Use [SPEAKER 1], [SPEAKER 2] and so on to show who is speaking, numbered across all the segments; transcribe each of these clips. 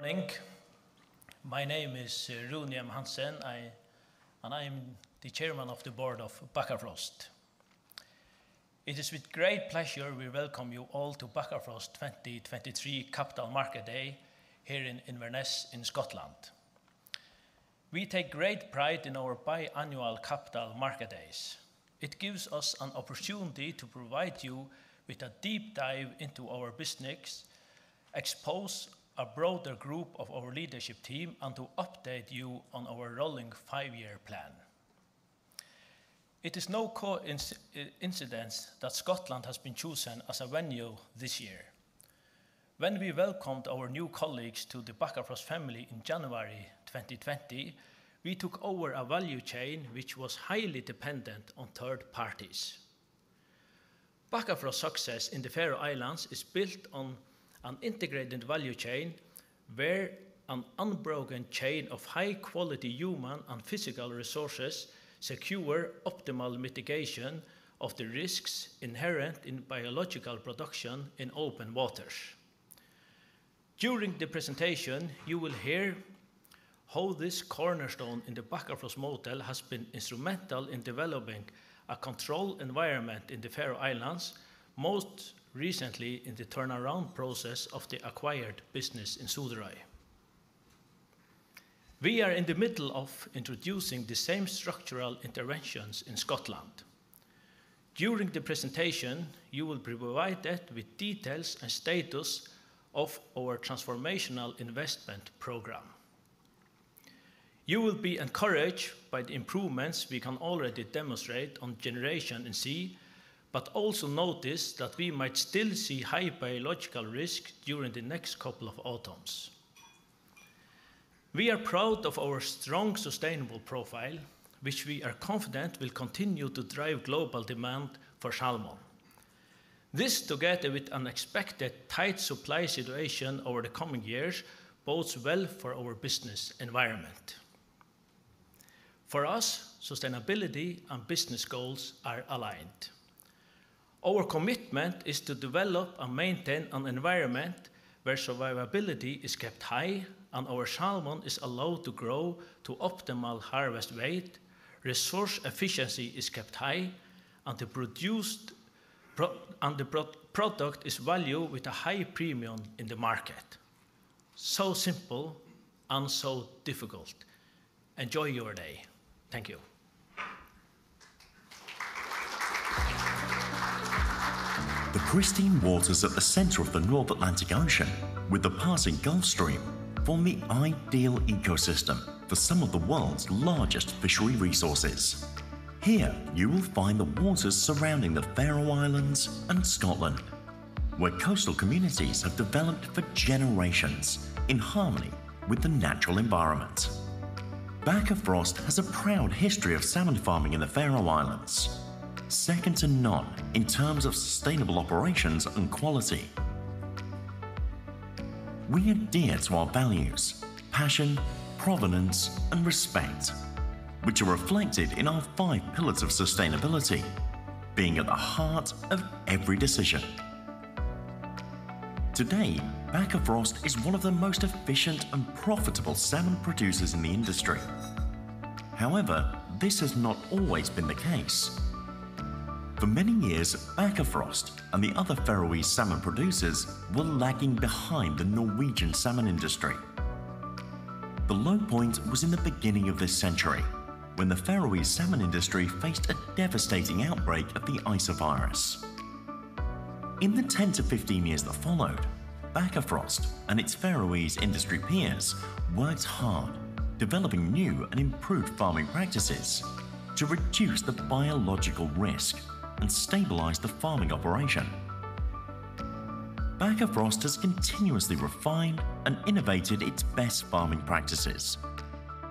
[SPEAKER 1] Good morning. My name is Rúni M. Hansen, and I am the Chairman of the Board of Bakkafrost. It is with great pleasure we welcome you all to Bakkafrost 2023 Capital Market Day here in Inverness in Scotland. We take great pride in our biannual capital market days. It gives us an opportunity to provide you with a deep dive into our business, expose a broader group of our leadership team, and to update you on our rolling five-year plan. It is no coincidence that Scotland has been chosen as a venue this year. When we welcomed our new colleagues to the Bakkafrost family in January 2020, we took over a value chain which was highly dependent on third parties. Bakkafrost success in the Faroe Islands is built on an integrated value chain, where an unbroken chain of high quality human and physical resources secure optimal mitigation of the risks inherent in biological production in open waters. During the presentation, you will hear how this cornerstone in the Bakkafrost model has been instrumental in developing a controlled environment in the Faroe Islands, most recently in the turnaround process of the acquired business in Suðuroy. We are in the middle of introducing the same structural interventions in Scotland. During the presentation, you will be provided with details and status of our transformational investment program. You will be encouraged by the improvements we can already demonstrate on generation in sea, but also notice that we might still see high biological risk during the next couple of autumns. We are proud of our strong sustainable profile, which we are confident will continue to drive global demand for salmon. This, together with an expected tight supply situation over the coming years, bodes well for our business environment. For us, sustainability and business goals are aligned. Our commitment is to develop and maintain an environment where survivability is kept high and our salmon is allowed to grow to optimal harvest weight, resource efficiency is kept high, and the produced product is valued with a high premium in the market. Simple and so difficult. Enjoy your day. Thank you.
[SPEAKER 2] The pristine waters at the center of the North Atlantic Ocean, with the passing Gulf Stream, form the ideal ecosystem for some of the world's largest fishery resources. Here, you will find the waters surrounding the Faroe Islands and Scotland, where coastal communities have developed for generations in harmony with the natural environment. Bakkafrost has a proud history of salmon farming in the Faroe Islands, second to none in terms of sustainable operations and quality. We adhere to our values, passion, provenance, and respect, which are reflected in our five pillars of sustainability, being at the heart of every decision. Today, Bakkafrost is one of the most efficient and profitable salmon producers in the industry. This has not always been the case. For many years, Bakkafrost and the other Faroese salmon producers were lagging behind the Norwegian salmon industry. The low point was in the beginning of this century, when the Faroese salmon industry faced a devastating outbreak of the ISA virus. In the 10-15 years that followed, Bakkafrost and its Faroese industry peers worked hard, developing new and improved farming practices to reduce the biological risk and stabilize the farming operation. Bakkafrost has continuously refined and innovated its best farming practices,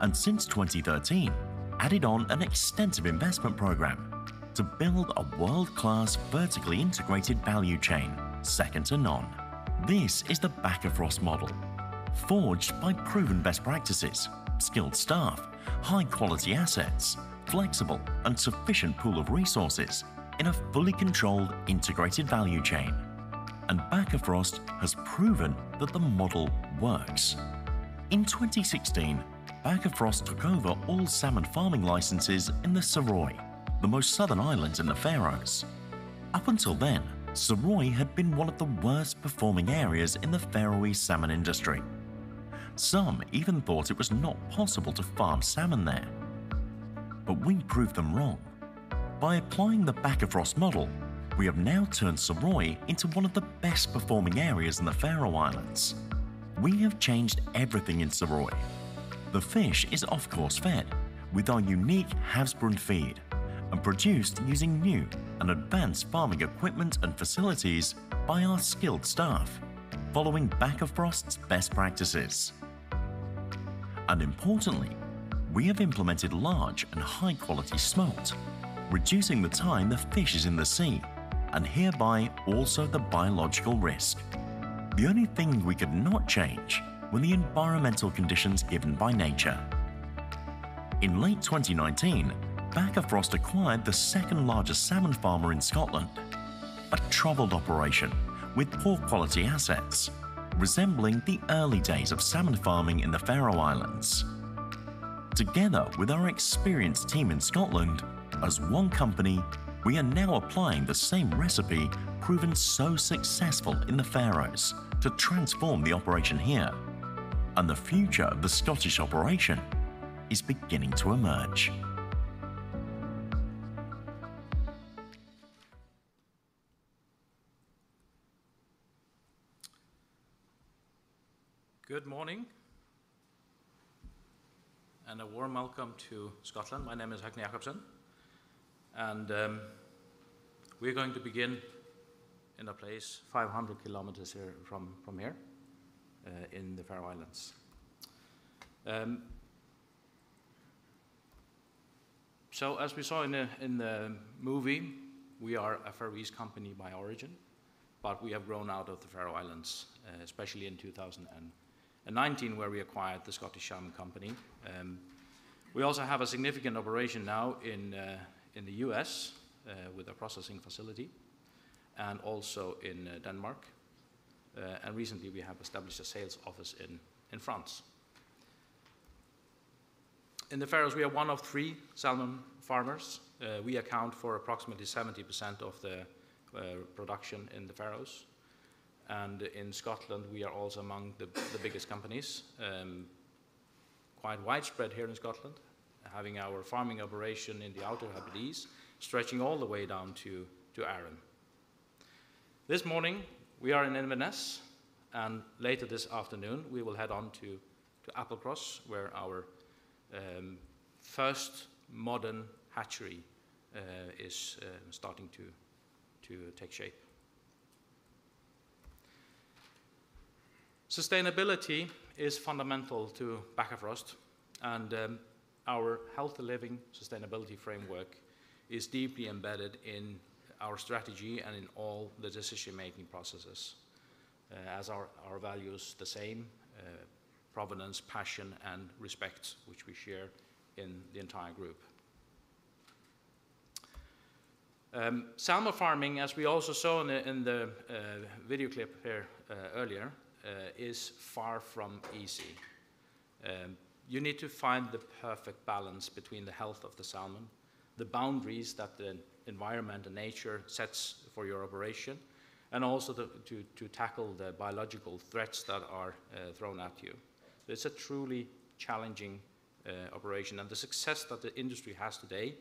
[SPEAKER 2] and since 2013, added on an extensive investment program to build a world-class, vertically integrated value chain second to none. This is the Bakkafrost model, forged by proven best practices, skilled staff, high quality assets, flexible and sufficient pool of resources in a fully controlled, integrated value chain, and Bakkafrost has proven that the model works. In 2016, Bakkafrost took over all salmon farming licenses in the Suðuroy, the most southern islands in the Faroes. Up until then, Suðuroy had been one of the worst performing areas in the Faroese salmon industry. Some even thought it was not possible to farm salmon there, but we proved them wrong. By applying the Bakkafrost model, we have now turned Suðuroy into one of the best performing areas in the Faroe Islands. We have changed everything in Suðuroy. The fish is off-course fed with our unique Havsbrún feed and produced using new and advanced farming equipment and facilities by our skilled staff, following Bakkafrost's best practices. Importantly, we have implemented large and high quality smolt, reducing the time the fish is in the sea, and hereby also the biological risk. The only thing we could not change were the environmental conditions given by nature. In late 2019, Bakkafrost acquired the second largest salmon farmer in Scotland, a troubled operation with poor quality assets, resembling the early days of salmon farming in the Faroe Islands. Together with our experienced team in Scotland, as One Company, we are now applying the same recipe proven so successful in the Faroes to transform the operation here. The future of the Scottish operation is beginning to emerge.
[SPEAKER 3] Good morning, and a warm welcome to Scotland. My name is Høgni Dahl Jakobsen, and we're going to begin in a place 500 km here from here, in the Faroe Islands. As we saw in the movie, we are a Faroese company by origin, but we have grown out of the Faroe Islands, especially in 2019, where we acquired The Scottish Salmon Company. We also have a significant operation now in the U.S., with a processing facility, and also in Denmark. Recently, we have established a sales office in France. In the Faroes, we are one of three salmon farmers. We account for approximately 70% of the production in the Faroes, and in Scotland, we are also among the biggest companies. Quite widespread here in Scotland, having our farming operation in the Outer Hebrides, stretching all the way down to Arran. This morning, we are in Inverness. Later this afternoon, we will head on to Applecross, where our first modern hatchery is starting to take shape. Sustainability is fundamental to Bakkafrost. Our healthy living sustainability framework is deeply embedded in our strategy and in all the decision-making processes, as our value is the same: provenance, passion, and respect, which we share in the entire group. Salmon farming, as we also saw in the video clip here earlier, is far from easy. You need to find the perfect balance between the health of the salmon, the boundaries that the environment and nature sets for your operation, and also to tackle the biological threats that are thrown at you. It's a truly challenging operation, and the success that the industry has today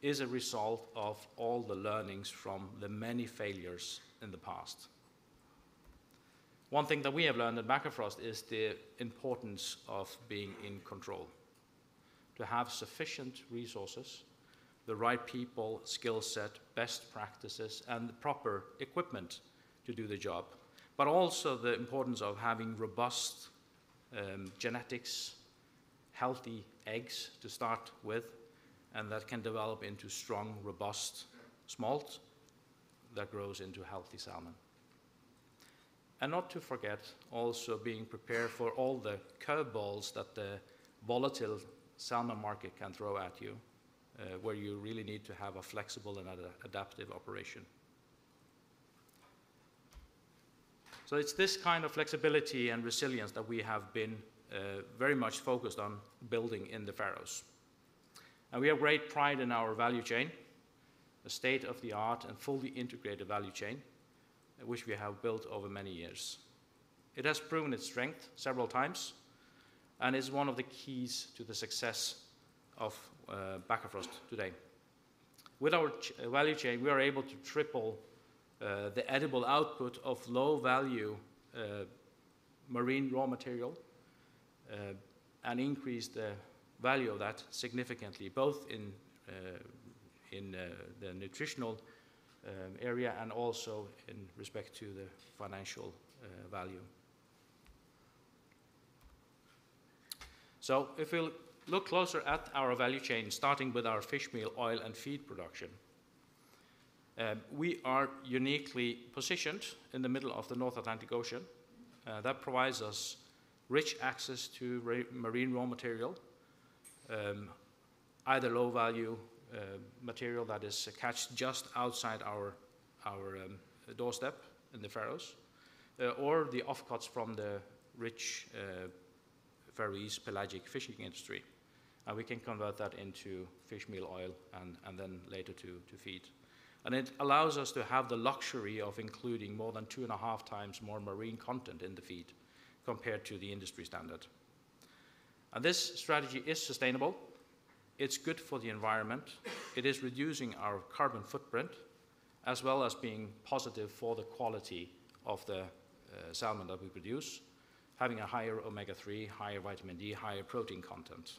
[SPEAKER 3] is a result of all the learnings from the many failures in the past. One thing that we have learned at Bakkafrost is the importance of being in control, to have sufficient resources, the right people, skill set, best practices, and the proper equipment to do the job, but also the importance of having robust genetics, healthy eggs to start with, and that can develop into strong, robust smolts that grows into healthy salmon. Not to forget, also being prepared for all the curveballs that the volatile salmon market can throw at you, where you really need to have a flexible and adaptive operation. It's this kind of flexibility and resilience that we have been very much focused on building in the Faroes. We have great pride in our value chain, a state-of-the-art and fully integrated value chain, which we have built over many years. It has proven its strength several times and is one of the keys to the success of Bakkafrost today. With our value chain, we are able to triple the edible output of low-value marine raw material and increase the value of that significantly, both in in the nutritional area and also in respect to the financial value. If we look closer at our value chain, starting with our fishmeal, oil, and feed production, we are uniquely positioned in the middle of the North Atlantic Ocean. That provides us rich access to marine raw material, either low-value, material that is caught just outside our doorstep in the Faroes, or the offcuts from the rich, Faroese pelagic fishing industry, and we can convert that into fishmeal, oil, and then later to feed. It allows us to have the luxury of including more than two and a half times more marine content in the feed compared to the industry standard. This strategy is sustainable, it's good for the environment, it is reducing our carbon footprint, as well as being positive for the quality of the salmon that we produce, having a higher omega-3, higher vitamin D, higher protein content.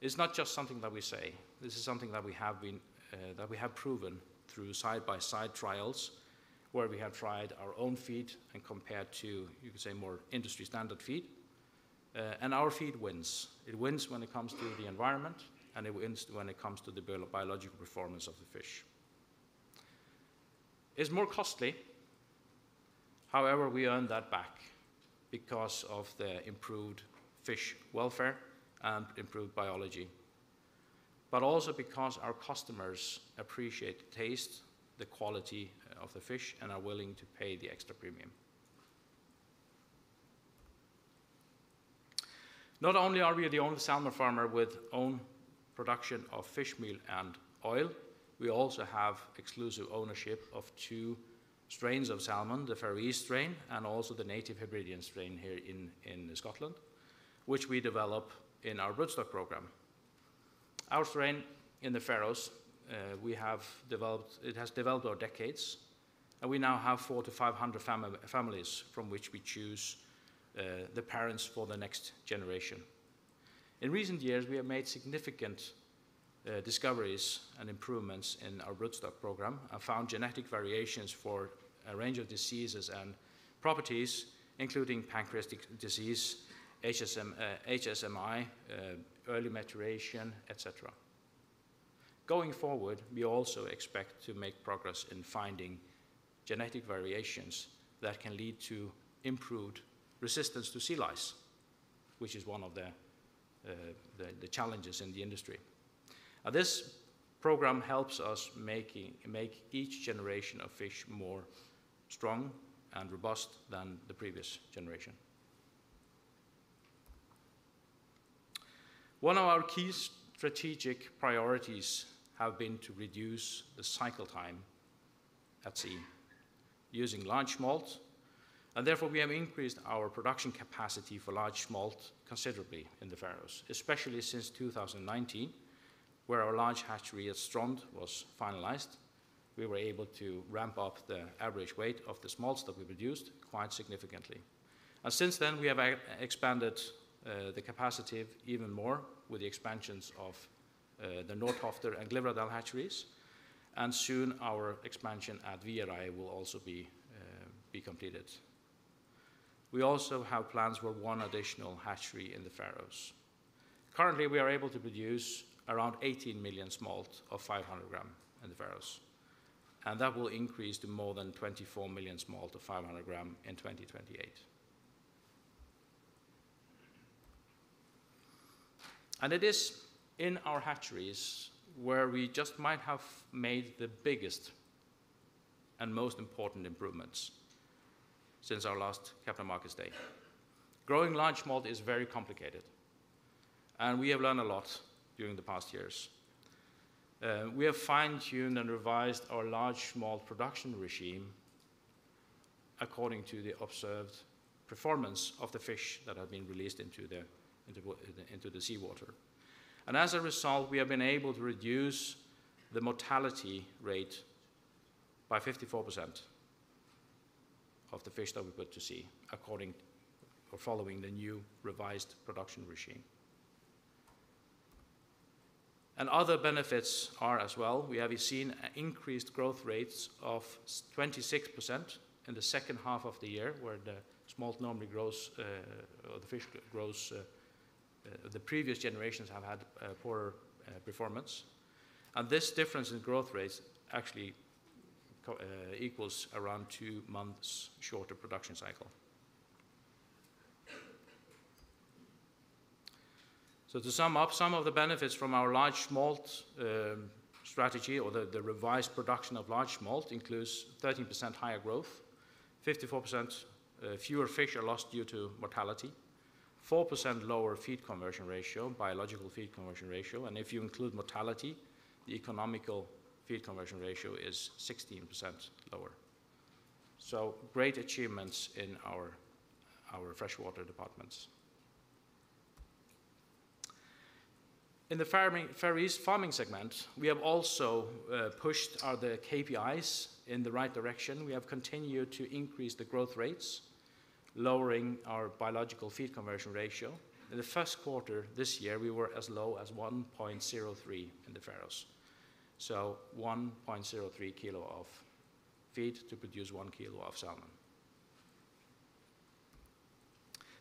[SPEAKER 3] It's not just something that we say, this is something that we have been that we have proven through side-by-side trials, where we have tried our own feed and compared to, you could say, more industry standard feed, and our feed wins. It wins when it comes to the environment, and it wins when it comes to the biological performance of the fish. Is more costly. We earn that back because of the improved fish welfare and improved biology, but also because our customers appreciate the taste, the quality of the fish, and are willing to pay the extra premium. Not only are we the only salmon farmer with own production of fishmeal and oil, we also have exclusive ownership of two strains of salmon, the Faroese strain, and also the native Hebridean strain here in Scotland, which we develop in our broodstock program. Our strain in the Faroes, it has developed over decades, and we now have 400-500 families from which we choose the parents for the next generation. In recent years, we have made significant discoveries and improvements in our broodstock program and found genetic variations for a range of diseases and properties, including pancreatic disease, HSMI, early maturation, et cetera. Going forward, we also expect to make progress in finding genetic variations that can lead to improved resistance to sea lice, which is one of the challenges in the industry. Now, this program helps us make each generation of fish more strong and robust than the previous generation. One of our key strategic priorities have been to reduce the cycle time at sea using large smolt, and therefore, we have increased our production capacity for large smolt considerably in the Faroes, especially since 2019, where our large hatchery at Strond was finalized. We were able to ramp up the average weight of the smolt that we produced quite significantly. Since then, we have expanded the capacity even more with the expansions of the Norðtoftir and Glyvradalur hatcheries, and soon our expansion at Viðareiði will also be completed. We also have plans for one additional hatchery in the Faroes. Currently, we are able to produce around 18 million smolt of 500 g in the Faroes, that will increase to more than 24 million smolt of 500 g in 2028. It is in our hatcheries where we just might have made the biggest and most important improvements since our last Capital Markets Day. Growing large smolt is very complicated, we have learned a lot during the past years. We have fine-tuned and revised our large smolt production regime according to the observed performance of the fish that have been released into the seawater. As a result, we have been able to reduce the mortality rate by 54% of the fish that we put to sea, according or following the new revised production regime. Other benefits are as well, we have seen increased growth rates of 26% in the second half of the year, where the smolt normally grows, or the fish grows, the previous generations have had poorer performance. This difference in growth rates actually equals around two months shorter production cycle. To sum up, some of the benefits from our large smolt strategy or the revised production of large smolt includes 13% higher growth, 54% fewer fish are lost due to mortality, 4% lower feed conversion ratio, biological feed conversion ratio, and if you include mortality, the economical feed conversion ratio is 16% lower. Great achievements in our freshwater departments. In the farming, Faroese farming segment, we have also pushed our KPIs in the right direction. We have continued to increase the growth rates, lowering our biological feed conversion ratio. In the first quarter this year, we were as low as 1.03 in the Faroes, so 1.03 kilo of feed to produce 1 kilo of salmon.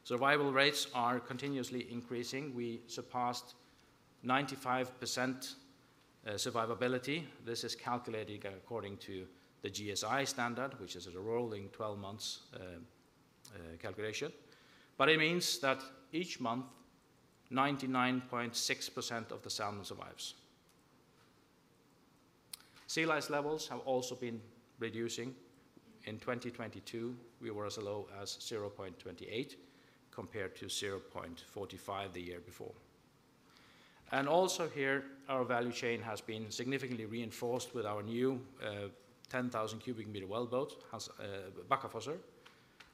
[SPEAKER 3] Survival rates are continuously increasing. We surpassed 95% survivability. This is calculated according to the GSI standard, which is a rolling 12 months calculation, but it means that each month, 99.6% of the salmon survives. Sea lice levels have also been reducing. In 2022, we were as low as 0.28, compared to 0.45 the year before. Also here, our value chain has been significantly reinforced with our new, 10,000 cubic meter wellboat, Bakkafossur,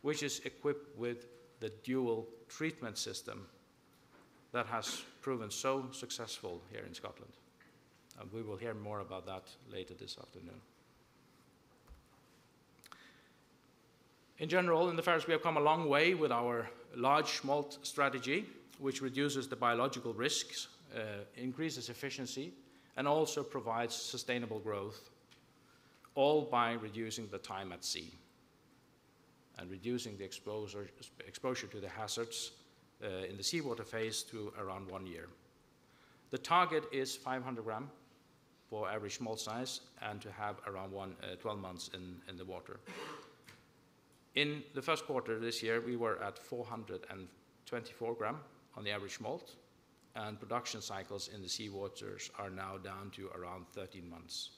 [SPEAKER 3] which is equipped with the dual treatment system that has proven so successful here in Scotland. We will hear more about that later this afternoon. In general, in the Faroes, we have come a long way with our large smolt strategy, which reduces the biological risks, increases efficiency, and also provides sustainable growth, all by reducing the time at sea. Reducing the exposure to the hazards in the seawater phase to around one year. The target is 500 g for average smolt size, and to have around 12 months in the water. In the first quarter of this year, we were at 424 g on the average smolt, and production cycles in the seawaters are now down to around 13 months.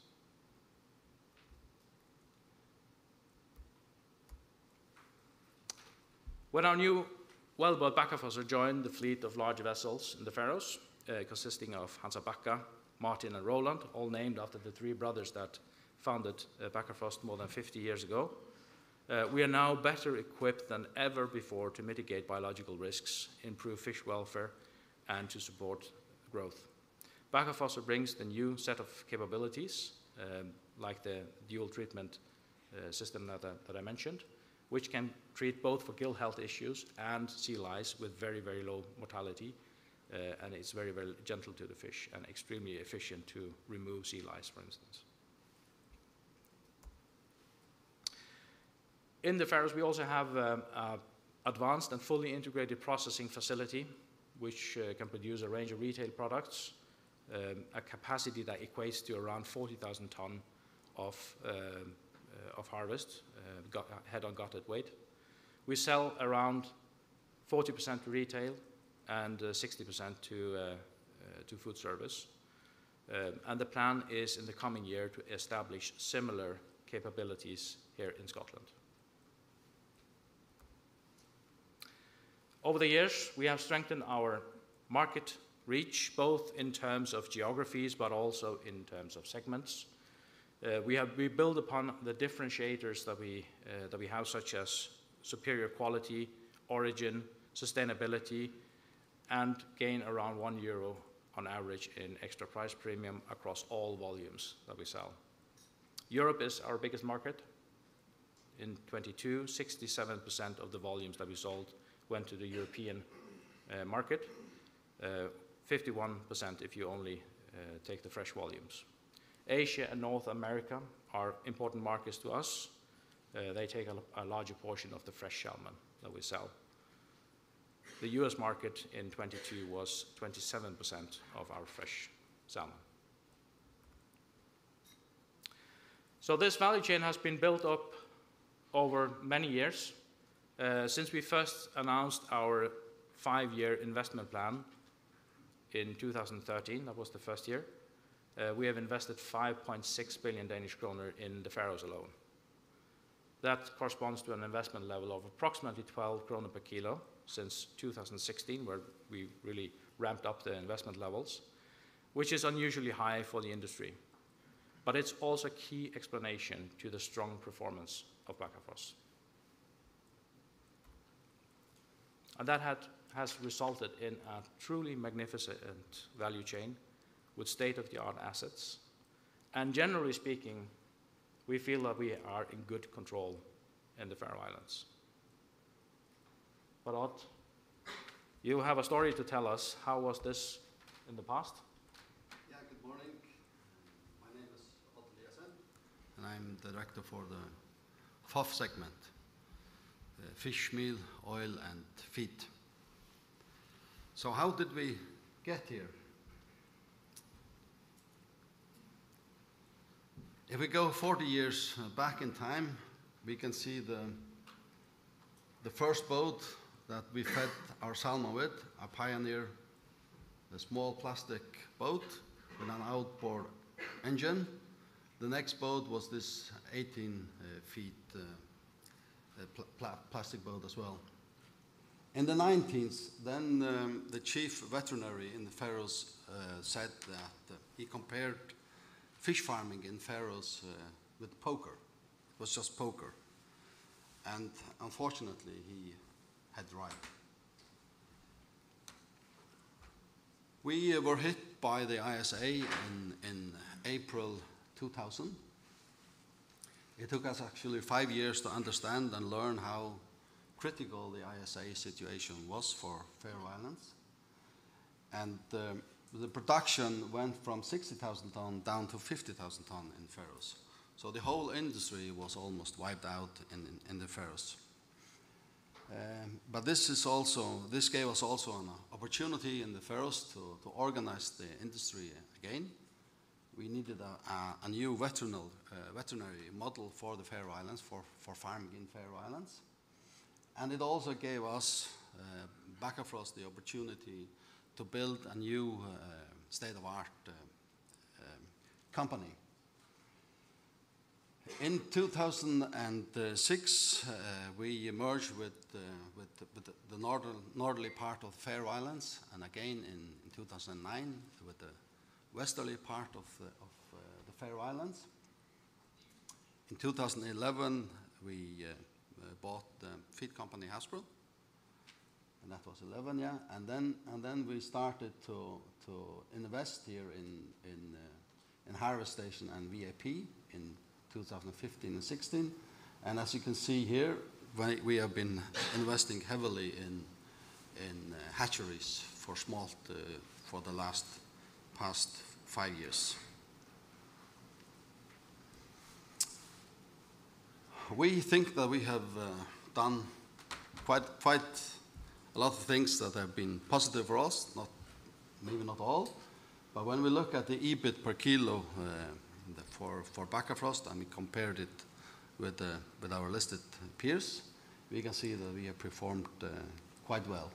[SPEAKER 3] When our new wellboat Bakkafrost joined the fleet of large vessels in the Faroes, consisting of Hans á Bakka, Martin, and Róland, all named after the three brothers that founded Bakkafrost more than 50 years ago, we are now better equipped than ever before to mitigate biological risks, improve fish welfare, and to support growth. Bakkafrost brings a new set of capabilities, like the dual treatment system that I mentioned, which can treat both for gill health issues and sea lice with very, very low mortality. It's very, very gentle to the fish and extremely efficient to remove sea lice, for instance. In the Faroes, we also have a advanced and fully integrated processing facility, which can produce a range of retail products, a capacity that equates to around 40,000 ton of harvest, head and gutted weight. We sell around 40% to retail and 60% to food service. The plan is, in the coming year, to establish similar capabilities here in Scotland. Over the years, we have strengthened our market reach, both in terms of geographies but also in terms of segments. We build upon the differentiators that we that we have, such as superior quality, origin, sustainability, and gain around 1 euro on average in extra price premium across all volumes that we sell. Europe is our biggest market. In 2022, 67% of the volumes that we sold went to the European market, 51% if you only take the fresh volumes. Asia and North America are important markets to us. They take a larger portion of the fresh salmon that we sell. The U.S. market in 2022 was 27% of our fresh salmon. This value chain has been built up over many years. Since we first announced our five-year investment plan in 2013, that was the first year, we have invested 5.6 billion Danish kroner in the Faroes alone. That corresponds to an investment level of approximately 12 kroner per kilo since 2016, where we really ramped up the investment levels, which is unusually high for the industry. It's also a key explanation to the strong performance of Bakkafrost. That has resulted in a truly magnificent value chain with state-of-the-art assets. Generally speaking, we feel that we are in good control in the Faroe Islands. Odd, you have a story to tell us. How was this in the past?
[SPEAKER 4] Yeah, good morning. My name is Odd Eliasen, and I'm Director for the FOF segment, fishmeal, oil, and feed. How did we get here? If we go 40 years back in time, we can see the first boat that we fed our salmon with, a pioneer, a small plastic boat with an outboard engine. The next boat was this 18 feet plastic boat as well. In the 1990s, then, the chief veterinary in the Faroes said that he compared fish farming in the Faroes with poker. It was just poker, and unfortunately, he had right. We were hit by the ISA in April 2000. It took us actually five years to understand and learn how critical the ISA situation was for Faroe Islands. The production went from 60,000 tons down to 50,000 tons in Faroes. The whole industry was almost wiped out in the Faroes. This gave us also an opportunity in the Faroes to organize the industry again. We needed a new veterinary model for the Faroe Islands, for farming in Faroe Islands. It also gave us, Bakkafrost, the opportunity to build a new, state-of-the-art, company. In 2006, we merged with the northerly part of Faroe Islands, and again in 2009, with the westerly part of the Faroe Islands. In 2011, we bought the feed company, Havsbrún, and that was 11. Then we started to invest here in harvest station and VAP in 2015 and 2016. As you can see here, when we have been investing heavily in hatcheries for smolt for the last past five years. We think that we have done quite a lot of things that have been positive for us, not, maybe not all. When we look at the EBIT per kilo for Bakkafrost, and we compared it with our listed peers, we can see that we have performed quite well.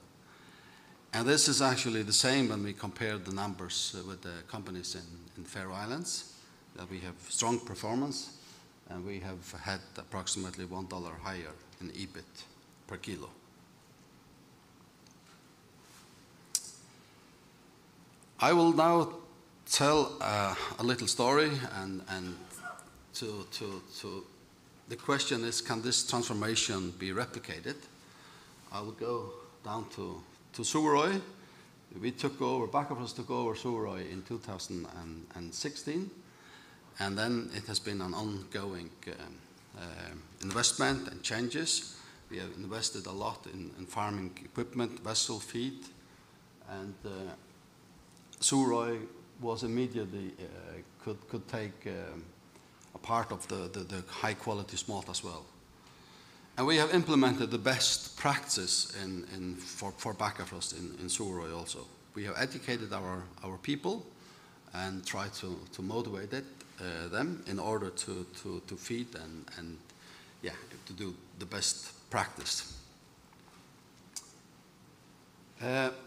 [SPEAKER 4] This is actually the same when we compare the numbers with the companies in Faroe Islands, that we have strong performance, and we have had approximately $1 higher in EBIT per kilo. I will now tell a little story. The question is, can this transformation be replicated? I will go down to Suðuroy. Bakkafrost took over Suðuroy in 2016. Then it has been an ongoing investment and changes. We have invested a lot in farming equipment, vessel, feed. Suðuroy was immediately a part of the high quality smolt as well. We have implemented the best practice for Bakkafrost in Suðuroy also. We have educated our people and tried to motivate them, in order to feed and, yeah, to do the best practice.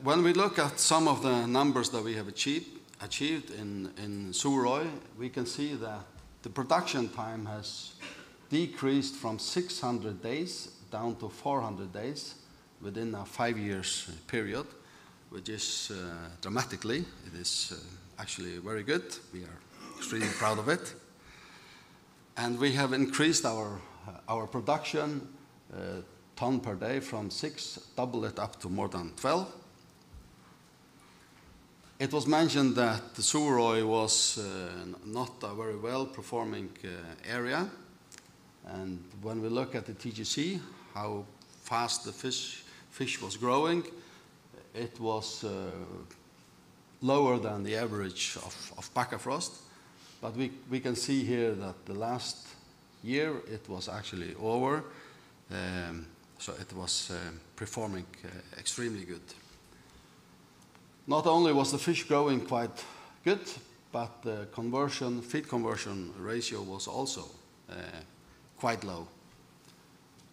[SPEAKER 4] When we look at some of the numbers that we have achieved in Suðuroy, we can see that the production time has decreased from 600 days down to 400 days within a five years period, which is dramatically. It is actually very good. We are extremely proud of it. We have increased our production ton per day from six, double it up to more than 12. It was mentioned that Suðuroy was not a very well-performing area, and when we look at the TGC, how fast the fish was growing, it was lower than the average of Bakkafrost. We can see here that the last year it was actually over, so it was performing extremely good. Not only was the fish growing quite good, but the conversion, feed conversion ratio was also quite low,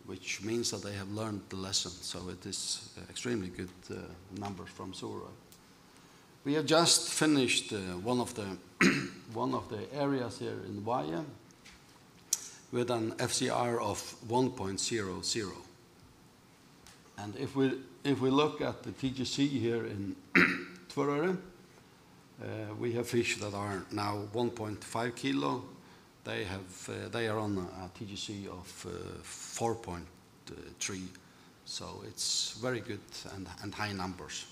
[SPEAKER 4] which means that they have learned the lesson. It is extremely good number from Suðuroy. We have just finished one of the areas here in Viðoy, with an FCR of 1.00. If we look at the TGC here in Tvøroyri, we have fish that are now 1.5 kilo. They are on a TGC of 4.3. It's very good and high numbers.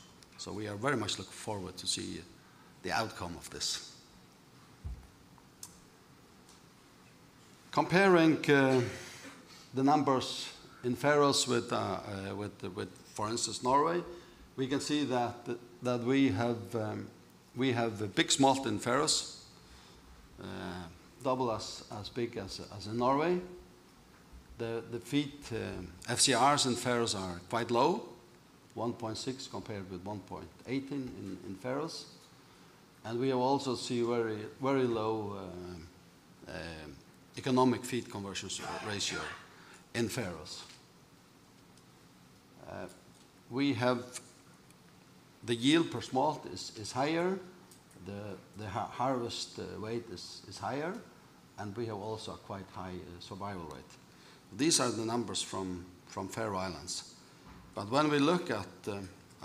[SPEAKER 4] We are very much looking forward to see the outcome of this. Comparing the numbers in Faroes with, for instance, Norway, we can see that we have a big smolt in Faroes, double as big as in Norway. The feed FCRs in Faroes are quite low, 1.6 compared with 1.8 in Faroes. We also see very low economic feed conversion ratio in Faroes. The yield per smolt is higher, the harvest weight is higher, and we have also a quite high survival rate. These are the numbers from Faroe Islands. When we look at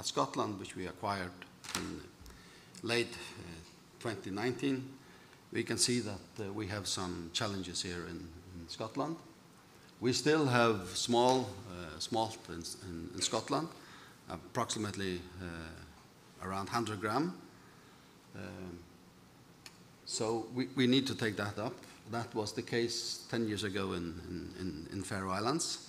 [SPEAKER 4] Scotland, which we acquired in late 2019, we can see that we have some challenges here in Scotland. We still have small smolt in Scotland, approximately around 100 g. We need to take that up. That was the case 10 years ago in Faroe Islands.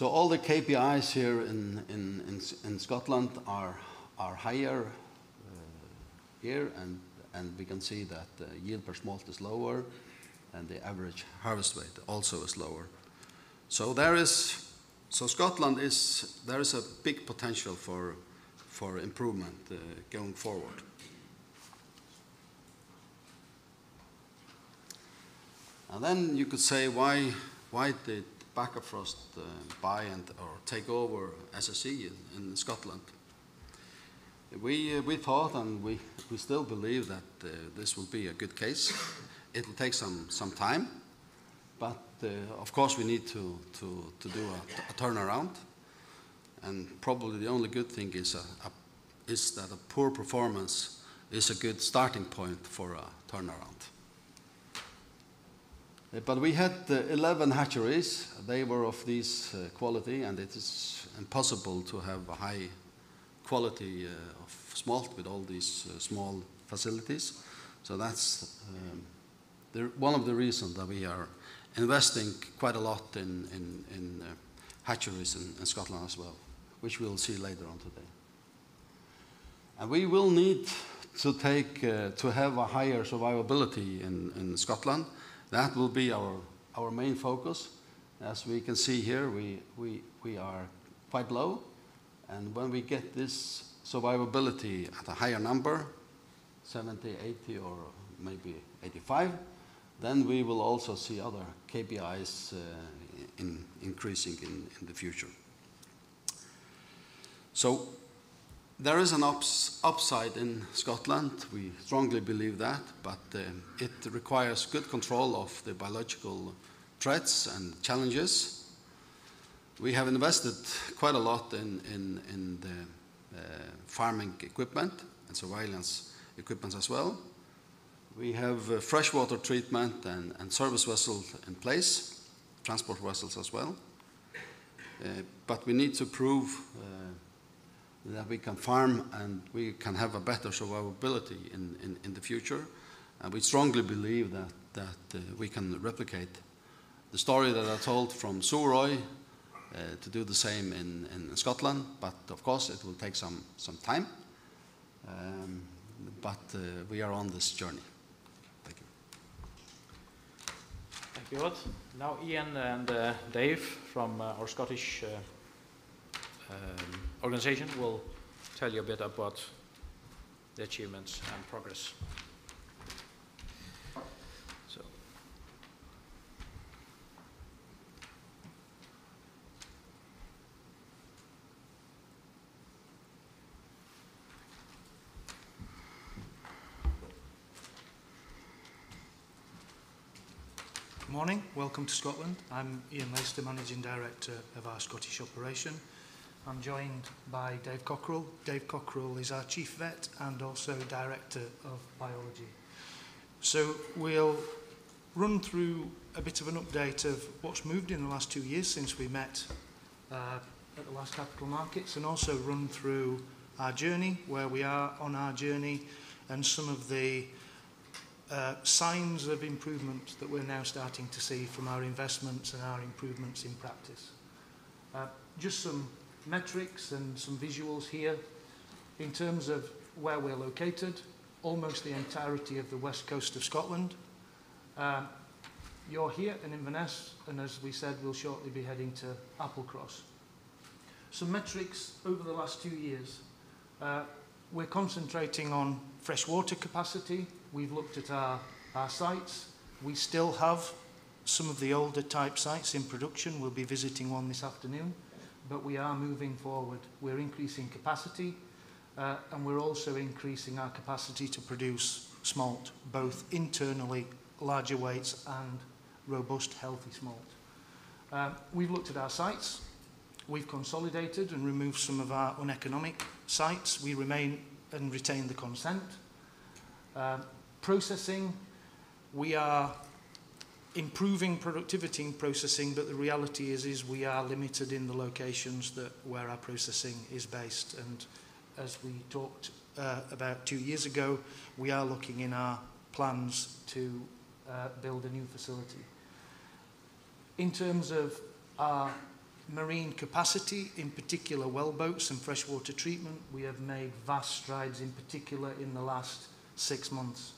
[SPEAKER 4] All the KPIs here in Scotland are higher here, and we can see that the yield per smolt is lower, and the average harvest rate also is lower. Scotland is, there is a big potential for improvement going forward. You could say, "Why did Bakkafrost buy and, or take over SSC in Scotland?" We thought, and we still believe that this will be a good case. It will take some time, of course, we need to do a turnaround, and probably the only good thing is that a poor performance is a good starting point for a turnaround. We had 11 hatcheries. They were of this quality, and it is impossible to have a high quality of smolt with all these small facilities. That's one of the reasons that we are investing quite a lot in hatcheries in Scotland as well, which we'll see later on today. We will need to take to have a higher survivability in Scotland. That will be our main focus. As we can see here, we are quite low. When we get this survivability at a higher number, 70, 80 or maybe 85, we will also see other KPIs increasing in the future. There is an upside in Scotland, we strongly believe that. It requires good control of the biological threats and challenges. We have invested quite a lot in the farming equipment and surveillance equipment as well. We have freshwater treatment and service vessels in place, transport vessels as well. We need to prove, that we can farm and we can have a better survivability in the future. We strongly believe that we can replicate the story that I told from Suðuroy, to do the same in Scotland. Of course it will take some time. We are on this journey. Thank you.
[SPEAKER 3] Thank you all. Ian and Dave from our Scottish organization will tell you a bit about the achievements and progress.
[SPEAKER 5] Good morning. Welcome to Scotland. I'm Ian Laister, Managing Director of our Scottish operation. I'm joined by Dave Cockerill. Dave Cockerill is our Chief Vet and also Director of Biology. We'll run through a bit of an update of what's moved in the last two years since we met at the last capital markets, and also run through our journey, where we are on our journey, and some of the signs of improvement that we're now starting to see from our investments and our improvements in practice. Just some metrics and some visuals here in terms of where we're located, almost the entirety of the west coast of Scotland. You're here in Inverness, and as we said, we'll shortly be heading to Applecross. Some metrics over the last two years. We're concentrating on fresh water capacity. We've looked at our sites. We still have some of the older type sites in production, we'll be visiting one this afternoon, but we are moving forward. We're increasing capacity, and we're also increasing our capacity to produce smolt, both internally, larger weights, and robust, healthy smolt. We've looked at our sites. We've consolidated and removed some of our uneconomic sites. We remain and retain the consent. Processing, we are improving productivity in processing, but the reality is we are limited in the locations that where our processing is based, and as we talked, about two years ago, we are looking in our plans to build a new facility. In terms of our marine capacity, in particular wellboats and freshwater treatment, we have made vast strides, in particular in the last six months.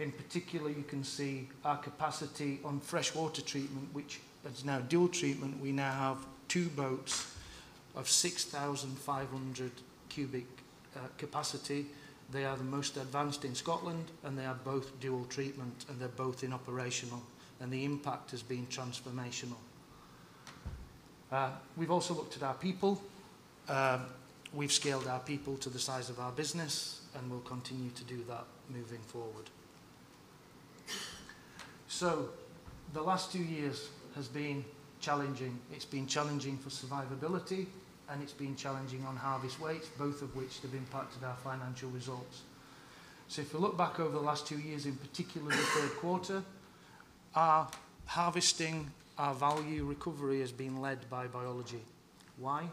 [SPEAKER 5] In particular, you can see our capacity on fresh water treatment, which is now dual treatment. We now have two boats of 6,500 cubic capacity. They are the most advanced in Scotland, they are both dual treatment, they're both in operational, the impact has been transformational. We've also looked at our people. We've scaled our people to the size of our business, we'll continue to do that moving forward. The last two years has been challenging. It's been challenging for survivability, it's been challenging on harvest weight, both of which have impacted our financial results. If you look back over the last two years, in particular the third quarter, our harvesting, our value recovery has been led by biology. Why?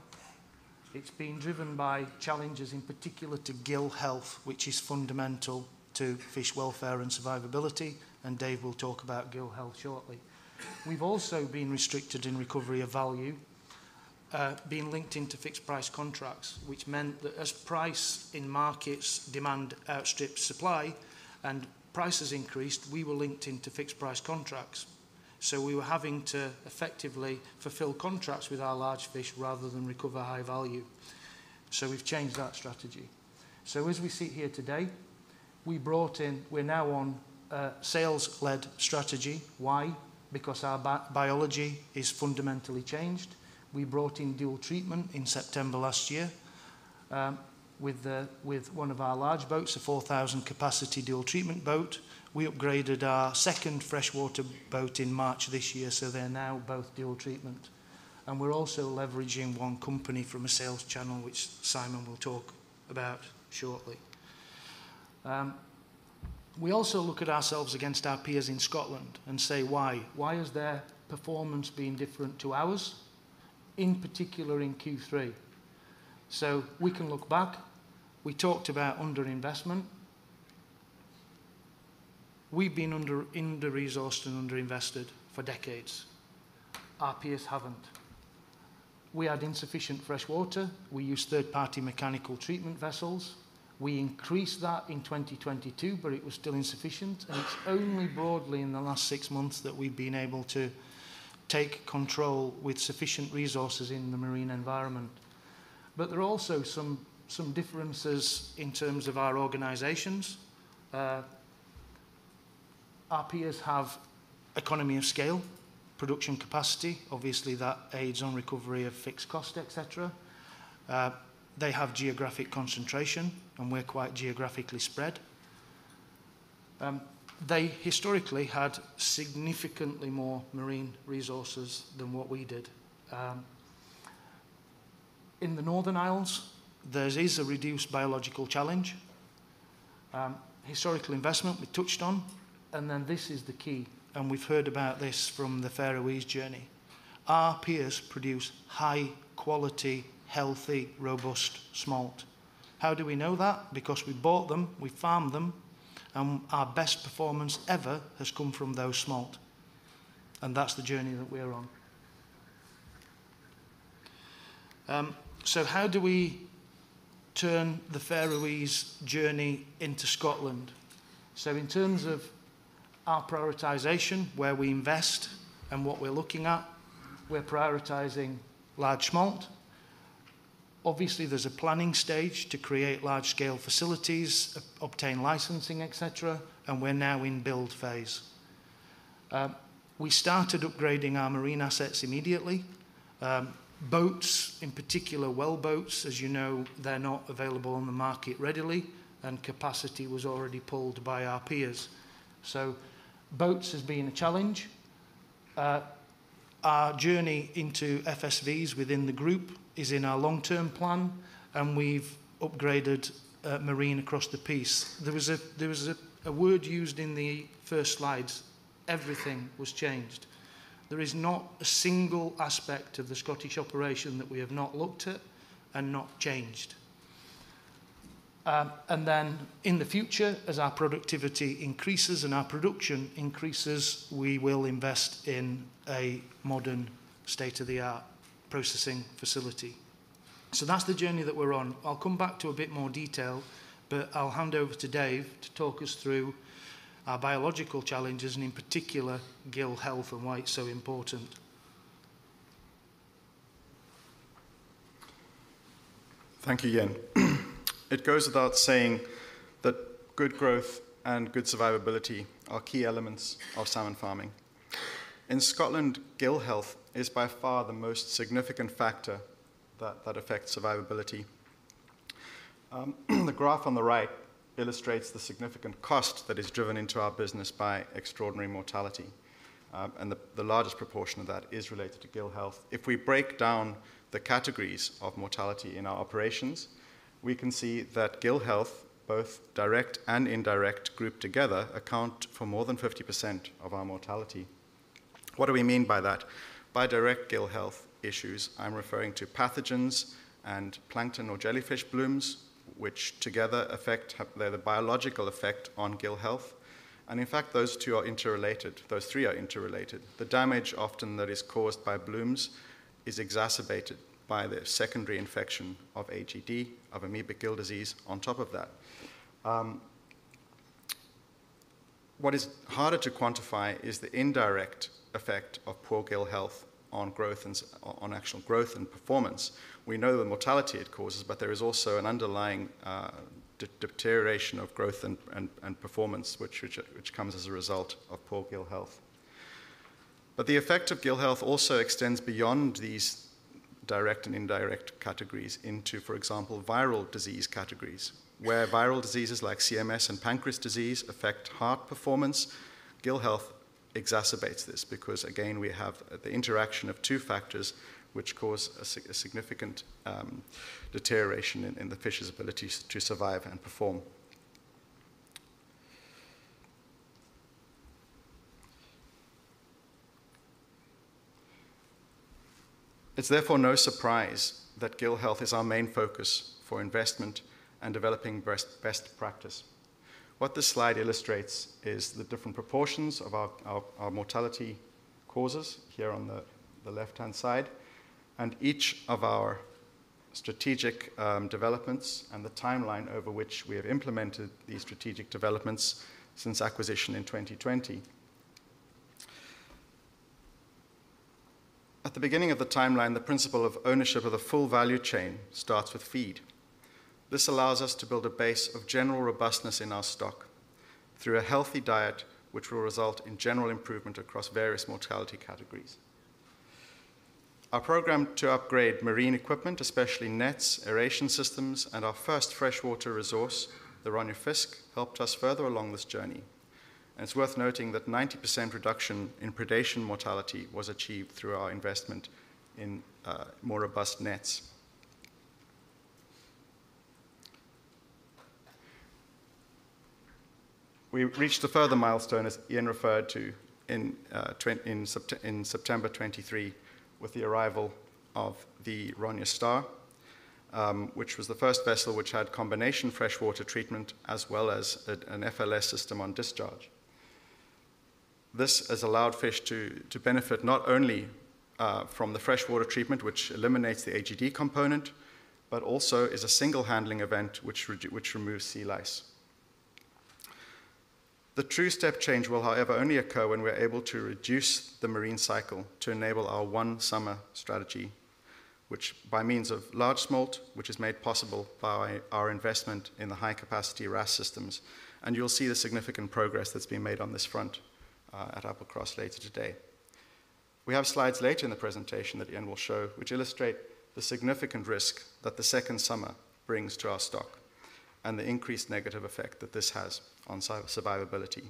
[SPEAKER 5] It's been driven by challenges, in particular to gill health, which is fundamental to fish welfare and survivability. Dave will talk about gill health shortly. We've also been restricted in recovery of value, being linked into fixed price contracts, which meant that as price in markets demand outstripped supply and prices increased, we were linked into fixed price contracts, we were having to effectively fulfill contracts with our large fish rather than recover high value. We've changed that strategy. As we sit here today, we're now on a sales-led strategy. Why? Because our biology is fundamentally changed. We brought in dual treatment in September last year, with one of our large boats, a 4,000 capacity dual treatment boat. We upgraded our second freshwater boat in March this year. They're now both dual treatment. We're also leveraging One Company from a sales channel, which Símun will talk about shortly. We also look at ourselves against our peers in Scotland and say, "Why? Why has their performance been different to ours, in particular in Q3?" We can look back. We talked about underinvestment. We've been under-resourced and under-invested for decades. Our peers haven't. We had insufficient fresh water. We used third-party mechanical treatment vessels. We increased that in 2022. It was still insufficient. It's only broadly in the last six months that we've been able to take control with sufficient resources in the marine environment. There are also some differences in terms of our organizations. Our peers have economy of scale, production capacity, obviously, that aids on recovery of fixed cost, et cetera. They have geographic concentration, we're quite geographically spread. They historically had significantly more marine resources than what we did. In the Northern Isles, there is a reduced biological challenge. Historical investment we touched on, then this is the key, we've heard about this from the Faroese journey. Our peers produce high-quality, healthy, robust smolt. How do we know that? Because we bought them, we farmed them, our best performance ever has come from those smolt, that's the journey that we're on. How do we turn the Faroese journey into Scotland? In terms of our prioritization, where we invest and what we're looking at, we're prioritizing large smolt. Obviously, there's a planning stage to create large-scale facilities, obtain licensing, et cetera, and we're now in build phase. We started upgrading our marine assets immediately. Boats, in particular, wellboats, as you know, they're not available on the market readily, and capacity was already pulled by our peers. Boats has been a challenge. Our journey into FSVs within the group is in our long-term plan, and we've upgraded marine across the piece. There was a word used in the first slides, everything was changed. There is not a single aspect of the Scottish operation that we have not looked at and not changed. In the future, as our productivity increases and our production increases, we will invest in a modern, state-of-the-art processing facility. That's the journey that we're on. I'll come back to a bit more detail, but I'll hand over to Dave to talk us through our biological challenges and in particular, gill health and why it's so important.
[SPEAKER 6] Thank you, Ian. It goes without saying that good growth and good survivability are key elements of salmon farming. In Scotland, gill health is by far the most significant factor that affects survivability. The graph on the right illustrates the significant cost that is driven into our business by extraordinary mortality, and the largest proportion of that is related to gill health. If we break down the categories of mortality in our operations, we can see that gill health, both direct and indirect, grouped together, account for more than 50% of our mortality. What do we mean by that? By direct gill health issues, I'm referring to pathogens and plankton or jellyfish blooms, which together are the biological effect on gill health, and in fact, those two are interrelated. Those three are interrelated. The damage often that is caused by blooms is exacerbated by the secondary infection of AGD, of amoebic gill disease, on top of that. What is harder to quantify is the indirect effect of poor gill health on growth and on actual growth and performance. We know the mortality it causes, there is also an underlying deterioration of growth and performance, which comes as a result of poor gill health. The effect of gill health also extends beyond these direct and indirect categories into, for example, viral disease categories, where viral diseases like CMS and pancreas disease affect heart performance. Gill health exacerbates this because, again, we have the interaction of two factors which cause a significant deterioration in the fish's ability to survive and perform. It's therefore no surprise that gill health is our main focus for investment and developing best practice. What this slide illustrates is the different proportions of our mortality causes here on the left-hand side, and each of our strategic developments and the timeline over which we have implemented these strategic developments since acquisition in 2020. At the beginning of the timeline, the principle of ownership of the full value chain starts with feed. This allows us to build a base of general robustness in our stock through a healthy diet, which will result in general improvement across various mortality categories. Our programme to upgrade marine equipment, especially nets, aeration systems, and our first freshwater resource, the Ronjafisk, helped us further along this journey. It's worth noting that 90% reduction in predation mortality was achieved through our investment in more robust nets. We reached a further milestone, as Ian referred to, in September 2023, with the arrival of the Ronja Star, which was the first vessel which had combination freshwater treatment, as well as an FLS system on discharge. This has allowed fish to benefit not only from the freshwater treatment, which eliminates the AGD component, but also is a single handling event, which removes sea lice. The true step change will, however, only occur when we're able to reduce the marine cycle to enable our one summer strategy, which by means of large smolt, which is made possible by our investment in the high capacity RAS systems, and you'll see the significant progress that's being made on this front, at Applecross later today. We have slides later in the presentation that Ian will show, which illustrate the significant risk that the second summer brings to our stock and the increased negative effect that this has on survivability.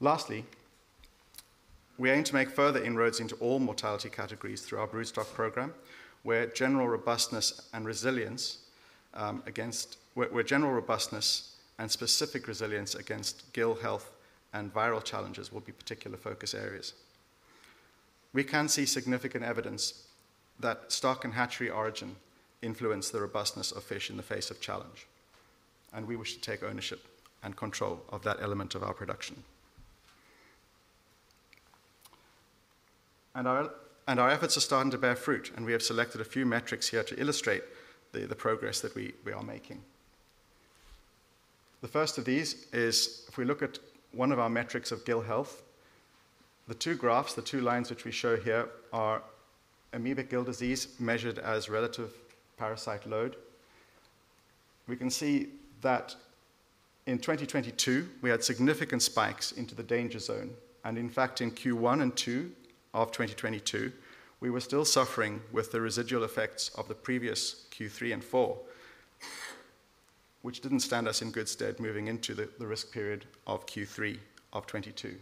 [SPEAKER 6] Lastly, we aim to make further inroads into all mortality categories through our broodstock program, where general robustness and resilience, where general robustness and specific resilience against gill health and viral challenges will be particular focus areas. We can see significant evidence that stock and hatchery origin influence the robustness of fish in the face of challenge, and we wish to take ownership and control of that element of our production. Our efforts are starting to bear fruit, and we have selected a few metrics here to illustrate the progress that we are making. The first of these is, if we look at one of our metrics of gill health, the two graphs, the two lines which we show here are amoebic gill disease, measured as relative parasite load. We can see that in 2022, we had significant spikes into the danger zone, and in fact, in Q1 and Q2 of 2022, we were still suffering with the residual effects of the previous Q3 and Q4, which didn't stand us in good stead moving into the risk period of Q3 of 2022.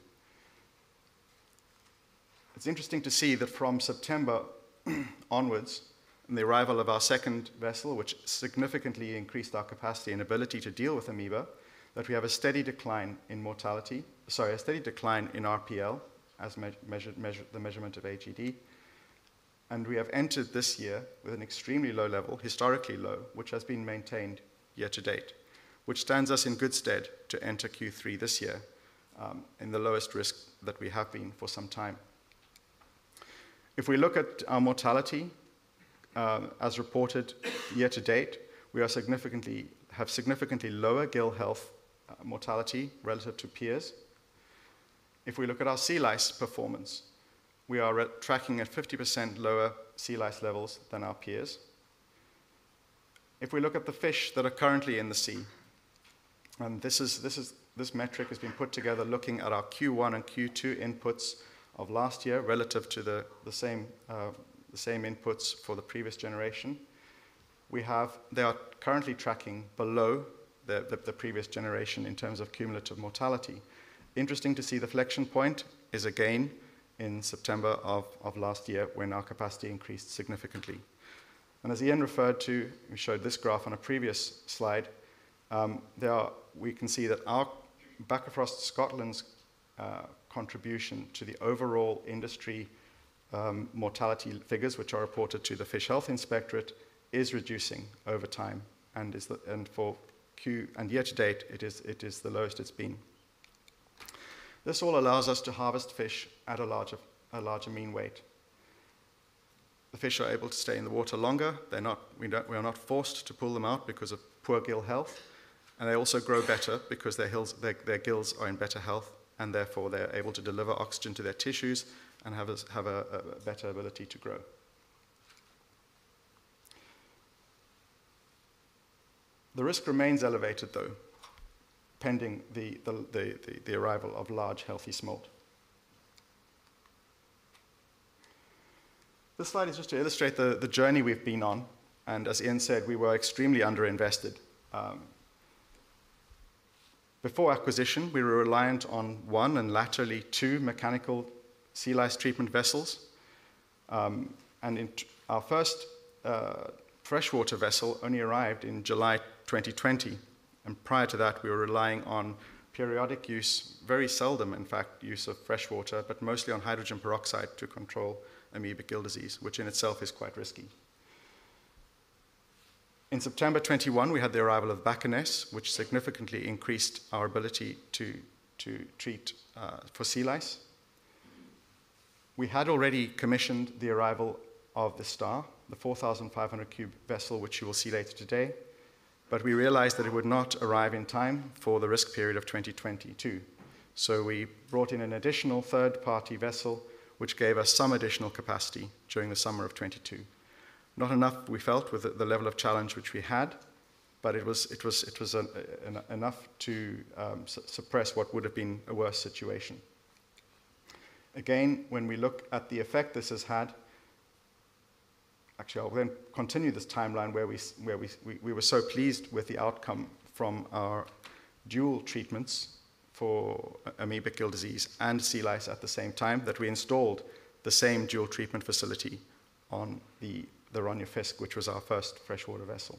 [SPEAKER 6] It's interesting to see that from September onwards, and the arrival of our second vessel, which significantly increased our capacity and ability to deal with amoeba, that we have a steady decline in sorry, a steady decline in RPL, as measured, the measurement of AGD, and we have entered this year with an extremely low level, historically low, which has been maintained year to date, which stands us in good stead to enter Q3 this year, in the lowest risk that we have been for some time. We look at our mortality, as reported year-to-date, we have significantly lower gill health mortality relative to peers. We look at our sea lice performance, we are tracking at 50% lower sea lice levels than our peers. If we look at the fish that are currently in the sea, this is this metric has been put together looking at our Q1 and Q2 inputs of last year relative to the same inputs for the previous generation. They are currently tracking below the previous generation in terms of cumulative mortality. Interesting to see the flexion point is again in September of last year, when our capacity increased significantly. As Ian referred to, we showed this graph on a previous slide, we can see that our Bakkafrost Scotland's contribution to the overall industry mortality figures, which are reported to the Fish Health Inspectorate, is reducing over time and Q4, and year-to-date, it is the lowest it's been. This all allows us to harvest fish at a larger mean weight. The fish are able to stay in the water longer. They're not, we are not forced to pull them out because of poor gill health, and they also grow better because their gills, their gills are in better health, and therefore, they are able to deliver oxygen to their tissues and have a better ability to grow. The risk remains elevated, though, pending the arrival of large, healthy smolt. This slide is just to illustrate the journey we've been on, and as Ian said, we were extremely underinvested. Before acquisition, we were reliant on one and laterally two mechanical sea lice treatment vessels. Our first freshwater vessel only arrived in July 2020, prior to that, we were relying on periodic use, very seldom, in fact, use of freshwater, but mostly on hydrogen peroxide to control amoebic gill disease, which in itself is quite risky. In September 2021, we had the arrival of Bakkanes, which significantly increased our ability to treat for sea lice. We had already commissioned the arrival of the Ronja Star, the 4,500 cube vessel, which you will see later today. We realized that it would not arrive in time for the risk period of 2022. We brought in an additional third-party vessel, which gave us some additional capacity during the summer of 2022. Not enough, we felt, with the level of challenge which we had, but it was enough to suppress what would have been a worse situation. When we look at the effect this has had. I'll then continue this timeline where we were so pleased with the outcome from our dual treatments for amoebic gill disease and sea lice at the same time, that we installed the same dual treatment facility on the Ronjafisk, which was our first freshwater vessel.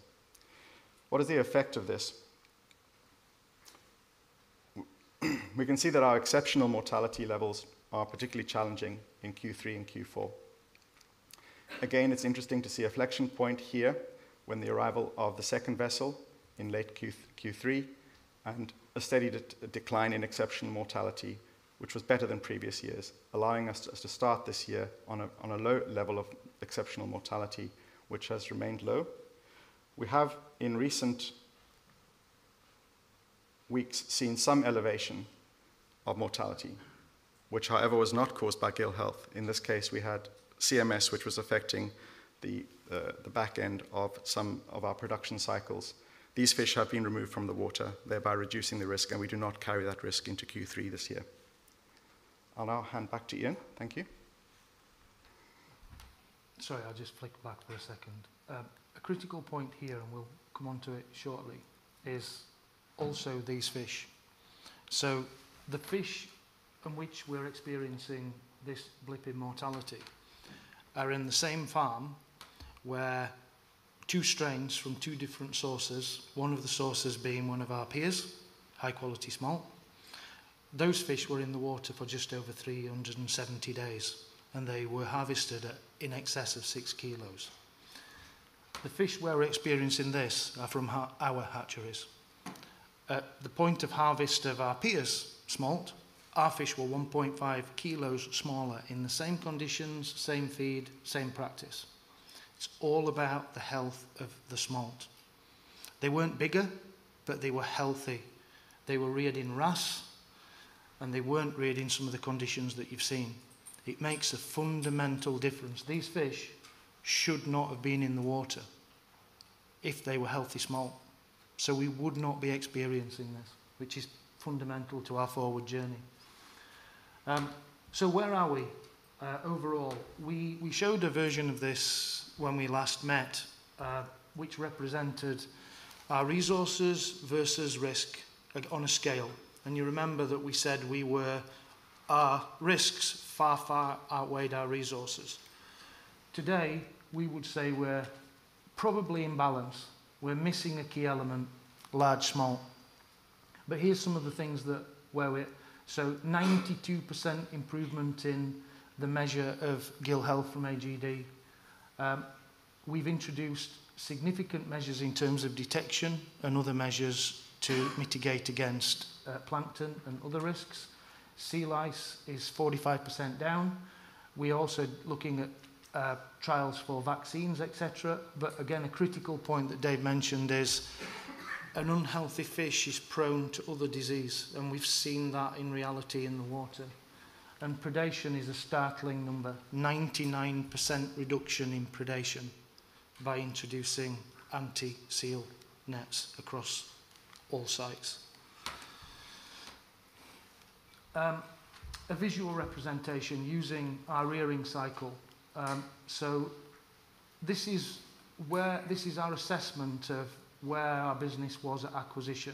[SPEAKER 6] What is the effect of this? We can see that our exceptional mortality levels are particularly challenging in Q3 and Q4. It's interesting to see a flexion point here when the arrival of the second vessel in late Q3, and a steady decline in exceptional mortality, which was better than previous years, allowing us to start this year on a low level of exceptional mortality, which has remained low. We have, in recent weeks, seen some elevation of mortality, which, however, was not caused by gill health. In this case, we had CMS, which was affecting the back end of some of our production cycles. These fish have been removed from the water, thereby reducing the risk, and we do not carry that risk into Q3 this year. I'll now hand back to Ian. Thank you.
[SPEAKER 5] Sorry, I'll just flick back for a second. A critical point here, we'll come onto it shortly, is also these fish. The fish from which we're experiencing this blip in mortality are in the same farm where two strains from two different sources, one of the sources being one of our peers, high-quality smolt. Those fish were in the water for just over 370 days, they were harvested at in excess of 6 kilos. The fish we're experiencing this are from our hatcheries. At the point of harvest of our peer's smolt, our fish were 1.5 kilos smaller in the same conditions, same feed, same practice. It's all about the health of the smolt. They weren't bigger, they were healthy. They were reared in RAS, they weren't reared in some of the conditions that you've seen. It makes a fundamental difference. These fish should not have been in the water if they were healthy smolt, so we would not be experiencing this, which is fundamental to our forward journey. Where are we overall? We showed a version of this when we last met, which represented our resources versus risk on a scale, and you remember that we said our risks far, far outweighed our resources. Today, we would say we're probably in balance. We're missing a key element, large smolt. Here's some of the things that, where we're at. 92% improvement in the measure of gill health from AGD. We've introduced significant measures in terms of detection and other measures to mitigate against plankton and other risks. Sea lice is 45% down. We're also looking at trials for vaccines, et cetera. Again, a critical point that Dave mentioned is an unhealthy fish is prone to other disease, and we've seen that in reality in the water. Predation is a startling number, 99% reduction in predation by introducing anti-seal nets across all sites. A visual representation using our rearing cycle. This is our assessment of where our business was at acquisition.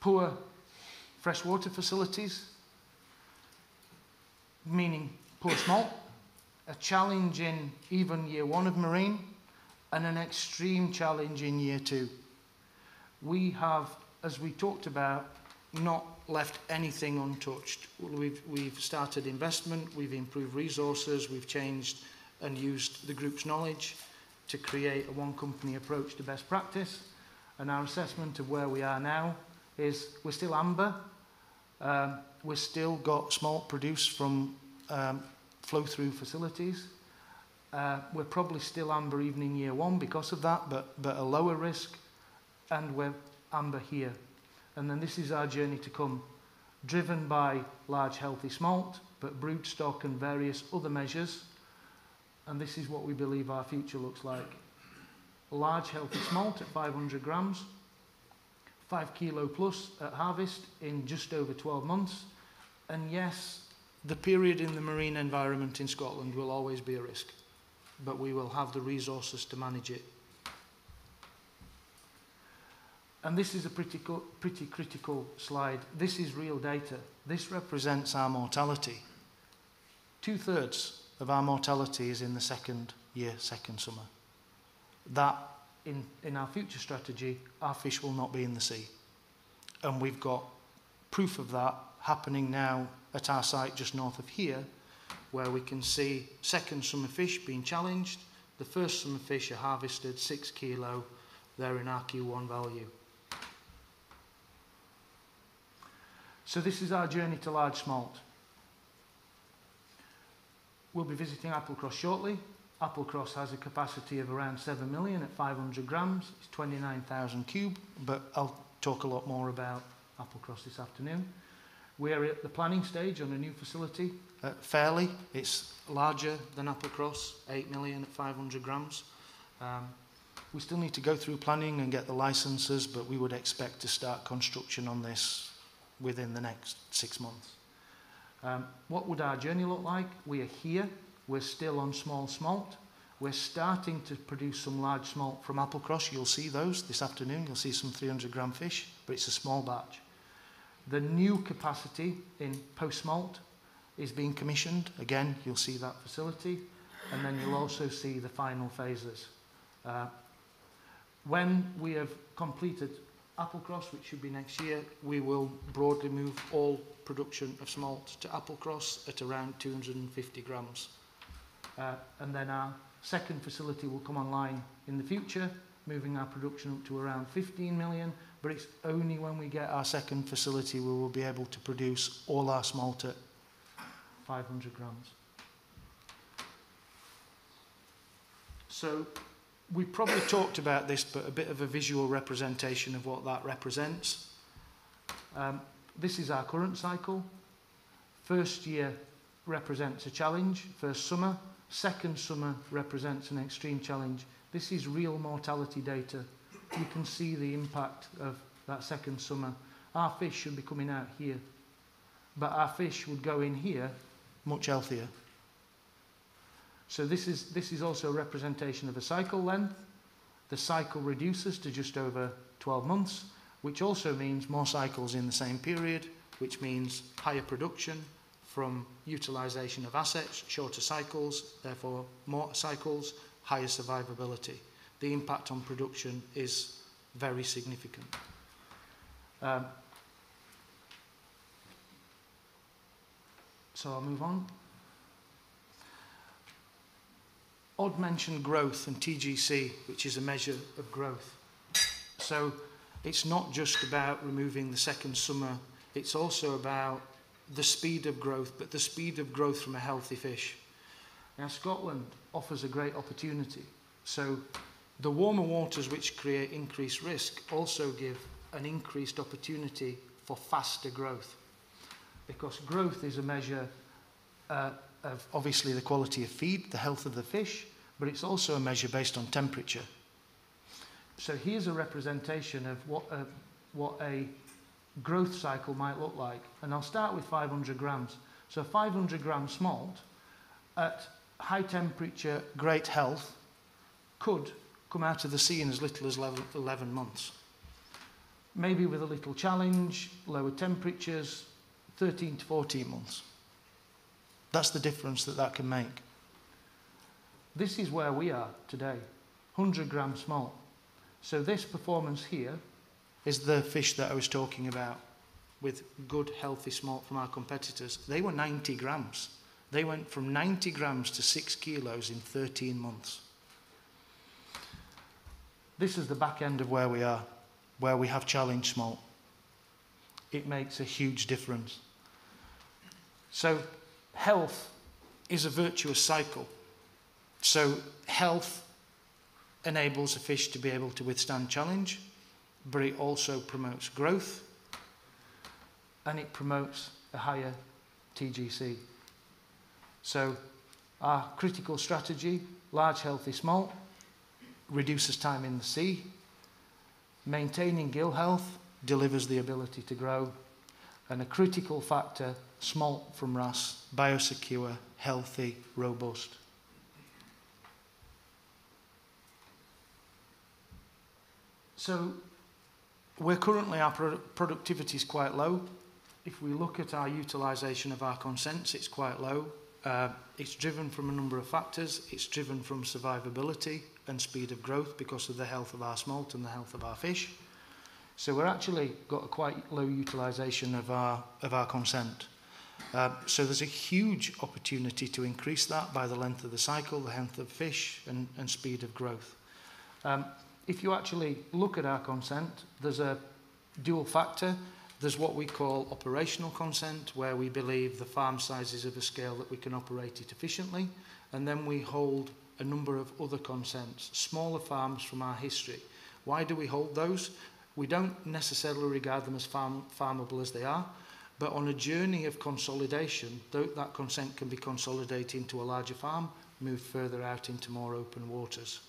[SPEAKER 5] Poor freshwater facilities, meaning poor smolt, a challenge in even year one of marine, and an extreme challenge in year two. We have, as we talked about, not left anything untouched. We've started investment, we've improved resources, we've changed and used the group's knowledge to create a One Company approach to best practice, our assessment of where we are now is we're still amber. We've still got smolt produced from flow-through facilities. We're probably still amber even in year one because of that, but a lower risk, we're amber here. This is our journey to come, driven by large, healthy smolt, but broodstock and various other measures, and this is what we believe our future looks like. Large, healthy smolt at 500 g, 5 kilo+ at harvest in just over 12 months. Yes, the period in the marine environment in Scotland will always be a risk, but we will have the resources to manage it. This is a pretty critical slide. This is real data. This represents our mortality. 2/3 of our mortality is in the second year, second summer. In our future strategy, our fish will not be in the sea, and we've got proof of that happening now at our site just north of here, where we can see second summer fish being challenged. The first summer fish are harvested 6 kilo, they're in our Q1 value. This is our journey to large smolt. We'll be visiting Applecross shortly. Applecross has a capacity of around 7 million at 500 g. It's 29,000 cube, but I'll talk a lot more about Applecross this afternoon. We're at the planning stage on a new facility at Fairlie. It's larger than Applecross, 8 million at 500 g. We still need to go through planning and get the licenses, but we would expect to start construction on this within the next 6 months. What would our journey look like? We are here. We're still on small smolt. We're starting to produce some large smolt from Applecross. You'll see those this afternoon. You'll see some 300 g fish. It's a small batch. The new capacity in post-smolt is being commissioned. Again, you'll see that facility. You'll also see the final phases. When we have completed Applecross, which should be next year, we will broadly move all production of smolt to Applecross at around 250 g Our second facility will come online in the future, moving our production up to around 15 million. It's only when we get our second facility, we will be able to produce all our smolt at 500 g. We've probably talked about this, but a bit of a visual representation of what that represents. This is our current cycle. First year represents a challenge, first summer. Second summer represents an extreme challenge. This is real mortality data. You can see the impact of that second summer. Our fish should be coming out here, but our fish would go in here much healthier. This is also a representation of a cycle length. The cycle reduces to just over 12 months, which also means more cycles in the same period, which means higher production from utilization of assets, shorter cycles, therefore more cycles, higher survivability. The impact on production is very significant. I'll move on. Odd mentioned growth and TGC, which is a measure of growth. It's not just about removing the second summer, it's also about the speed of growth, but the speed of growth from a healthy fish. Scotland offers a great opportunity. The warmer waters, which create increased risk, also give an increased opportunity for faster growth, because growth is a measure of obviously the quality of feed, the health of the fish, but it's also a measure based on temperature. Here's a representation of what a growth cycle might look like, and I'll start with 500 g. 500 g smolt at high temperature, great health, could come out of the sea in as little as 11 months. Maybe with a little challenge, lower temperatures, 13 to 14 months. That's the difference that that can make. This is where we are today, 100 g smolt. This performance here is the fish that I was talking about with good, healthy smolt from our competitors. They were 90 g. They went from 90 g to 6 kilos in 13 months. This is the back end of where we are, where we have challenged smolt. It makes a huge difference. Health is a virtuous cycle. Health enables a fish to be able to withstand challenge, but it also promotes growth, and it promotes a higher TGC. Our critical strategy, large, healthy smolt, reduces time in the sea. Maintaining gill health delivers the ability to grow, and a critical factor, smolt from RAS, bio-secure, healthy, robust. Our productivity is quite low. If we look at our utilization of our consents, it's quite low. It's driven from a number of factors. It's driven from survivability and speed of growth because of the health of our smolt and the health of our fish. We're actually got a quite low utilization of our consent. There's a huge opportunity to increase that by the length of the cycle, the health of fish, and speed of growth. If you actually look at our consent, there's a dual factor. There's what we call operational consent, where we believe the farm size is of a scale that we can operate it efficiently, and then we hold a number of other consents, smaller farms from our history. Why do we hold those? We don't necessarily regard them as farmable as they are, but on a journey of consolidation, though that consent can be consolidated into a larger farm, moved further out into more open waters.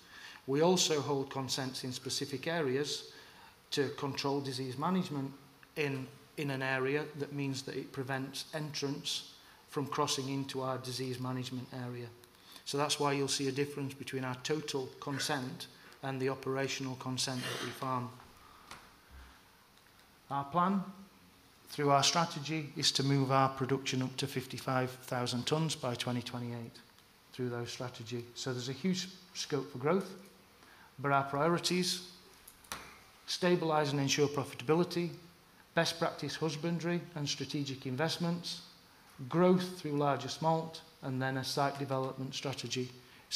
[SPEAKER 5] We also hold consents in specific areas to control disease management in an area that means that it prevents entrants from crossing into our disease management area. That's why you'll see a difference between our total consent and the operational consent that we farm. Our plan, through our strategy, is to move our production up to 55,000 tonnes by 2028 through those strategy. There's a huge scope for growth, but our priorities: stabilize and ensure profitability, best practice husbandry and strategic investments, growth through larger smolt, and then a site development strategy.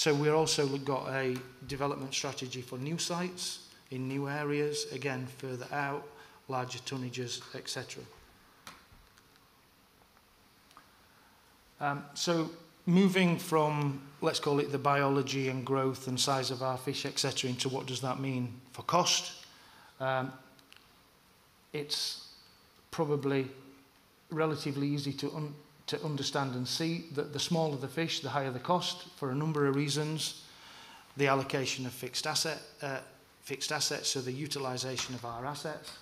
[SPEAKER 5] We're also, we've got a development strategy for new sites in new areas, again, further out, larger tonnages, et cetera. Moving from, let's call it the biology and growth and size of our fish, et cetera, into what does that mean for cost? It's probably relatively easy to understand and see that the smaller the fish, the higher the cost for a number of reasons. The allocation of fixed assets, so the utilization of our assets,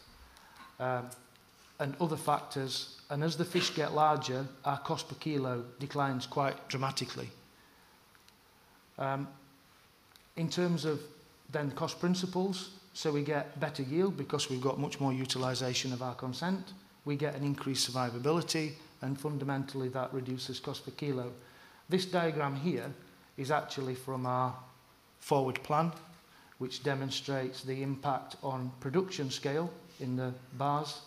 [SPEAKER 5] and other factors. As the fish get larger, our cost per kilo declines quite dramatically. In terms of then cost principles, we get better yield because we've got much more utilization of our consent. We get an increased survivability, and fundamentally, that reduces cost per kilo. This diagram here is actually from our forward plan, which demonstrates the impact on production scale in the bars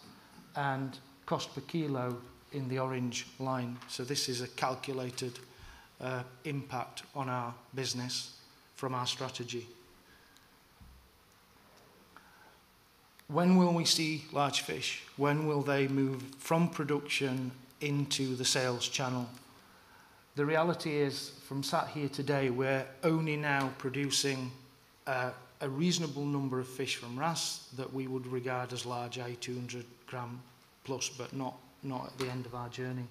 [SPEAKER 5] and cost per kilo in the orange line. This is a calculated impact on our business from our strategy. When will we see large fish? When will they move from production into the sales channel? The reality is, from sat here today, we're only now producing a reasonable number of fish from RAS that we would regard as large, i.e., 200 g+, but not at the end of our journey.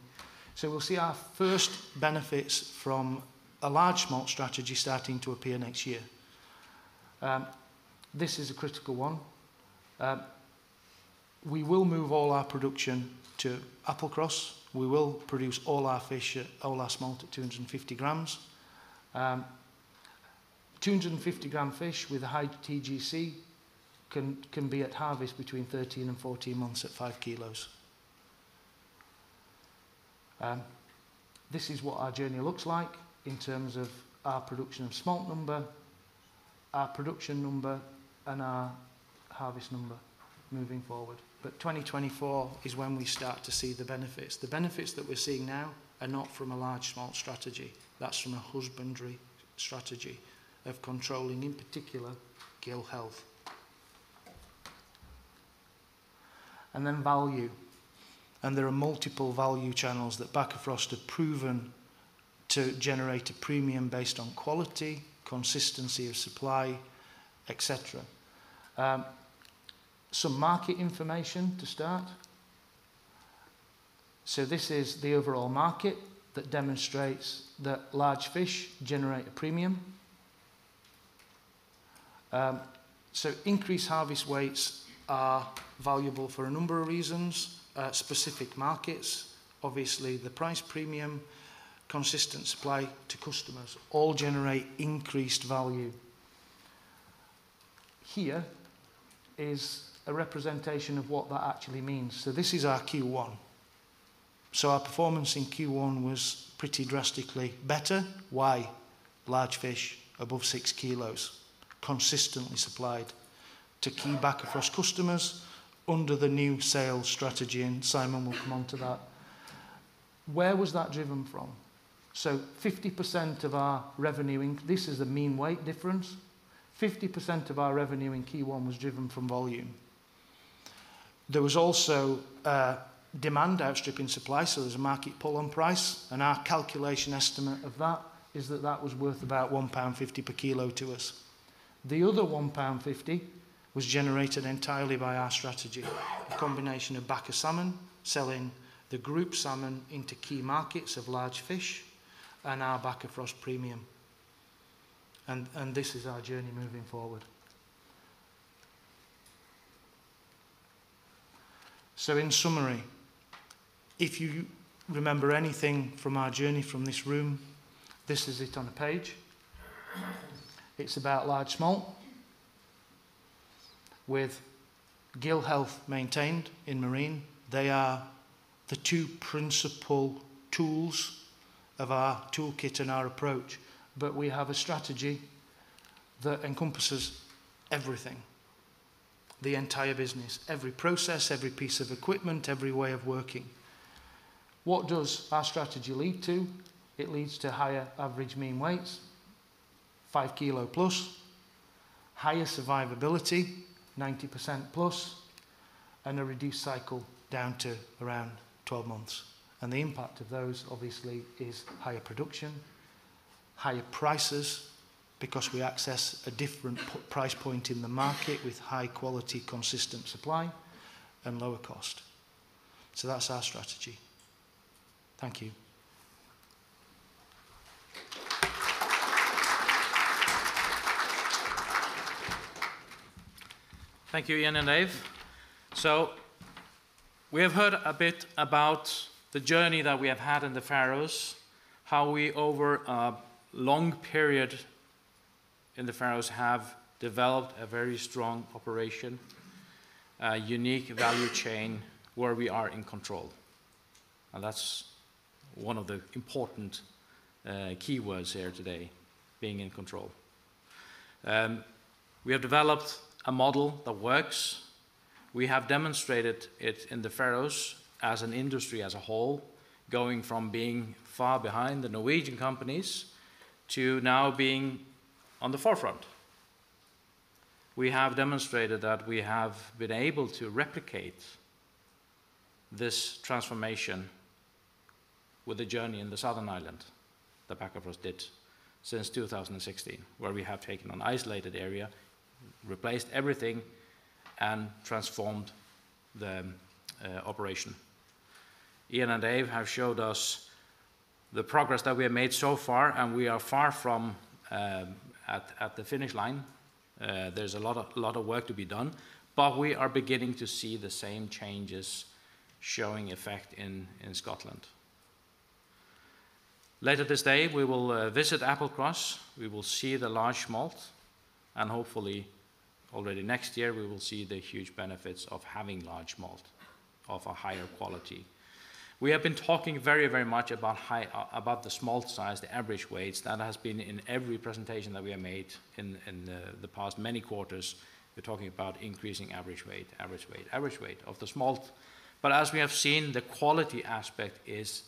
[SPEAKER 5] We'll see our first benefits from a large smolt strategy starting to appear next year. This is a critical one. We will move all our production to Applecross. We will produce all our fish, all our smolt at 250 g. 250 g fish with a high TGC can be at harvest between 13 and 14 months at 5 kilos. This is what our journey looks like in terms of our production of smolt number, our production number, and our harvest number moving forward. 2024 is when we start to see the benefits. The benefits that we're seeing now are not from a large smolt strategy. That's from a husbandry strategy of controlling, in particular, gill health. Value, and there are multiple value channels that Bakkafrost have proven to generate a premium based on quality, consistency of supply, et cetera. Some market information to start. This is the overall market that demonstrates that large fish generate a premium. Increased harvest weights are valuable for a number of reasons: specific markets, obviously the price premium, consistent supply to customers, all generate increased value. Here is a representation of what that actually means. This is our Q1. Our performance in Q1 was pretty drastically better. Why? Large fish above 6 kilos, consistently supplied to key Bakkafrost customers under the new sales strategy, and Símun will come on to that. Where was that driven from? 50% of our revenue. This is a mean weight difference. 50% of our revenue in Q1 was driven from volume. There was also demand outstripping supply, so there's a market pull on price, and our calculation estimate of that is that that was worth about 1.50 pound per kilo to us. The other 1.50 pound was generated entirely by our strategy, a combination of Bakka Salmon selling the group salmon into key markets of large fish and our Bakkafrost premium, and this is our journey moving forward. In summary, if you remember anything from our journey from this room, this is it on a page. It's about large smolt with gill health maintained in marine. They are the two principal tools of our toolkit and our approach. We have a strategy that encompasses everything, the entire business, every process, every piece of equipment, every way of working. What does our strategy lead to? It leads to higher average mean weights, 5 kilo+, higher survivability, 90%+, and a reduced cycle down to around 12 months. The impact of those, obviously, is higher production, higher prices, because we access a different price point in the market with high quality, consistent supply, and lower cost. That's our strategy. Thank you.
[SPEAKER 3] Thank you, Ian and Dave. We have heard a bit about the journey that we have had in the Faroes, how we, over a long period in the Faroes, have developed a very strong operation, a unique value chain where we are in control. That's one of the important keywords here today, being in control. We have developed a model that works. We have demonstrated it in the Faroes as an industry as a whole, going from being far behind the Norwegian companies to now being on the forefront. We have demonstrated that we have been able to replicate this transformation with a journey in the southern island that Bakkafrost did since 2016, where we have taken an isolated area, replaced everything, and transformed the operation. We are far from at the finish line. There's a lot of work to be done. We are beginning to see the same changes showing effect in Scotland. Later this day, we will visit Applecross. We will see the large smolt.... Hopefully already next year, we will see the huge benefits of having large smolt of a higher quality. We have been talking very much about the smolt size, the average weights. That has been in every presentation that we have made in the past many quarters. We're talking about increasing average weight of the smolt. As we have seen, the quality aspect is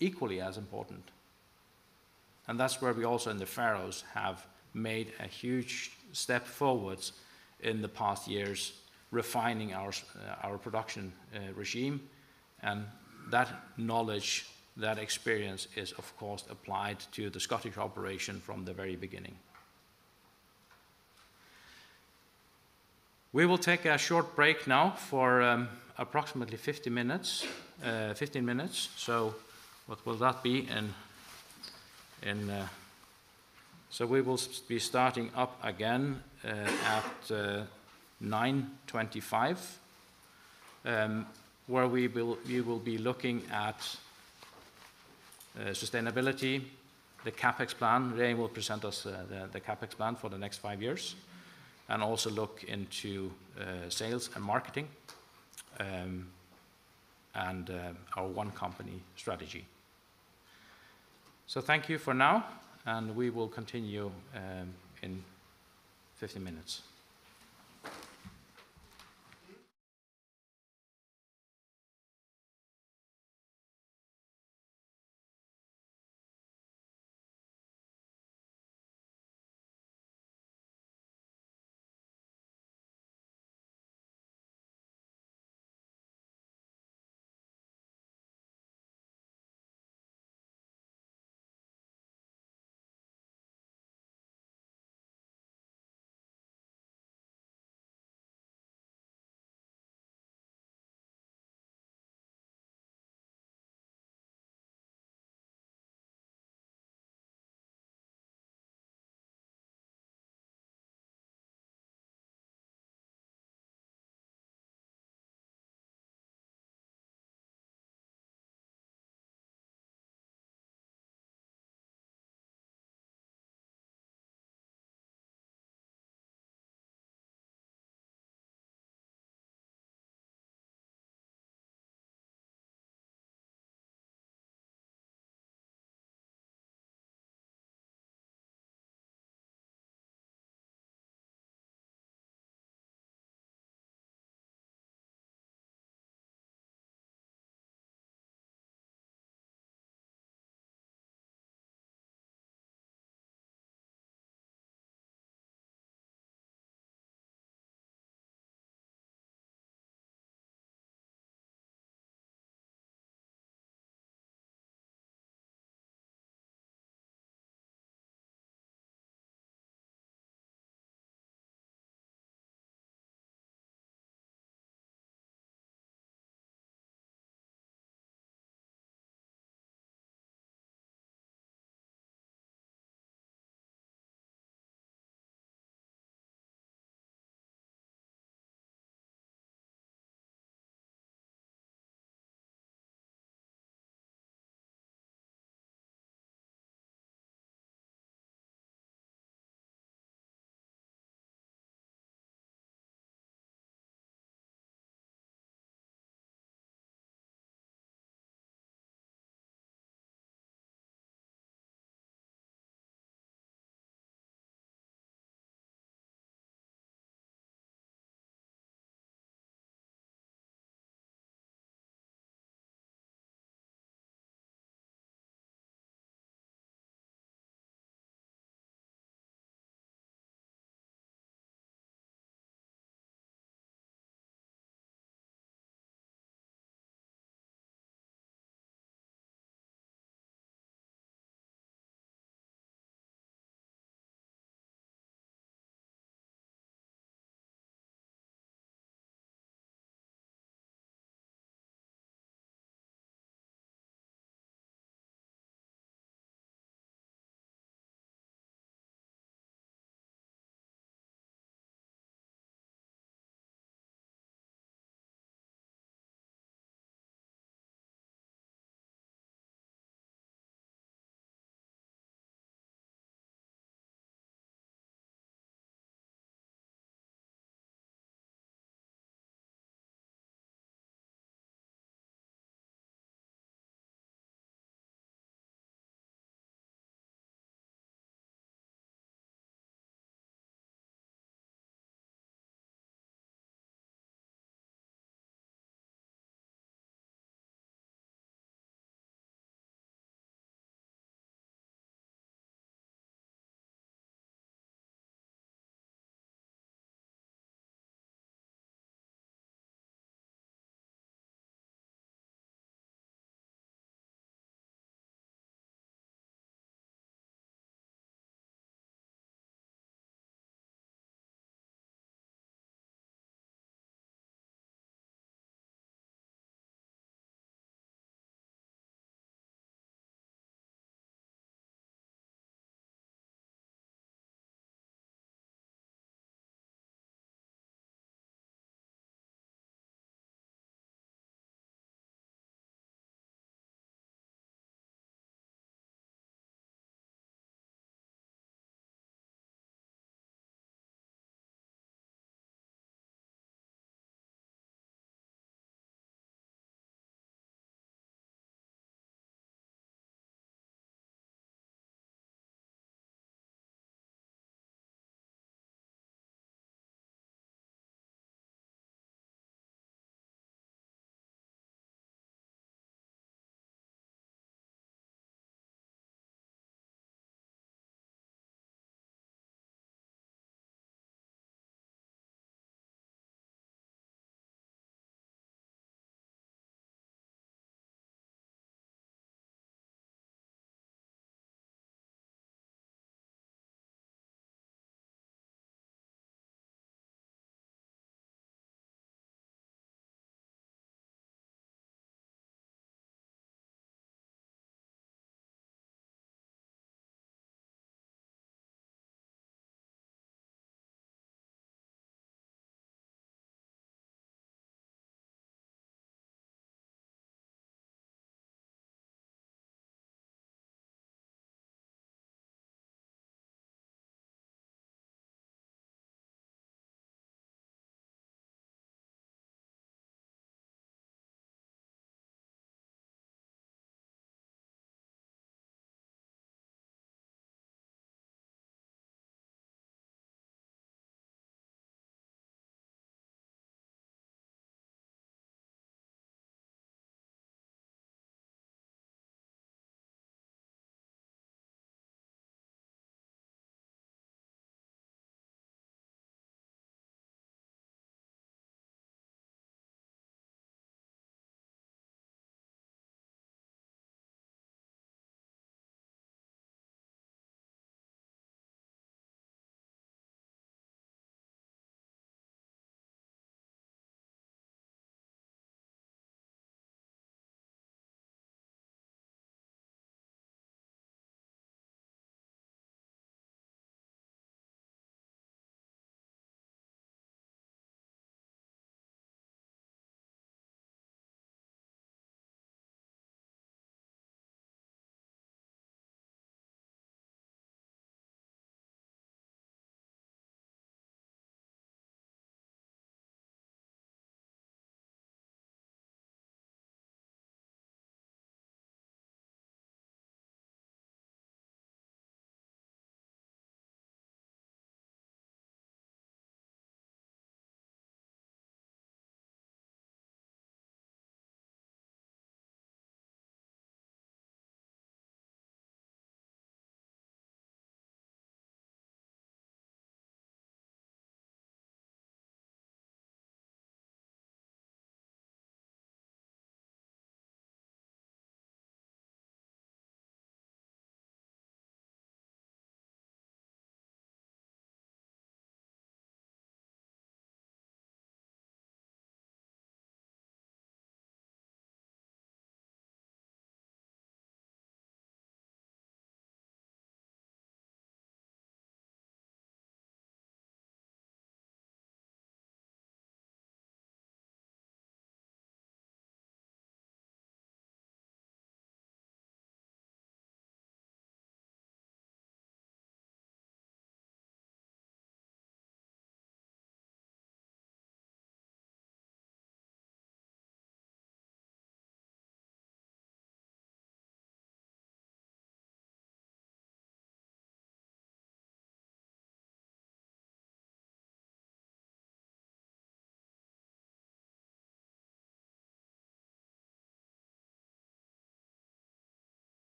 [SPEAKER 3] equally as important, and that's where we also in the Faroe Islands have made a huge step forwards in the past years, refining our production regime. That knowledge, that experience is of course applied to the Scottish operation from the very beginning. We will take a short break now for approximately 15 minutes. So what will that be in... We will be starting up again at 9:25, where we will be looking at sustainability, the CapEx plan. Regin Jacobsen will present us the CapEx plan for the next five years, and also look into sales and marketing, and our One Company strategy. Thank you for now, and we will continue in 15 minutes.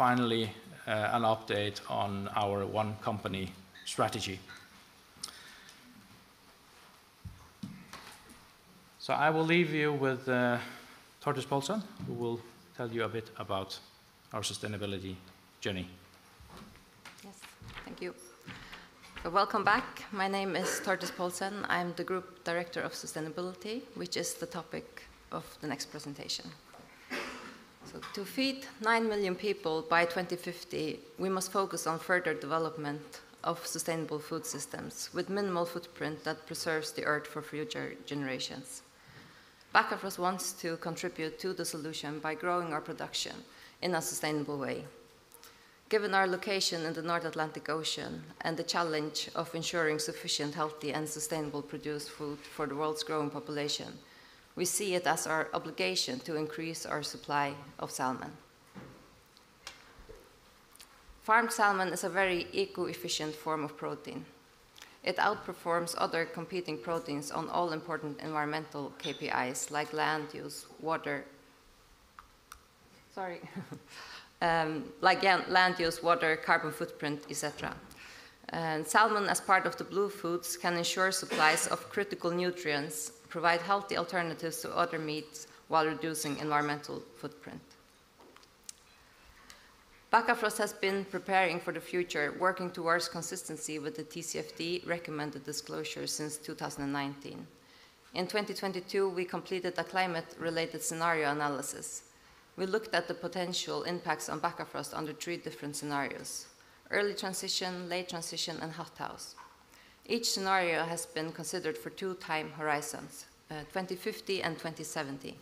[SPEAKER 3] An update on our One Company strategy. I will leave you with Tordis Poulsen, who will tell you a bit about our sustainability journey.
[SPEAKER 7] Thank you. Welcome back. My name is Tordis Poulsen. I'm the Group Director of Sustainability, which is the topic of the next presentation. To feed 9 million people by 2050, we must focus on further development of sustainable food systems, with minimal footprint that preserves the Earth for future generations. Bakkafrost wants to contribute to the solution by growing our production in a sustainable way. Given our location in the North Atlantic Ocean, and the challenge of ensuring sufficient, healthy, and sustainable produced food for the world's growing population, we see it as our obligation to increase our supply of salmon. Farmed salmon is a very eco-efficient form of protein. It outperforms other competing proteins on all important environmental KPIs, like land use, water, carbon footprint, et cetera. Salmon, as part of the blue foods, can ensure supplies of critical nutrients, provide healthy alternatives to other meats, while reducing environmental footprint. Bakkafrost has been preparing for the future, working towards consistency with the TCFD recommended disclosure since 2019. In 2022, we completed a climate-related scenario analysis. We looked at the potential impacts on Bakkafrost under three different scenarios: early transition, late transition, and hothouse. Each scenario has been considered for two time horizons, 2050 and 2070.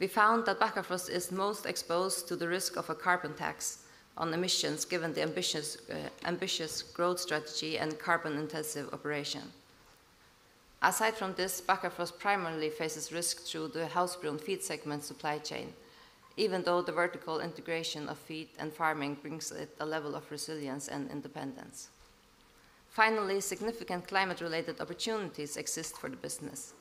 [SPEAKER 7] We found that Bakkafrost is most exposed to the risk of a carbon tax on emissions, given the ambitious growth strategy and carbon-intensive operation. Aside from this, Bakkafrost primarily faces risk through the Havsbrún feed segment supply chain, even though the vertical integration of feed and farming brings it a level of resilience and independence. Finally, significant climate-related opportunities exist for the business.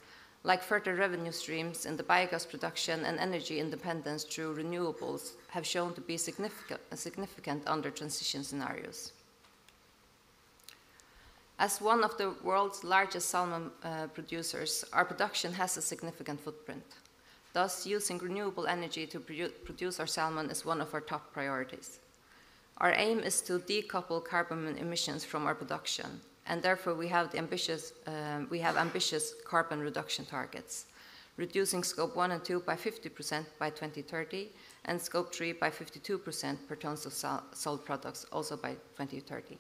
[SPEAKER 7] Like further revenue streams in the biogas production and energy independence through renewables have shown to be significant under transition scenarios. As one of the world's largest salmon producers, our production has a significant footprint. Thus, using renewable energy to produce our salmon is one of our top priorities. Our aim is to decouple carbon emissions from our production, and therefore, we have ambitious carbon reduction targets, reducing Scope 1 and 2 by 50% by 2030, and Scope 3 by 52% per tons of sold products, also by 2030.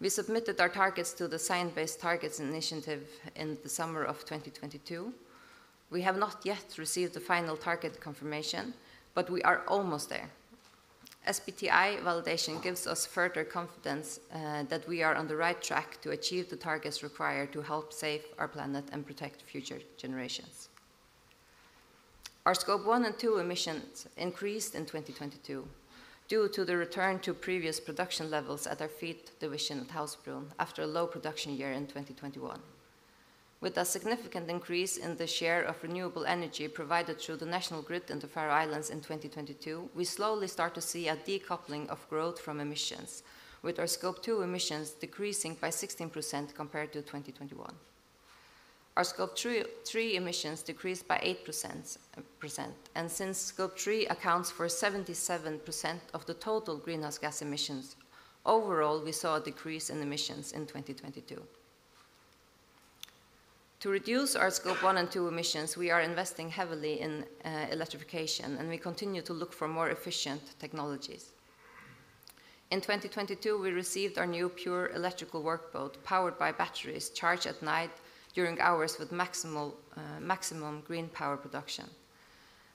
[SPEAKER 7] We submitted our targets to the Science Based Targets initiative in the summer of 2022. We have not yet received the final target confirmation, but we are almost there. SBTi validation gives us further confidence that we are on the right track to achieve the targets required to help save our planet and protect future generations. Our Scope 1 and 2 emissions increased in 2022 due to the return to previous production levels at our feed division at Havsbrún after a low production year in 2021. With a significant increase in the share of renewable energy provided through the national grid in the Faroe Islands in 2022, we slowly start to see a decoupling of growth from emissions, with our Scope 2 emissions decreasing by 16% compared to 2021. Our Scope 3 emissions decreased by 8%. Since Scope 3 accounts for 77% of the total greenhouse gas emissions, overall, we saw a decrease in emissions in 2022. To reduce our Scope 1 and 2 emissions, we are investing heavily in electrification, and we continue to look for more efficient technologies. In 2022, we received our new pure electrical work boat, powered by batteries, charged at night during hours with maximum green power production.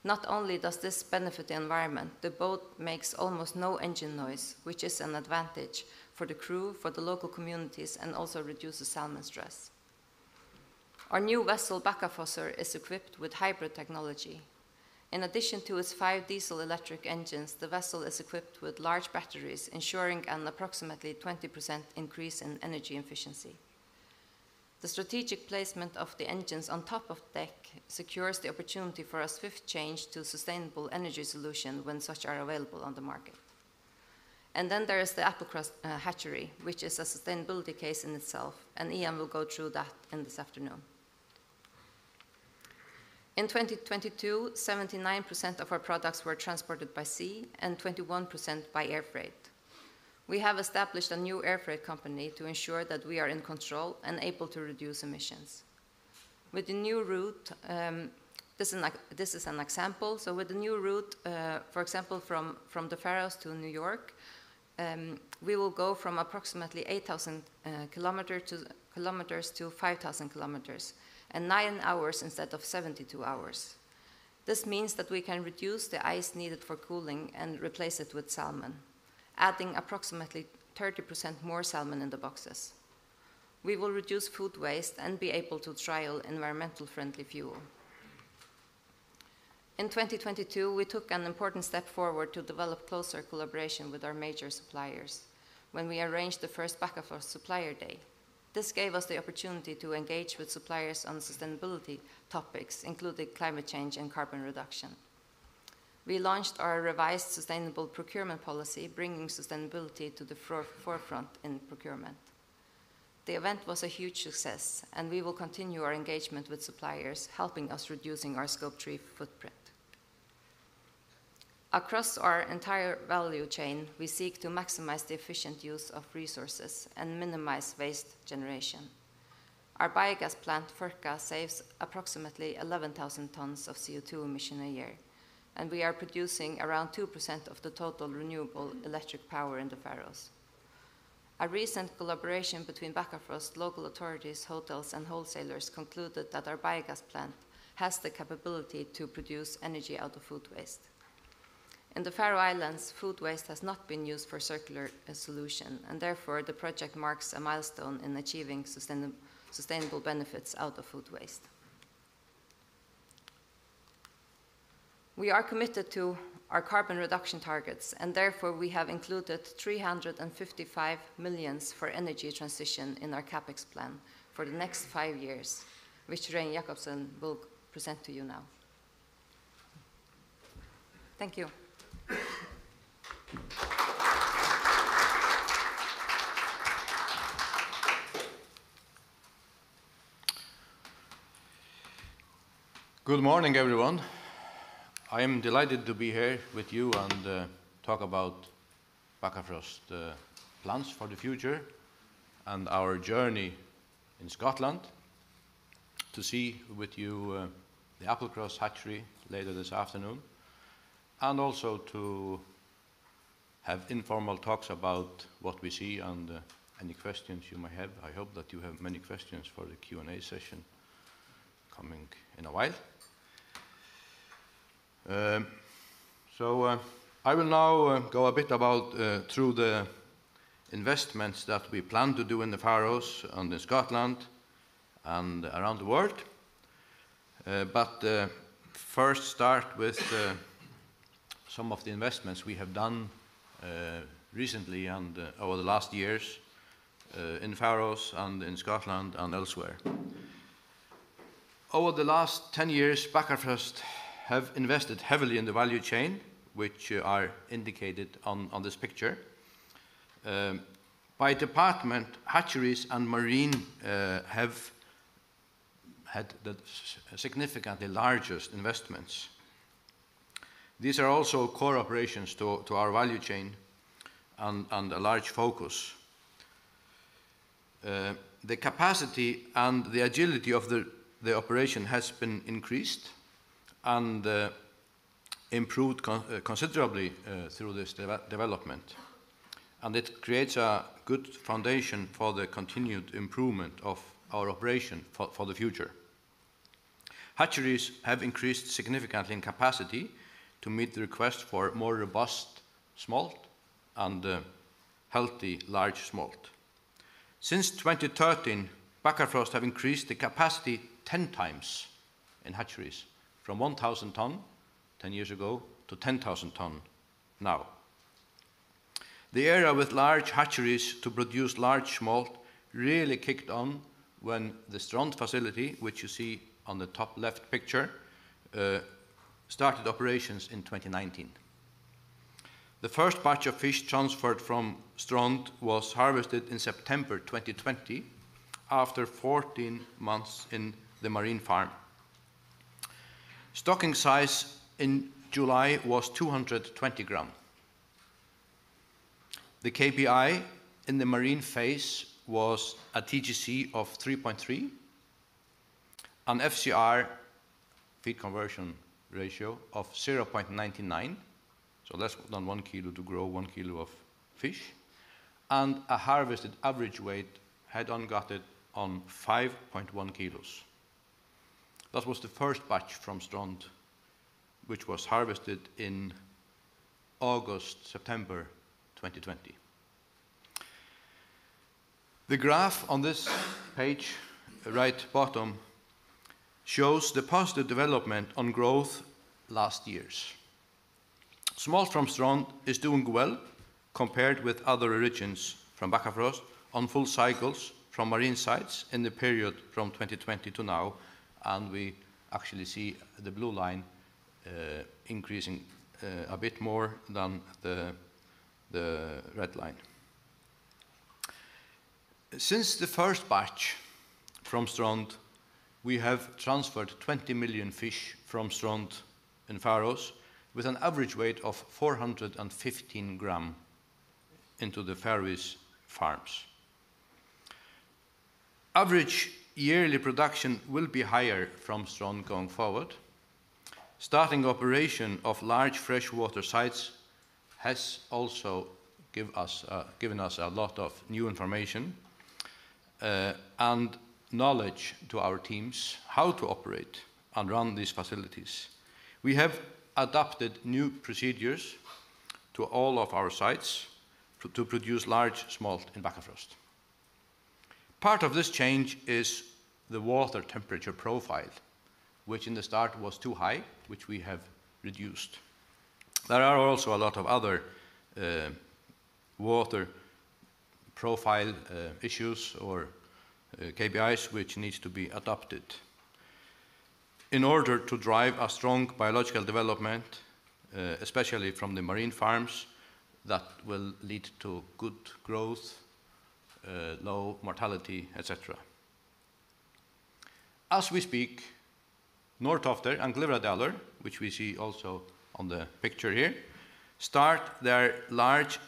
[SPEAKER 7] Not only does this benefit the environment, the boat makes almost no engine noise, which is an advantage for the crew, for the local communities, and also reduces salmon stress. Our new vessel, Bakkafossur, is equipped with hybrid technology. In addition to its five diesel electric engines, the vessel is equipped with large batteries, ensuring an approximately 20% increase in energy efficiency. The strategic placement of the engines on top of deck secures the opportunity for a swift change to sustainable energy solution when such are available on the market. There is the Applecross hatchery, which is a sustainability case in itself, and Ian will go through that in this afternoon. In 2022, 79% of our products were transported by sea and 21% by air freight. We have established a new air freight company to ensure that we are in control and able to reduce emissions. With the new route, this is an example. With the new route, for example, from the Faroes to New York, we will go from approximately 8,000 km to 5,000 km, and 9 hours instead of 72 hours. This means that we can reduce the ice needed for cooling and replace it with salmon, adding approximately 30% more salmon in the boxes. We will reduce food waste and be able to trial environmentally friendly fuel. In 2022, we took an important step forward to develop closer collaboration with our major suppliers when we arranged the first Bakkafrost Supplier Day. This gave us the opportunity to engage with suppliers on sustainability topics, including climate change and carbon reduction. We launched our revised sustainable procurement policy, bringing sustainability to the forefront in procurement. The event was a huge success, we will continue our engagement with suppliers, helping us reducing our Scope 3 footprint. Across our entire value chain, we seek to maximize the efficient use of resources and minimize waste generation. Our biogas plant, FÖRKA, saves approximately 11,000 tons of CO2 emission a year, and we are producing around 2% of the total renewable electric power in the Faroes. A recent collaboration between Bakkafrost, local authorities, hotels, and wholesalers concluded that our biogas plant has the capability to produce energy out of food waste. In the Faroe Islands, food waste has not been used for circular solution. Therefore, the project marks a milestone in achieving sustainable benefits out of food waste. We are committed to our carbon reduction targets. Therefore, we have included 355 million for energy transition in our CapEx plan for the next five years, which Regin Jacobsen will present to you now. Thank you.
[SPEAKER 8] Good morning, everyone. I am delighted to be here with you and talk about Bakkafrost plans for the future and our journey in Scotland, to see with you the Applecross hatchery later this afternoon, and also to have informal talks about what we see and any questions you may have. I hope that you have many questions for the Q&A session coming in a while. I will now go a bit about through the investments that we plan to do in the Faroes and in Scotland and around the world. First start with some of the investments we have done recently and over the last years in Faroes and in Scotland and elsewhere. Over the last 10 years, Bakkafrost have invested heavily in the value chain, which are indicated on this picture. By department, hatcheries and marine have had the significantly largest investments. These are also core operations to our value chain and a large focus. The capacity and the agility of the operation has been increased and improved considerably through this development, and it creates a good foundation for the continued improvement of our operation for the future. Hatcheries have increased significantly in capacity to meet the request for more robust smolt and healthy, large smolt. Since 2013, Bakkafrost have increased the capacity 10 times in hatcheries, from 1,000 tons, 10 years ago, to 10,000 tons now. The area with large hatcheries to produce large smolt really kicked on when the Strond facility, which you see on the top left picture, started operations in 2019. The first batch of fish transferred from Strond was harvested in September 2020, after 14 months in the marine farm. Stocking size in July was 220 g. The KPI in the marine phase was a TGC of 3.3, an FCR, feed conversion ratio, of 0.99, so less than 1 kilo to grow 1 kilo of fish, and a harvested average weight head ungutted on 5.1 kilos. That was the first batch from Strond, which was harvested in August, September 2020. The graph on this page, right bottom, shows the positive development on growth last years. Small from Strond is doing well compared with other origins from Bakkafrost on full cycles from marine sites in the period from 2020 to now, and we actually see the blue line increasing a bit more than the red line. Since the first batch from Strond, we have transferred 20 million fish from Strond in Faroes, with an average weight of 415 g into the Faroese farms. Average yearly production will be higher from Strond going forward. Starting operation of large freshwater sites has also given us a lot of new information and knowledge to our teams how to operate and run these facilities. We have adapted new procedures to all of our sites to produce large smolt in Bakkafrost. Part of this change is the water temperature profile, which in the start was too high, which we have reduced. There are also a lot of other water profile issues or KPIs which needs to be adopted. In order to drive a strong biological development, especially from the marine farms, that will lead to good growth, low mortality, et cetera. As we speak, Norðtoftir and Glyvradalur, which we see also on the picture here, start their large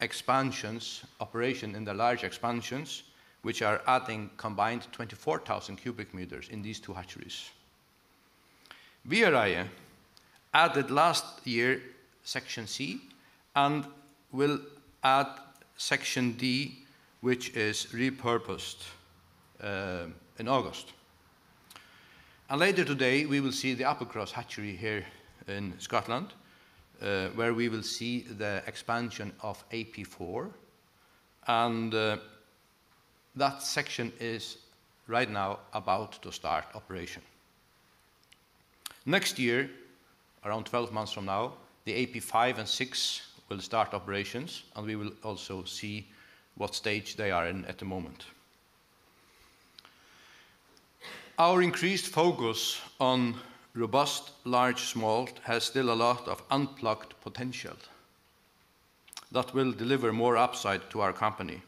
[SPEAKER 8] expansions, operation in the large expansions, which are adding combined 24,000 cubic meters in these two hatcheries. Viðareiði added last year section C, and will add section D, which is repurposed in August. Later today, we will see the Applecross hatchery here in Scotland, where we will see the expansion of AP4, and that section is right now about to start operation. Next year, around 12 months from now, the AP5 and AP6 will start operations, and we will also see what stage they are in at the moment. Our increased focus on robust, large smolt has still a lot of unplugged potential that will deliver more upside to our company.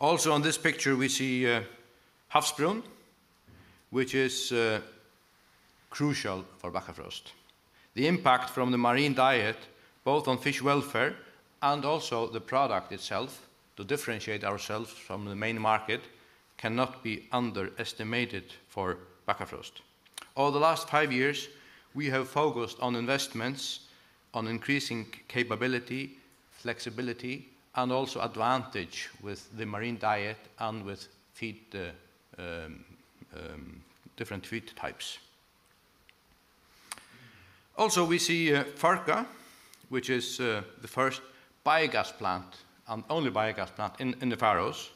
[SPEAKER 8] Also, on this picture, we see Havsbrún, which is crucial for Bakkafrost. The impact from the marine diet, both on fish welfare and also the product itself, to differentiate ourselves from the main market, cannot be underestimated for Bakkafrost. Over the last five years, we have focused on investments, on increasing capability, flexibility, and also advantage with the marine diet and with feed, different feed types. Also, we see FÖRKA, which is the first biogas plant and only biogas plant in the Faroes.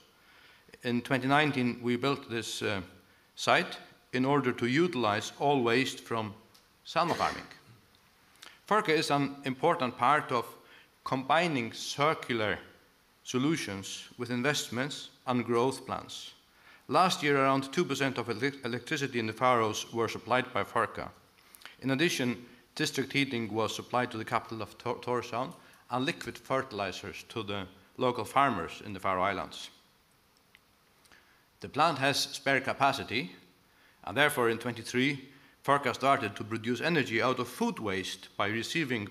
[SPEAKER 8] In 2019, we built this site in order to utilize all waste from salmon farming. FÖRKA is an important part of combining circular solutions with investments and growth plans. Last year, around 2% of electricity in the Faroes were supplied by FÖRKA. District heating was supplied to the capital of Tórshavn, and liquid fertilizers to the local farmers in the Faroe Islands. The plant has spare capacity, in 2023, FÖRKA started to produce energy out of food waste by receiving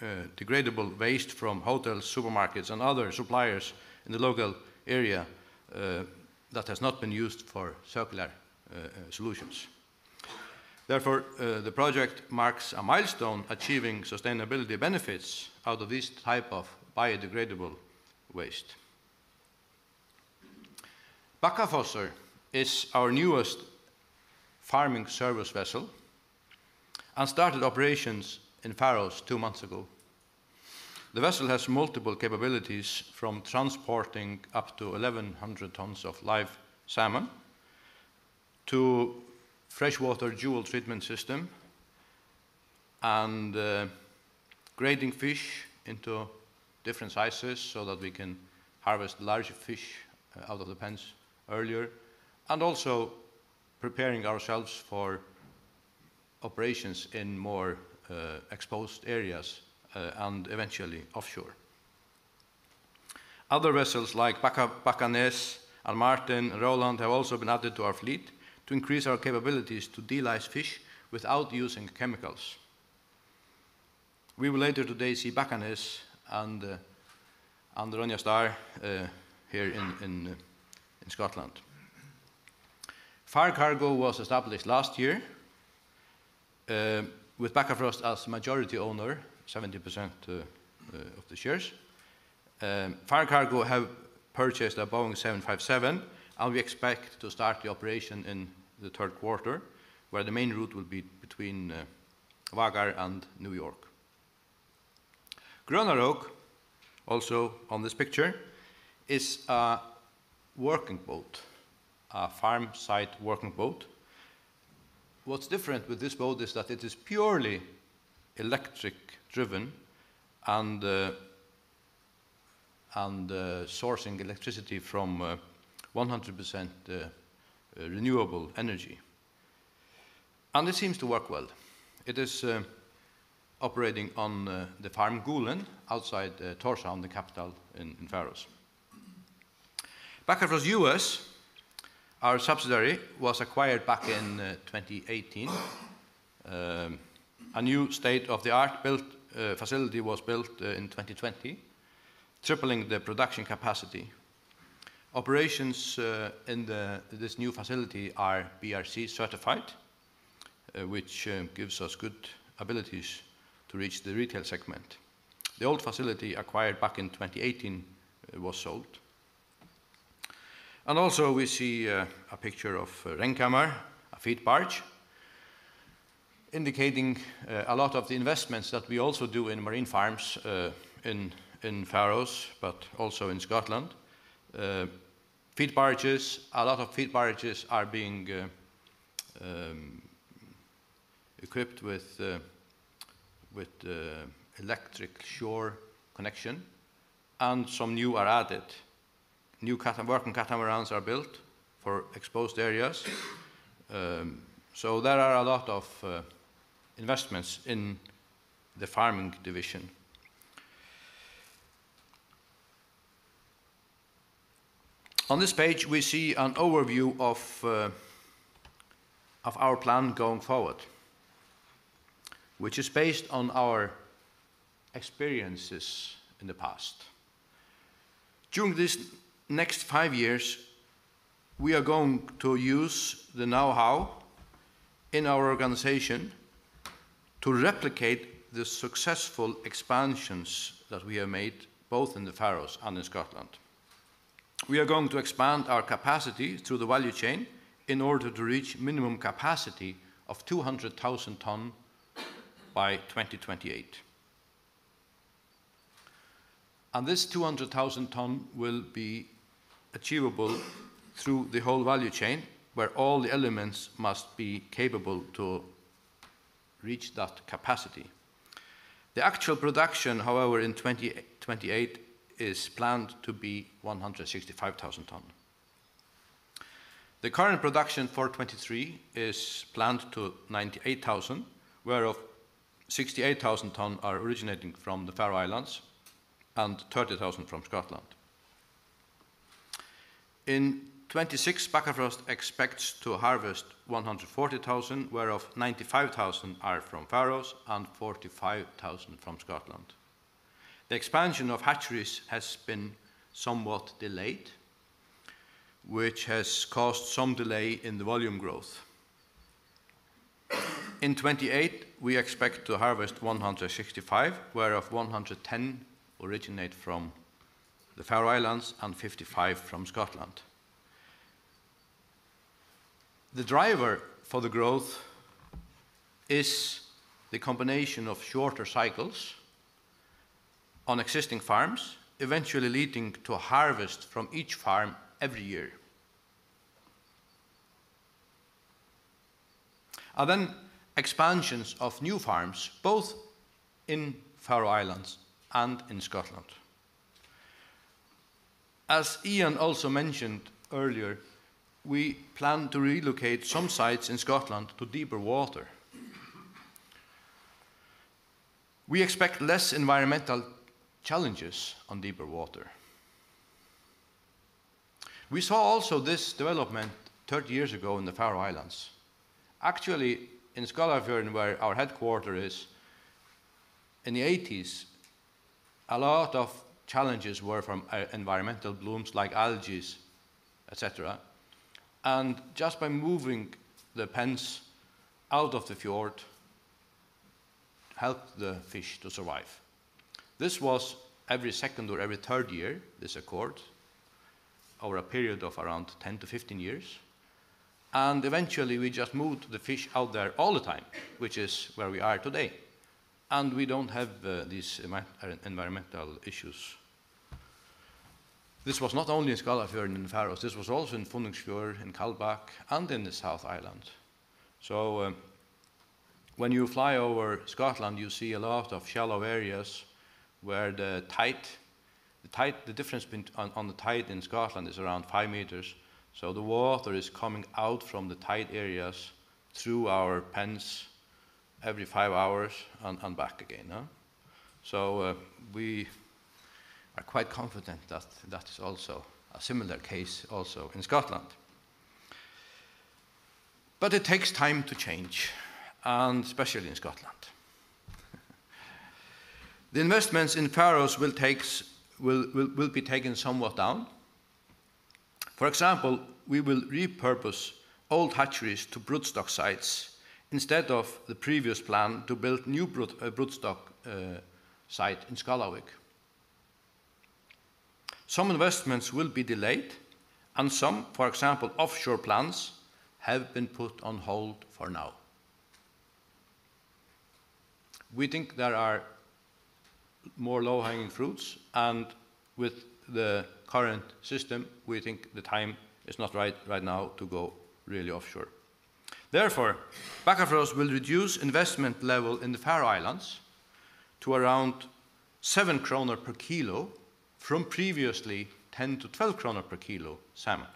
[SPEAKER 8] biodegradable waste from hotels, supermarkets, and other suppliers in the local area that has not been used for circular solutions. The project marks a milestone achieving sustainability benefits out of this type of biodegradable waste. Bakkafossur is our newest farming service vessel and started operations in Faroes two months ago. The vessel has multiple capabilities, from transporting up to 1,100 tons of live salmon, to freshwater gill treatment system, grading fish into different sizes so that we can harvest large fish out of the pens earlier, also preparing ourselves for operations in more exposed areas and eventually offshore. Other vessels like Bakkanes and Martin and Róland have also been added to our fleet to increase our capabilities to delouse fish without using chemicals. We will later today see Bakkanes and Ronja Star here in Scotland. FarCargo was established last year with Bakkafrost as majority owner, 70% of the shares. FarCargo have purchased a Boeing 757-200. We expect to start the operation in the third quarter, where the main route will be between Vágar and New York. Grønarók, also on this picture, is a working boat, a farm site working boat. What's different with this boat is that it is purely electric driven and sourcing electricity from 100% renewable energy. It seems to work well. It is operating on the farm Gulen, outside Tórshavn, the capital in Faroes. Bakkafrost U.S., our subsidiary, was acquired back in 2018. A new state-of-the-art built facility was built in 2020, tripling the production capacity. Operations in this new facility are BRC certified, which gives us good abilities to reach the retail segment. The old facility acquired back in 2018, was sold. Also we see a picture of Ranghamar, a feed barge, indicating a lot of the investments that we also do in marine farms in Faroes, but also in Scotland. Feed barges, a lot of feed barges are being equipped with electric shore connection, and some new are added. New working catamarans are built for exposed areas. There are a lot of investments in the farming division. On this page, we see an overview of our plan going forward, which is based on our experiences in the past. During these next five years, we are going to use the know-how in our organization to replicate the successful expansions that we have made, both in the Faroes and in Scotland. We are going to expand our capacity through the value chain in order to reach minimum capacity of 200,000 tons by 2028. This 200,000 tons will be achievable through the whole value chain, where all the elements must be capable to reach that capacity. The actual production, however, in 2028, is planned to be 165,000 tons. The current production for 2023 is planned to 98,000, whereof 68,000 tons are originating from the Faroe Islands and 30,000 from Scotland. In 2026, Bakkafrost expects to harvest 140,000, whereof 95,000 are from Faroes and 45,000 from Scotland. The expansion of hatcheries has been somewhat delayed, which has caused some delay in the volume growth. In 28, we expect to harvest 165, whereof 110 originate from the Faroe Islands and 55 from Scotland. The driver for the growth is the combination of shorter cycles on existing farms, eventually leading to a harvest from each farm every year. Expansions of new farms, both in Faroe Islands and in Scotland. As Ian also mentioned earlier, we plan to relocate some sites in Scotland to deeper water. We expect less environmental challenges on deeper water. We saw also this development 30 years ago in the Faroe Islands. Actually, in Skálafjørður, where our headquarter is, in the eighties, a lot of challenges were from environmental blooms, like algae, et cetera, and just by moving the pens out of the fjord, helped the fish to survive. This was every second or every third year, this occurred, over a period of around 10-15 years, and eventually we just moved the fish out there all the time, which is where we are today, and we don't have these environmental issues. This was not only in Skálafjørður in the Faroes, this was also in Funningfjørður, in Kaldbak, and in Suðuroy. When you fly over Scotland, you see a lot of shallow areas where the tide, the difference on the tide in Scotland is around 5 m, so the water is coming out from the tide areas through our pens every five hours and back again. We are quite confident that that is also a similar case also in Scotland. It takes time to change, and especially in Scotland. The investments in Faroes will be taken somewhat down. For example, we will repurpose old hatcheries to broodstock sites, instead of the previous plan to build new broodstock site in Skálavík. Some, for example, offshore plans, have been put on hold for now. We think there are more low-hanging fruits, and with the current system, we think the time is not right now to go really offshore. Therefore, Bakkafrost will reduce investment level in the Faroe Islands to around 7 kroner per kilo from previously 10-12 kroner per kilo salmon.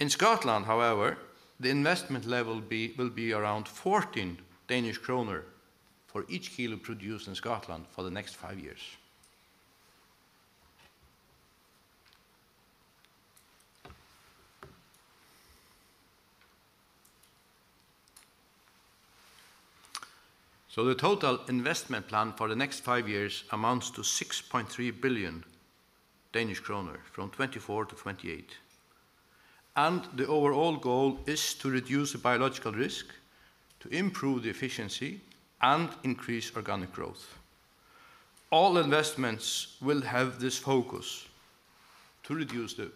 [SPEAKER 8] In Scotland, however, the investment level will be around 14 Danish kroner for each kilo produced in Scotland for the next five years. The total investment plan for the next five years amounts to 6.3 billion Danish kroner from 2024-2028, the overall goal is to reduce the biological risk, to improve the efficiency, and increase organic growth. All investments will have this focus, to reduce the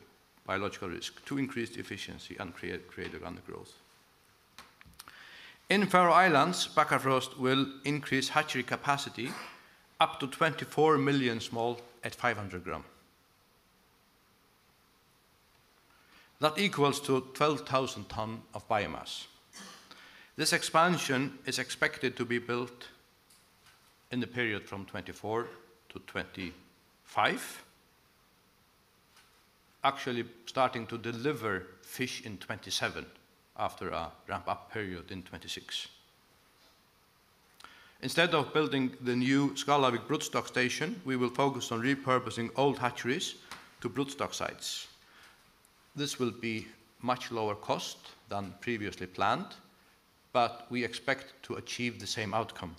[SPEAKER 8] biological risk, to increase the efficiency, and create organic growth. In Faroe Islands, Bakkafrost will increase hatchery capacity up to 24 million smolt at 500 g. That equals to 12,000 ton of biomass. This expansion is expected to be built in the period from 2024 to 2025, actually starting to deliver fish in 2027 after a ramp-up period in 2026. Instead of building the new Skálavík broodstock station, we will focus on repurposing old hatcheries to broodstock sites. This will be much lower cost than previously planned, we expect to achieve the same outcome.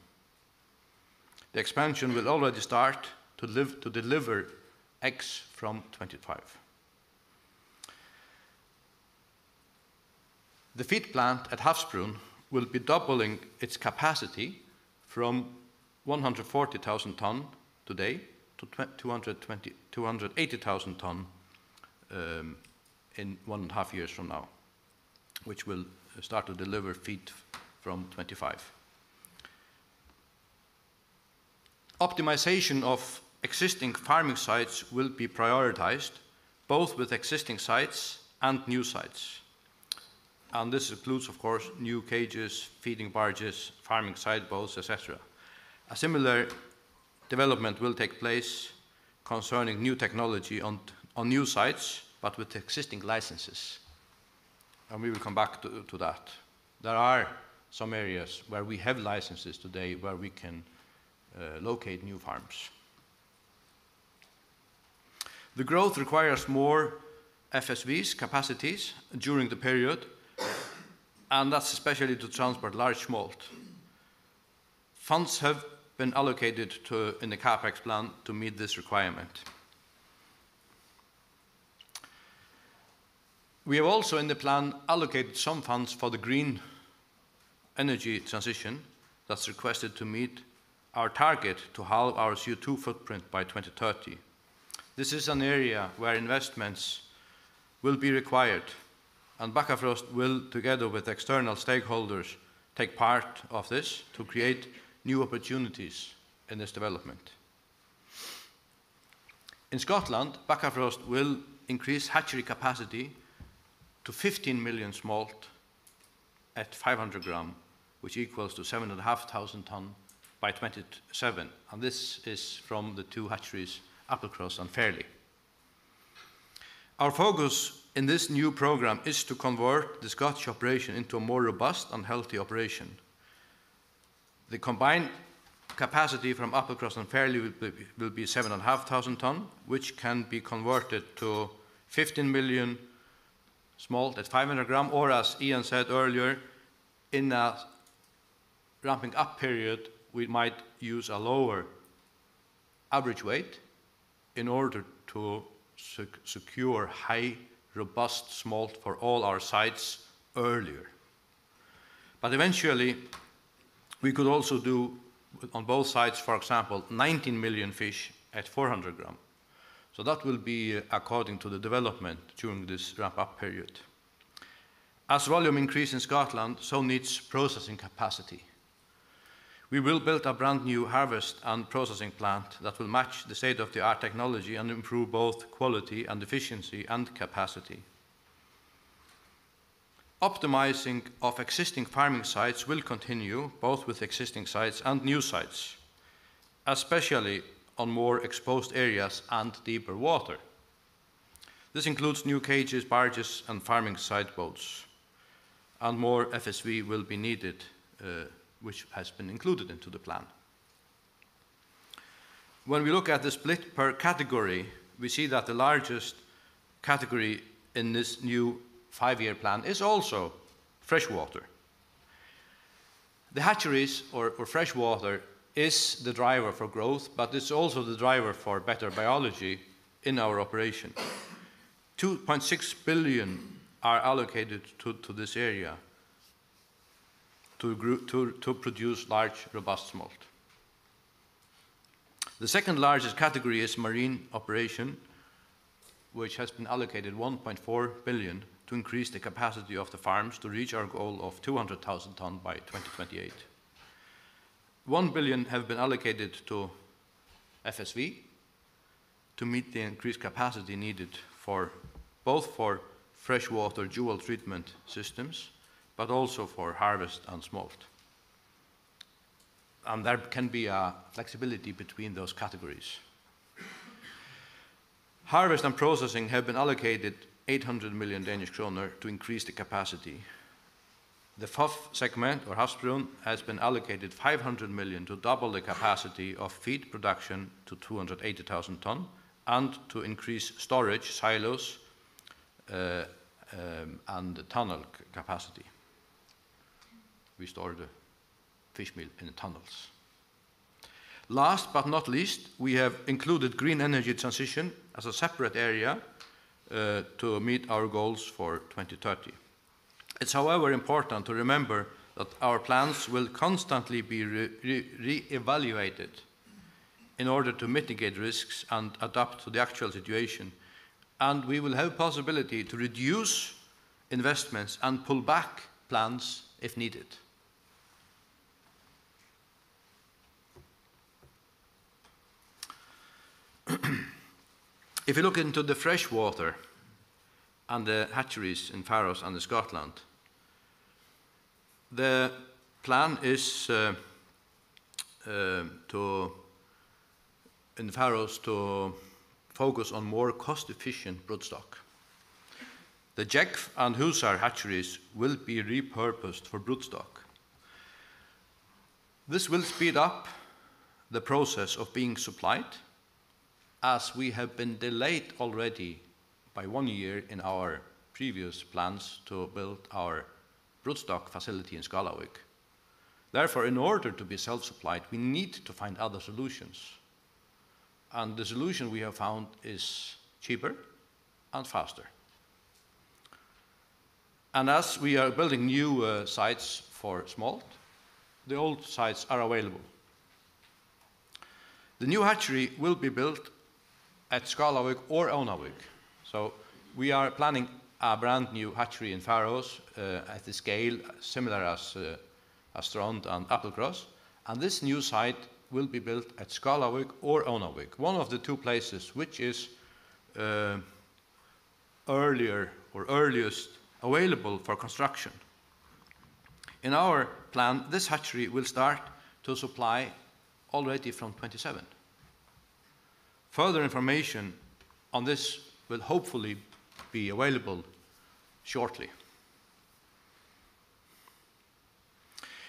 [SPEAKER 8] The expansion will already start to deliver eggs from 2025. The feed plant at Havsbrún will be doubling its capacity from 140,000 tons today to 280,000 tons in one and a half years from now, which will start to deliver feed from 2025. Optimization of existing farming sites will be prioritized, both with existing sites and new sites, and this includes, of course, new cages, feeding barges, farming site boats, et cetera. A similar development will take place concerning new technology on new sites, but with existing licenses, and we will come back to that. There are some areas where we have licenses today where we can locate new farms. The growth requires more FSVs capacities during the period, and that's especially to transport large smolt. Funds have been allocated to, in the CapEx plan to meet this requirement. We have also, in the plan, allocated some funds for the green energy transition that's requested to meet our target to halve our CO2 footprint by 2030. This is an area where investments will be required, and Bakkafrost will, together with external stakeholders, take part of this to create new opportunities in this development. In Scotland, Bakkafrost will increase hatchery capacity to 15 million smolt at 500 g, which equals to 7,500 tons by 2027, and this is from the two hatcheries, Applecross and Fairlie. Our focus in this new program is to convert the Scottish operation into a more robust and healthy operation. The combined capacity from Applecross and Fairlie will be 7,500 tons, which can be converted to 15 million smolt at 500 g, or as Ian said earlier, in a ramping up period, we might use a lower average weight in order to secure high, robust smolt for all our sites earlier. Eventually, we could also do on both sides, for example, 19 million fish at 400 g. That will be according to the development during this ramp-up period. As volume increase in Scotland, so needs processing capacity. We will build a brand-new harvest and processing plant that will match the state-of-the-art technology and improve both quality and efficiency and capacity. Optimizing of existing farming sites will continue, both with existing sites and new sites, especially on more exposed areas and deeper water. This includes new cages, barges, and farming site boats, and more FSV will be needed, which has been included into the plan. When we look at the split per category, we see that the largest category in this new five-year plan is also freshwater. The hatcheries or freshwater is the driver for growth, but it's also the driver for better biology in our operation. 2.6 billion are allocated to this area to produce large, robust smolt. The second largest category is marine operation, which has been allocated 1.4 billion to increase the capacity of the farms to reach our goal of 200,000 tons by 2028. 1 billion have been allocated to FSV to meet the increased capacity needed for, both for freshwater dual treatment systems, but also for harvest and smolt. There can be a flexibility between those categories. Harvest and processing have been allocated 800 million Danish kroner to increase the capacity. The fourth segment, or Havsbrún, has been allocated 500 million to double the capacity of feed production to 280,000 tons, and to increase storage silos and tunnel capacity. We store the fishmeal in the tunnels. Last but not least, we have included green energy transition as a separate area to meet our goals for 2030. It's however important to remember that our plans will constantly be re-evaluated in order to mitigate risks and adapt to the actual situation, and we will have possibility to reduce investments and pull back plans if needed. If you look into the fresh water and the hatcheries in Faroes and the Scotland, the plan is to in the Faroes to focus on more cost-efficient broodstock. The Gjógv and Húsar hatcheries will be repurposed for broodstock. This will speed up the process of being supplied, as we have been delayed already by 1 year in our previous plans to build our broodstock facility in Skálavík. In order to be self-supplied, we need to find other solutions, and the solution we have found is cheaper and faster. As we are building new sites for smolt, the old sites are available. The new hatchery will be built at Skálavik or Ónavík. We are planning a brand new hatchery in Faroes at the scale similar as Strond and Applecross. This new site will be built at Skálavik or Ónavík, one of the two places which is earlier or earliest available for construction. In our plan, this hatchery will start to supply already from 2027. Further information on this will hopefully be available shortly.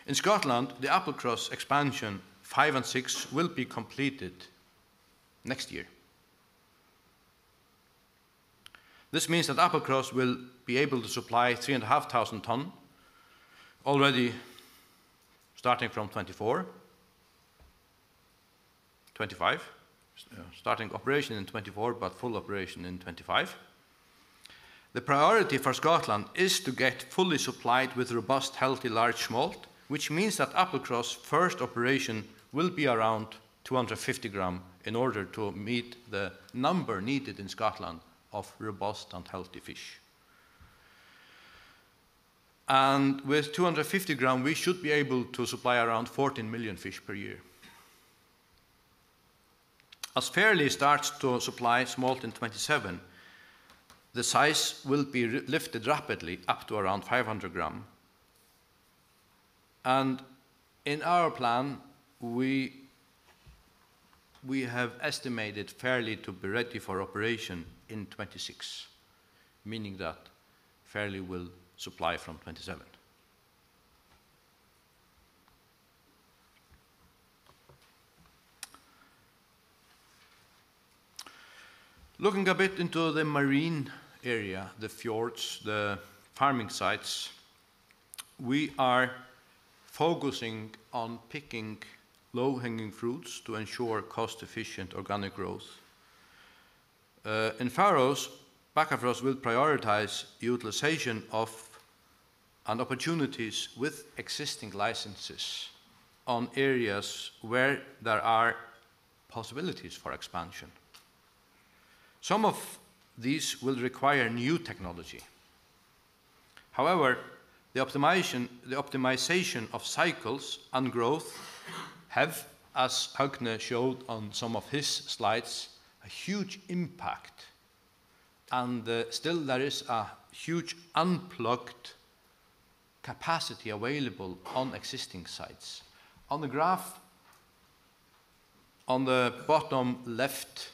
[SPEAKER 8] In Scotland, the Applecross expansion 5 and 6 will be completed next year. This means that Applecross will be able to supply 3,500 tons already starting from 2024, 2025. Starting operation in 2024, but full operation in 2025. The priority for Scotland is to get fully supplied with robust, healthy, large smolt, which means that Applecross first operation will be around 250 g in order to meet the number needed in Scotland of robust and healthy fish. With 250 g, we should be able to supply around 14 million fish per year. As Fairlie starts to supply smolt in 2027, the size will be lifted rapidly up to around 500 g, and in our plan, we have estimated Fairlie to be ready for operation in 2026, meaning that Fairlie will supply from 2027. Looking a bit into the marine area, the fjords, the farming sites, we are focusing on picking low-hanging fruits to ensure cost-efficient organic growth. In Faroes, Bakkafrost will prioritize utilization of and opportunities with existing licenses on areas where there are possibilities for expansion. Some of these will require new technology. However, the optimization of cycles and growth have, as Høgni showed on some of his slides, a huge impact, and still there is a huge unplugged capacity available on existing sites. On the graph, on the bottom left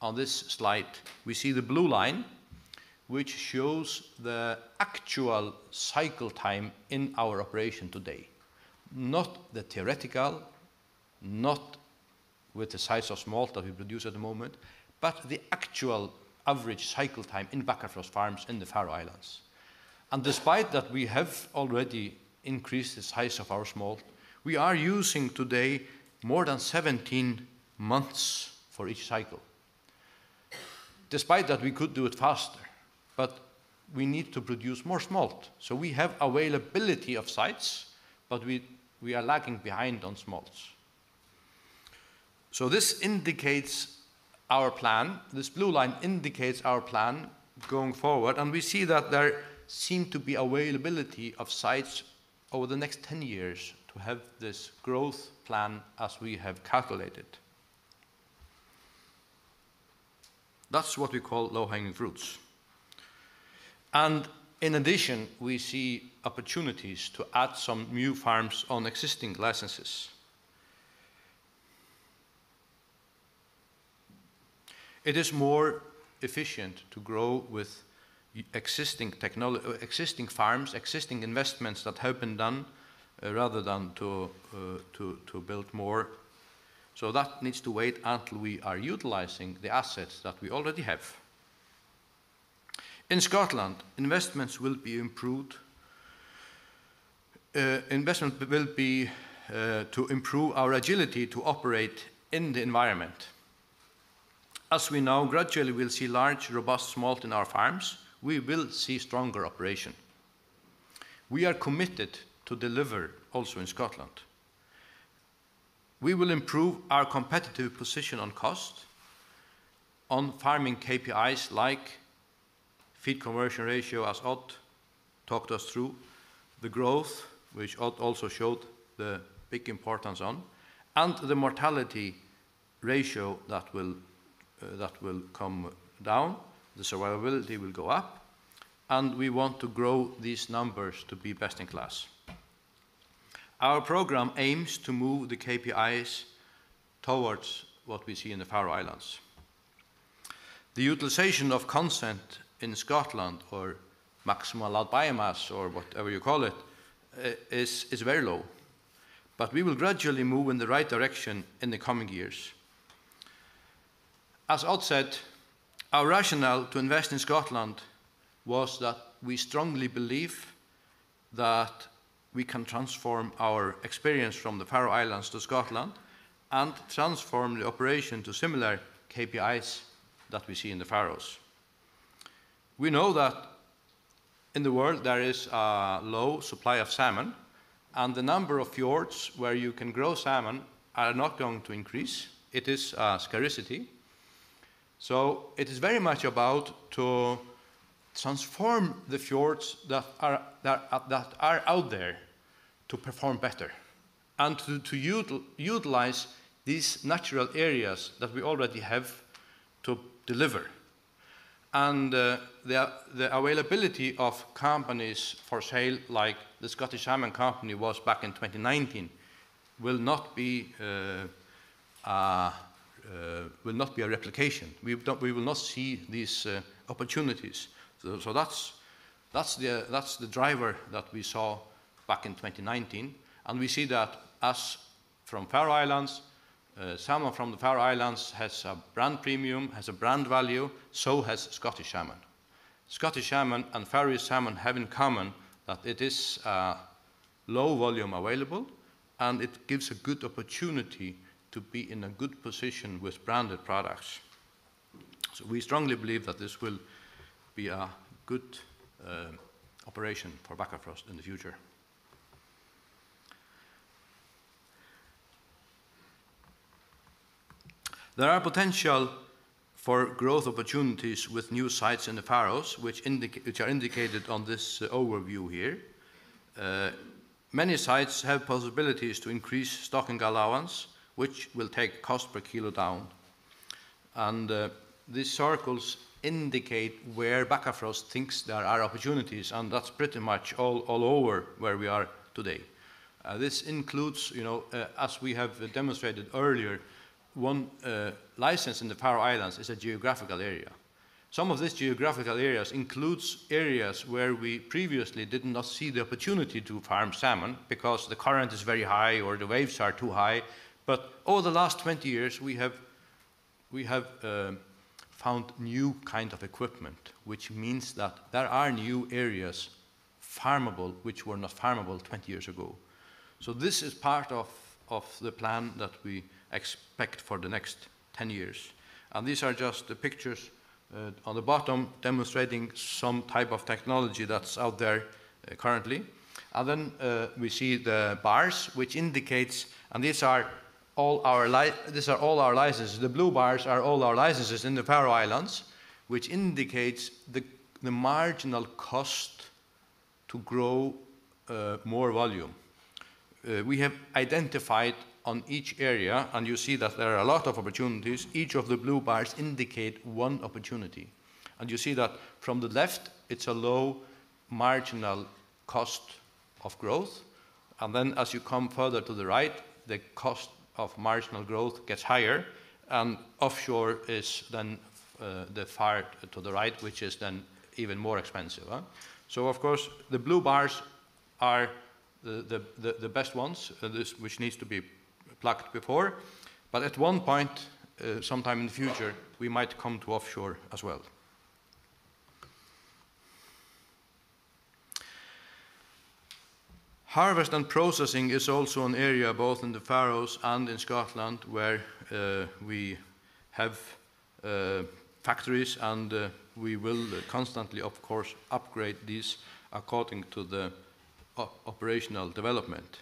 [SPEAKER 8] on this slide, we see the blue line, which shows the actual cycle time in our operation today. Not the theoretical, not with the size of smolt that we produce at the moment, but the actual average cycle time in Bakkafrost farms in the Faroe Islands. Despite that we have already increased the size of our smolt, we are using today more than 17 months for each cycle. Despite that, we could do it faster, but we need to produce more smolt. We have availability of sites, but we are lagging behind on smolts. This indicates our plan, this blue line indicates our plan going forward, and we see that there seem to be availability of sites over the next 10 years to have this growth plan as we have calculated. That's what we call low-hanging fruits. In addition, we see opportunities to add some new farms on existing licenses. It is more efficient to grow with existing farms, existing investments that have been done, rather than to build more. That needs to wait until we are utilizing the assets that we already have. In Scotland, investments will be improved. Investment will be to improve our agility to operate in the environment. As we know, gradually we'll see large, robust smolt in our farms, we will see stronger operation. We are committed to deliver also in Scotland. We will improve our competitive position on cost, on farming KPIs like feed conversion ratio, as Odd talked us through, the growth, which Odd also showed the big importance on, and the mortality ratio that will come down, the survivability will go up, and we want to grow these numbers to be best in class. Our program aims to move the KPIs towards what we see in the Faroe Islands. The utilization of consent in Scotland or maximal allowed biomass, or whatever you call it, is very low, but we will gradually move in the right direction in the coming years. As Odd said, our rationale to invest in Scotland was that we strongly believe that we can transform our experience from the Faroe Islands to Scotland and transform the operation to similar KPIs that we see in the Faroes. We know that in the world there is a low supply of salmon, and the number of fjords where you can grow salmon are not going to increase. It is a scarcity. It is very much about to transform the fjords that are, that are out there to perform better and to utilize these natural areas that we already have to deliver. The availability of companies for sale, like The Scottish Salmon Company was back in 2019, will not be a replication. We will not see these opportunities. That's the driver that we saw back in 2019, we see that us from Faroe Islands, salmon from the Faroe Islands has a brand premium, has a brand value, so has Scottish salmon. Scottish salmon and Faroese salmon have in common that it is low volume available, it gives a good opportunity to be in a good position with branded products. We strongly believe that this will be a good operation for Bakkafrost in the future. There are potential for growth opportunities with new sites in the Faroes, which are indicated on this overview here. Many sites have possibilities to increase stocking allowance, which will take cost per kilo down. These circles indicate where Bakkafrost thinks there are opportunities, and that's pretty much all over where we are today. This includes, you know, as we have demonstrated earlier, 1 license in the Faroe Islands is a geographical area. Some of these geographical areas includes areas where we previously did not see the opportunity to farm salmon because the current is very high or the waves are too high. Over the last 20 years, we have found new kind of equipment, which means that there are new areas farmable which were not farmable 20 years ago. This is part of the plan that we expect for the next 10 years, and these are just the pictures on the bottom demonstrating some type of technology that's out there currently. We see the bars, which indicates... These are all our licenses. The blue bars are all our licenses in the Faroe Islands, which indicates the marginal cost to grow more volume. We have identified on each area, and you see that there are a lot of opportunities. Each of the blue bars indicate one opportunity, and you see that from the left, it's a low marginal cost of growth, and then as you come further to the right, the cost of marginal growth gets higher, and offshore is then the far to the right, which is then even more expensive. Of course, the blue bars are the best ones, which needs to be plucked before, but at one point, sometime in the future, we might come to offshore as well. Harvest and processing is also an area, both in the Faroes and in Scotland, where we have factories, and we will constantly, of course, upgrade these according to the operational development.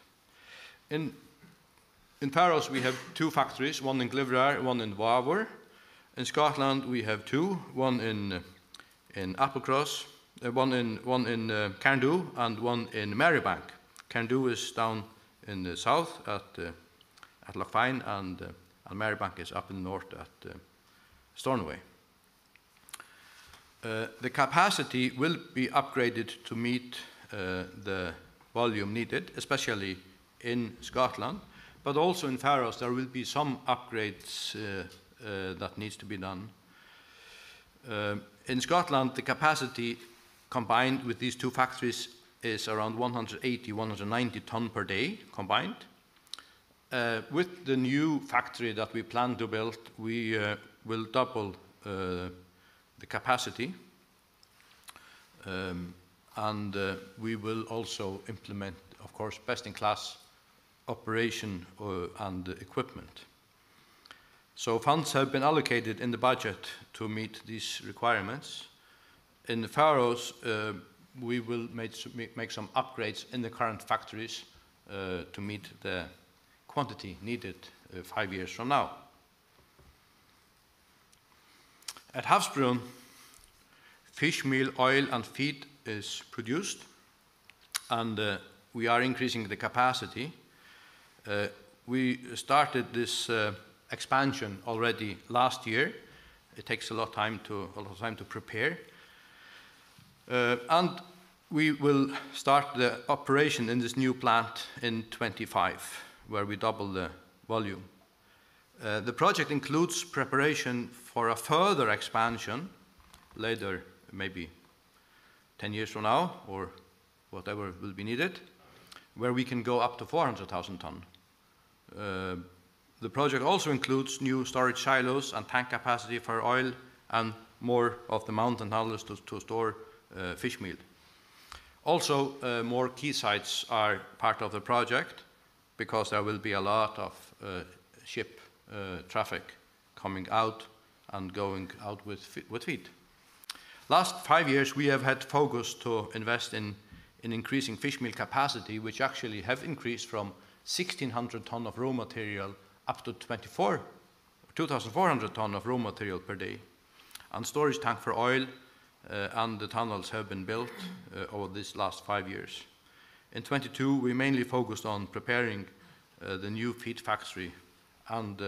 [SPEAKER 8] In Faroes, we have two factories, one in Klaksvík, one in Vágur. In Scotland, we have two, one in Applecross, one in Cairndow and one in Marybank. Cairndow is down in the south at Loch Fyne, and Marybank is up in the north at Stornoway. The capacity will be upgraded to meet the volume needed, especially in Scotland, but also in Faroes, there will be some upgrades that needs to be done. In Scotland, the capacity combined with these two factories is around 180, 190 ton per day combined. With the new factory that we plan to build, we will double the capacity, we will also implement, of course, best-in-class operation and equipment. Funds have been allocated in the budget to meet these requirements. In the Faroes, we will make some upgrades in the current factories to meet the quantity needed five years from now. At Havsbrún, fishmeal, oil, and feed is produced, we are increasing the capacity. We started this expansion already last year. It takes a lot of time to prepare. We will start the operation in this new plant in 2025, where we double the volume. The project includes preparation for a further expansion later, maybe 10 years from now, or whatever will be needed, where we can go up to 400,000 ton. The project also includes new storage silos and tank capacity for oil and more of the mountain tunnels to store fishmeal. More quaysides are part of the project because there will be a lot of ship traffic coming out and going out with feed. Last five years, we have had focus to invest in increasing fishmeal capacity, which actually have increased from 1,600 ton of raw material up to 2,400 ton of raw material per day, and storage tank for oil, and the tunnels have been built over these last five years. In 2022, we mainly focused on preparing the new feed factory and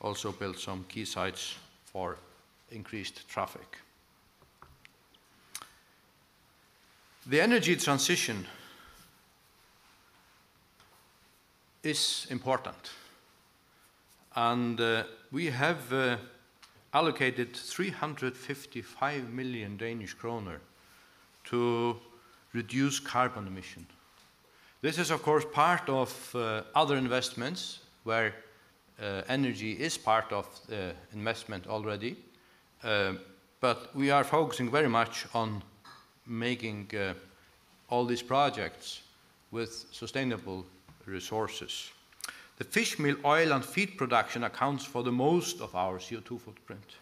[SPEAKER 8] also built some quaysides for increased traffic. The energy transition is important, and we have allocated 355 million Danish kroner to reduce carbon emission. This is, of course, part of other investments, where energy is part of the investment already, but we are focusing very much on making all these projects with sustainable resources. The fishmeal, oil and feed production accounts for the most of our CO2 footprint,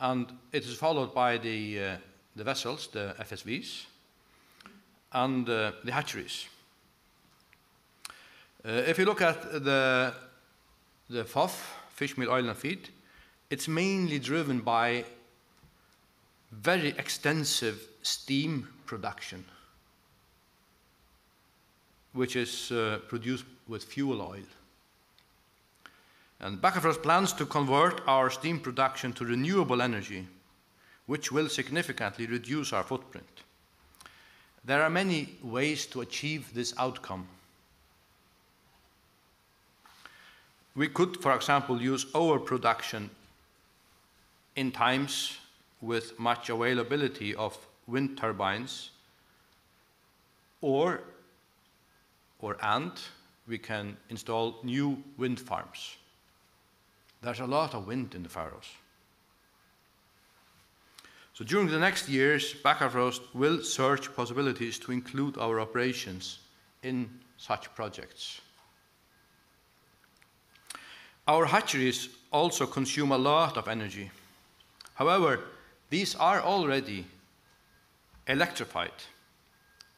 [SPEAKER 8] and it is followed by the vessels, the FSVs, and the hatcheries. If you look at the FOF, fishmeal, oil and feed, it's mainly driven by very extensive steam production, which is produced with fuel oil. Bakkafrost plans to convert our steam production to renewable energy, which will significantly reduce our footprint. There are many ways to achieve this outcome. We could, for example, use overproduction in times with much availability of wind turbines, or/and we can install new wind farms. There's a lot of wind in the Faroes. During the next years, Bakkafrost will search possibilities to include our operations in such projects. Our hatcheries also consume a lot of energy. These are already electrified,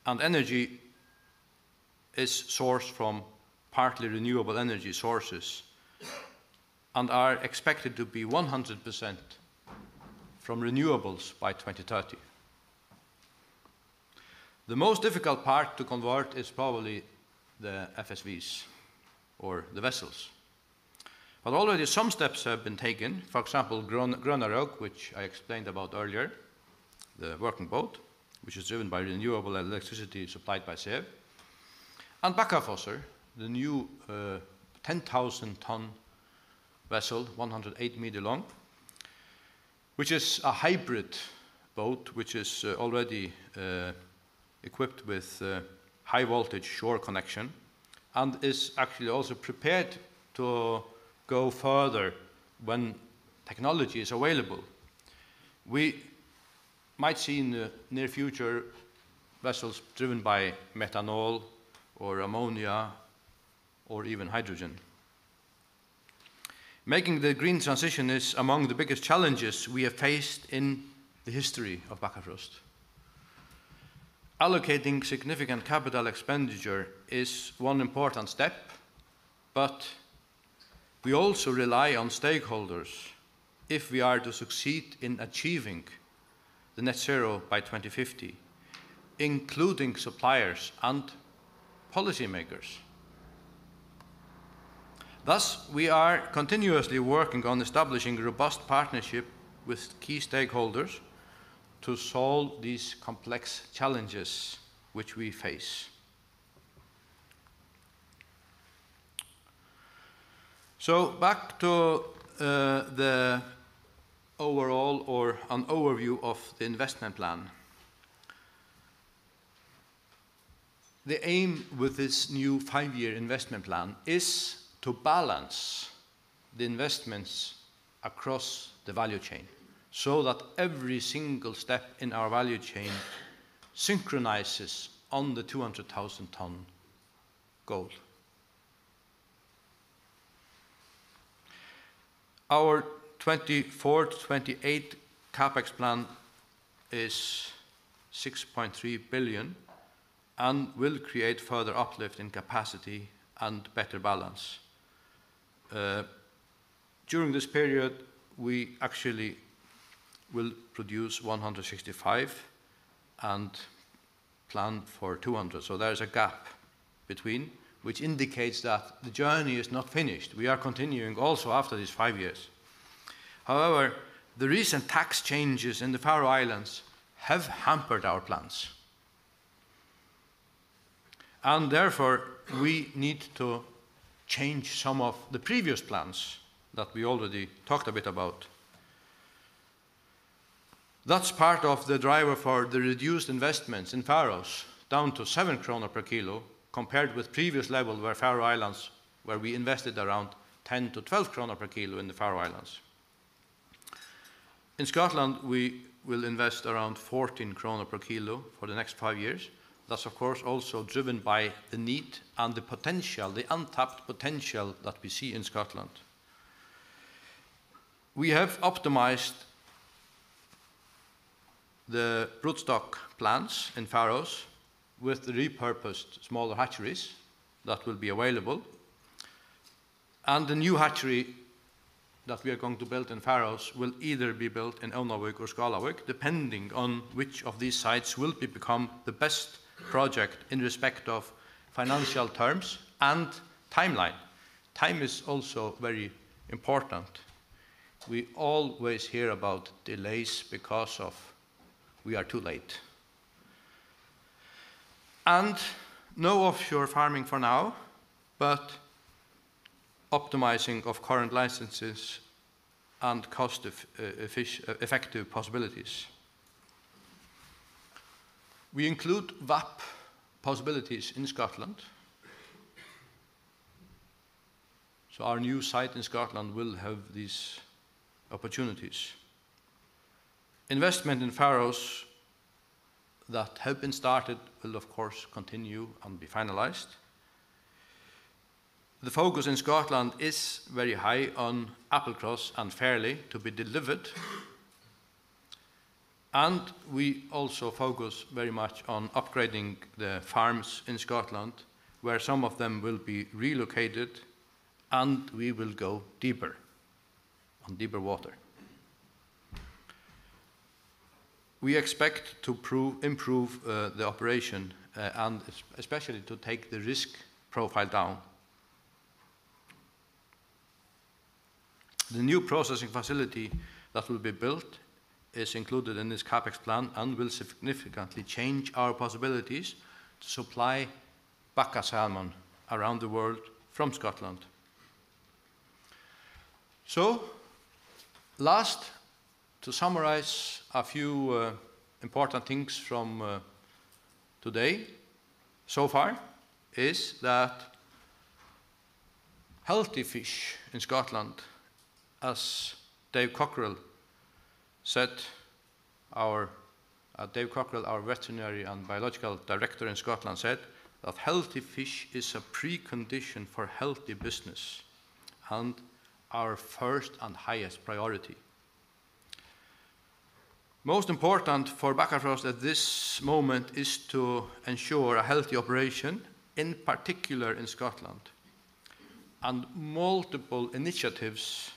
[SPEAKER 8] and energy is sourced from partly renewable energy sources, and are expected to be 100% from renewables by 2030. The most difficult part to convert is probably the FSVs or the vessels, but already some steps have been taken. For example, Grønarók, which I explained about earlier, the working boat, which is driven by renewable electricity supplied by SEV, and Bakkafossur, the new 10,000 tons vessel, 108 m long, which is a hybrid boat, which is already equipped with high-voltage shore connection and is actually also prepared to go further when technology is available. We might see in the near future vessels driven by methanol or ammonia or even hydrogen. Making the green transition is among the biggest challenges we have faced in the history of Bakkafrost. Allocating significant capital expenditure is one important step, but we also rely on stakeholders if we are to succeed in achieving the net zero by 2050, including suppliers and policymakers. Thus, we are continuously working on establishing a robust partnership with key stakeholders to solve these complex challenges which we face. Back to the overall or an overview of the investment plan. The aim with this new five-year investment plan is to balance the investments across the value chain so that every single step in our value chain synchronizes on the 200,000 ton goal. Our 2024-2028 CapEx plan is 6.3 billion and will create further uplift in capacity and better balance. During this period, we actually will produce 165 and plan for 200. There is a gap between, which indicates that the journey is not finished. We are continuing also after these five years. However, the recent tax changes in the Faroe Islands have hampered our plans, and therefore, we need to change some of the previous plans that we already talked a bit about. That's part of the driver for the reduced investments in Faroes, down to 7 kroner per kilo, compared with previous level where Faroe Islands, where we invested around 10-12 kroner per kilo in the Faroe Islands. In Scotland, we will invest around 14 kroner per kilo for the next five years. That's, of course, also driven by the need and the potential, the untapped potential that we see in Scotland. We have optimized the broodstock plants in Faroes with the repurposed smaller hatcheries that will be available, and the new hatchery that we are going to build in Faroes will either be built in Ónavík or Skálavík, depending on which of these sites will be become the best project in respect of financial terms and timeline. Time is also very important. We always hear about delays because of we are too late. No offshore farming for now, but optimizing of current licenses and cost effective possibilities. We include VAP possibilities in Scotland, so our new site in Scotland will have these opportunities. Investment in Faroes that have been started will, of course, continue and be finalized. The focus in Scotland is very high on Applecross and Fairlie to be delivered, and we also focus very much on upgrading the farms in Scotland, where some of them will be relocated, and we will go deeper, on deeper water. We expect to improve the operation and especially to take the risk profile down. The new processing facility that will be built is included in this CapEx plan and will significantly change our possibilities to supply Bakka Salmon around the world from Scotland. Last, to summarize a few important things from today so far, is that healthy fish in Scotland, as Dave Cockerill said, our Dave Cockerill, our veterinary and biological director in Scotland, said that healthy fish is a precondition for healthy business and our first and highest priority. Most important for Bakkafrost at this moment is to ensure a healthy operation, in particular in Scotland. Multiple initiatives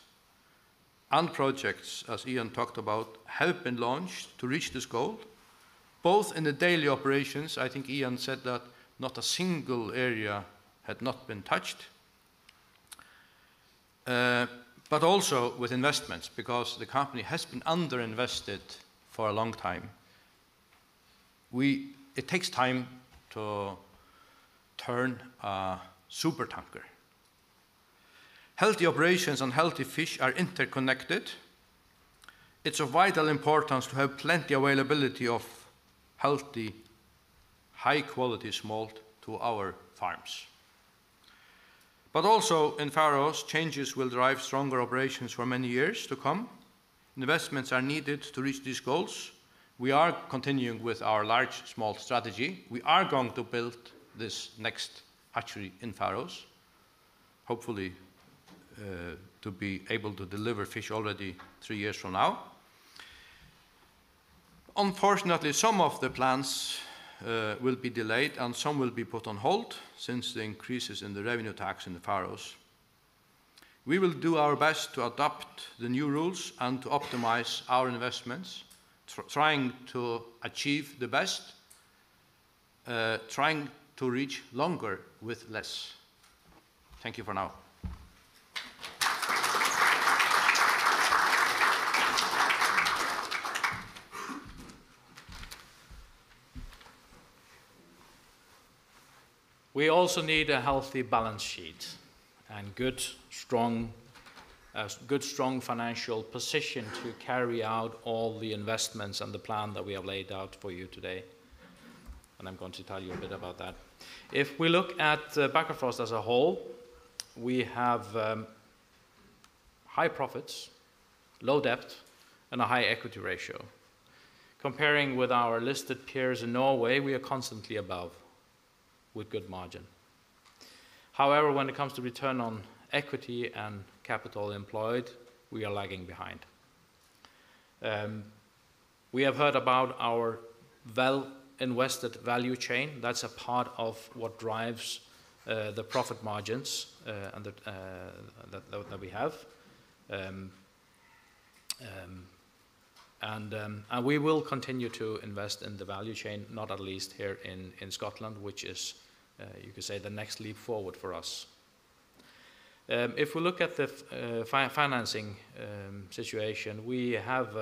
[SPEAKER 8] and projects, as Ian talked about, have been launched to reach this goal, both in the daily operations, I think Ian said that not a single area had not been touched, but also with investments, because the company has been underinvested for a long time. It takes time to turn a supertanker. Healthy operations and healthy fish are interconnected. It's of vital importance to have plenty availability of healthy, high-quality smolt to our farms.
[SPEAKER 3] Also in Faroes, changes will drive stronger operations for many years to come. Investments are needed to reach these goals. We are continuing with our large, small strategy. We are going to build this next hatchery in Faroes, hopefully to be able to deliver fish already three years from now. Unfortunately, some of the plans will be delayed, and some will be put on hold since the increases in the revenue tax in the Faroes. We will do our best to adopt the new rules and to optimize our investments, trying to achieve the best, trying to reach longer with less. Thank you for now. We also need a healthy balance sheet and good, strong financial position to carry out all the investments and the plan that we have laid out for you today. I'm going to tell you a bit about that. If we look at Bakkafrost as a whole, we have high profits, low debt, and a high equity ratio. Comparing with our listed peers in Norway, we are constantly above with good margin. When it comes to return on equity and capital employed, we are lagging behind. We have heard about our well-invested value chain. That's a part of what drives the profit margins and the that we have. We will continue to invest in the value chain, not at least here in Scotland, which is, you could say, the next leap forward for us. If we look at the financing situation, we have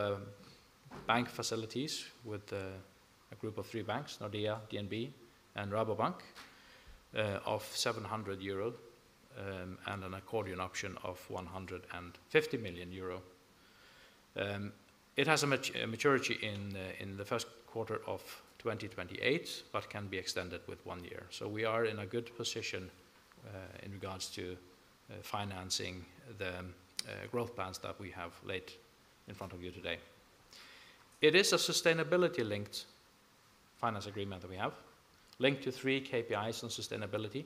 [SPEAKER 3] bank facilities with a group of three banks, Nordea, DNB, and Rabobank, of 700 euro, and an accordion option of 150 million euro. It has a maturity in the first quarter of 2028, but can be extended with one year. We are in a good position in regards to financing the growth plans that we have laid in front of you today. It is a sustainability-linked finance agreement that we have, linked to three KPIs on sustainability.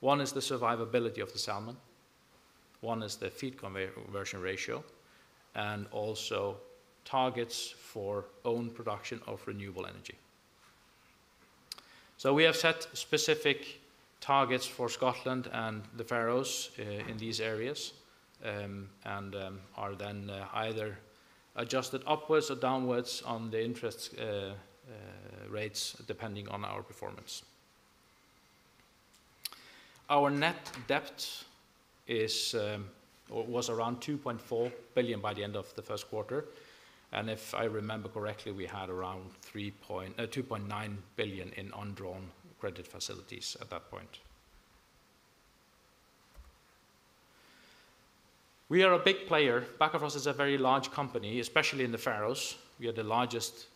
[SPEAKER 3] One is the survivability of the salmon, one is the feed conversion ratio, and also targets for own production of renewable energy. We have set specific targets for Scotland and the Faroes in these areas, and are then either adjusted upwards or downwards on the interest rates, depending on our performance. Our net debt is or was around 2.4 billion by the end of the first quarter, and if I remember correctly, we had around 2.9 billion in undrawn credit facilities at that point. We are a big player. Bakkafrost is a very large company, especially in the Faroes. We are the largest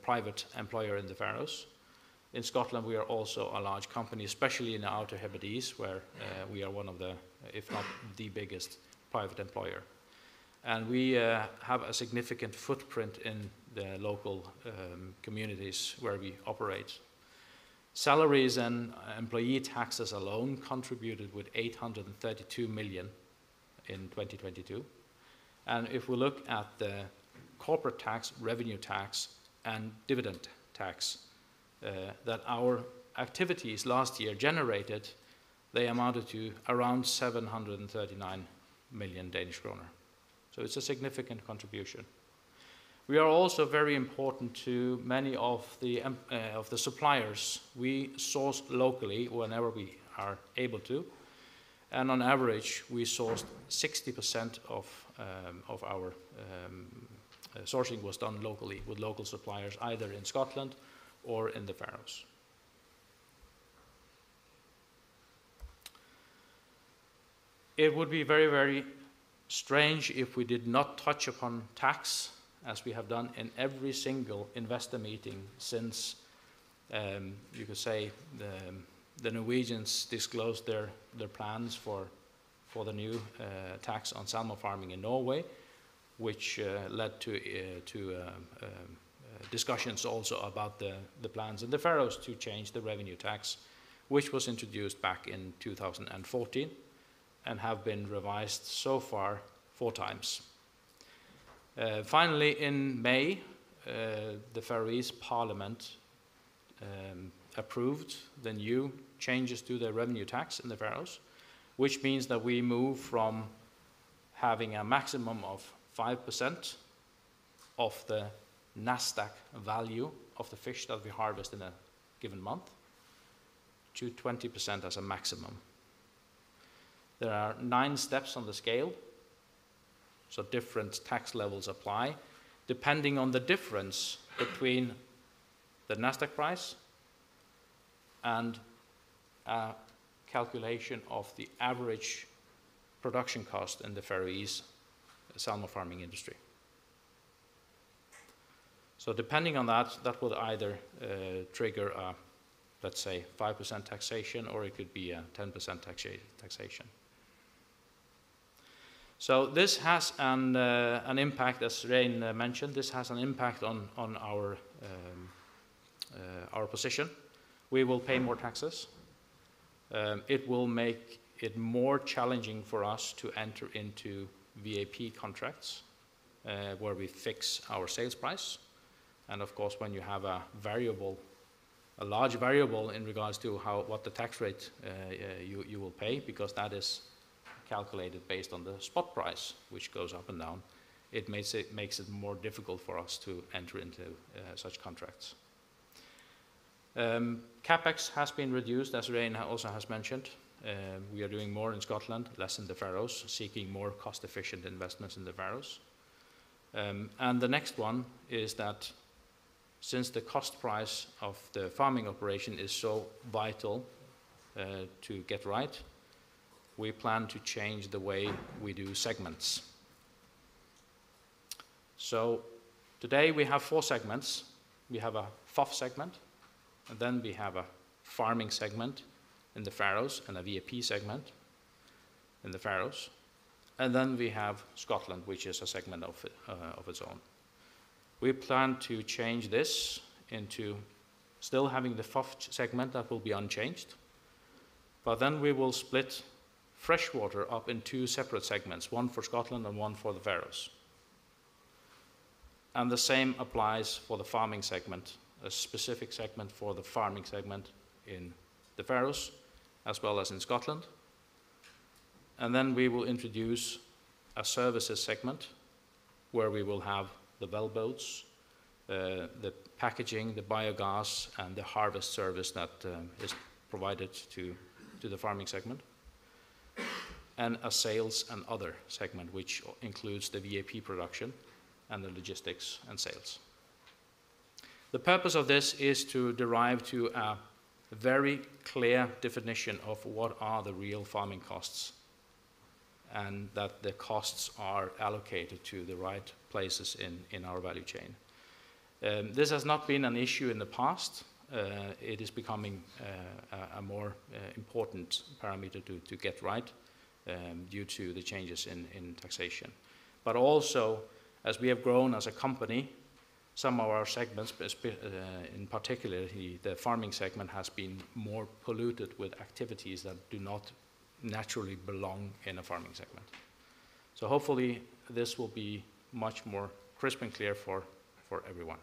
[SPEAKER 3] private employer in the Faroes. In Scotland, we are also a large company, especially in the Outer Hebrides, where we are one of the, if not the biggest, private employer. We have a significant footprint in the local communities where we operate. Salaries and employee taxes alone contributed with 832 million in 2022, and if we look at the corporate tax, revenue tax, and dividend tax that our activities last year generated, they amounted to around 739 million Danish kroner. It's a significant contribution. We are also very important to many of the suppliers. We source locally whenever we are able to, and on average, we source 60% of our sourcing was done locally with local suppliers, either in Scotland or in the Faroes. It would be very, very strange if we did not touch upon tax, as we have done in every single investor meeting since, you could say, the Norwegians disclosed their plans for the new tax on salmon farming in Norway, which led to discussions also about the plans in the Faroes to change the revenue tax, which was introduced back in 2014 and have been revised so far four times. Finally, in May, the Faroese Parliament approved the new changes to the revenue tax in the Faroes, which means that we move from having a maximum of 5% of the NASDAQ value of the fish that we harvest in a given month to 20% as a maximum. There are nine steps on the scale, different tax levels apply, depending on the difference between the NASDAQ price and calculation of the average production cost in the Faroese salmon farming industry. Depending on that will either trigger a, let's say, 5% taxation, or it could be a 10% taxation. This has an impact, as Regin mentioned, this has an impact on our position. We will pay more taxes. It will make it more challenging for us to enter into VAP contracts, where we fix our sales price. Of course, when you have a variable, a large variable in regards to what the tax rate you will pay, because that is calculated based on the spot price, which goes up and down, it makes it more difficult for us to enter into such contracts. CapEx has been reduced, as Regin also has mentioned. We are doing more in Scotland, less in the Faroes, seeking more cost-efficient investments in the Faroes. The next one is that since the cost price of the farming operation is so vital to get right, we plan to change the way we do segments. Today, we have four segments. We have a FOF segment, we have a farming segment in the Faroes, a VAP segment in the Faroes, we have Scotland, which is a segment of its own. We plan to change this into still having the FOF segment, that will be unchanged, we will split freshwater up in two separate segments, one for Scotland and one for the Faroes. The same applies for the farming segment, a specific segment for the farming segment in the Faroes, as well as in Scotland. We will introduce a services segment, where we will have the bell boats, the packaging, the biogas, and the harvest service that is provided to the farming segment. A sales and other segment, which includes the VAP production and the logistics and sales. The purpose of this is to derive to a very clear definition of what are the real farming costs, and that the costs are allocated to the right places in our value chain. This has not been an issue in the past. It is becoming a more important parameter to get right due to the changes in taxation. Also, as we have grown as a company, some of our segments, in particular, the farming segment, has been more polluted with activities that do not naturally belong in a farming segment. Hopefully, this will be much more crisp and clear for everyone.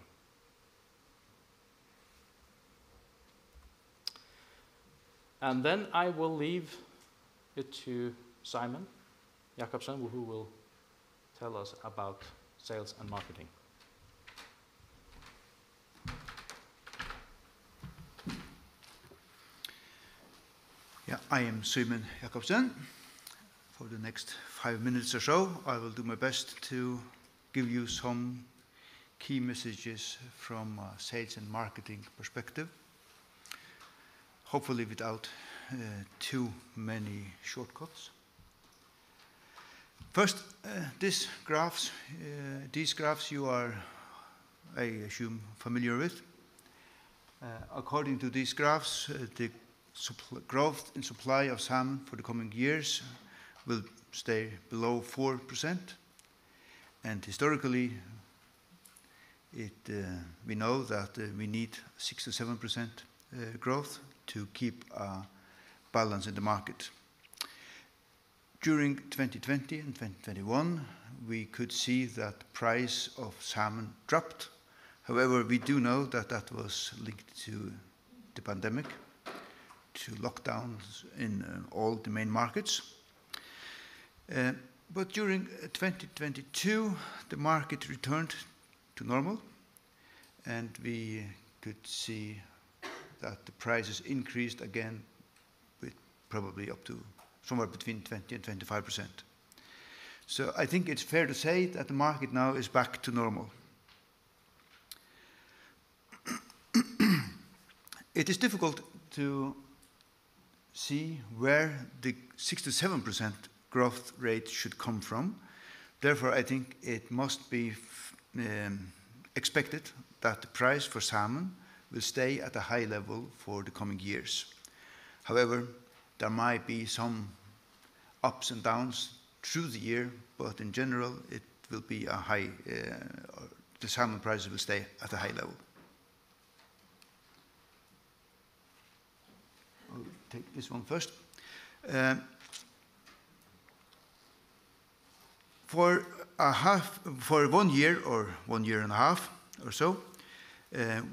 [SPEAKER 3] I will leave it to Símun Jakobsen, who will tell us about sales and marketing.
[SPEAKER 9] Yeah, I am Símun Jakobsen. For the next five minutes or so, I will do my best to give you some key messages from a sales and marketing perspective, hopefully without too many shortcuts. First, these graphs you are, I assume, familiar with. According to these graphs, the growth in supply of salmon for the coming years will stay below 4%, historically, we know that we need 6%-7% growth to keep a balance in the market. During 2020 and 2021, we could see that price of salmon dropped. However, we do know that that was linked to the pandemic, to lockdowns in all the main markets. During 2022, the market returned to normal, and we could see that the prices increased again, with probably up to somewhere between 20% and 25%. I think it's fair to say that the market now is back to normal. It is difficult to see where the 6%-7% growth rate should come from. Therefore, I think it must be expected that the price for salmon will stay at a high level for the coming years. However, there might be some ups and downs through the year, but in general, it will be a high, or the salmon prices will stay at a high level. I'll take this one first. For one year or one year and a half or so,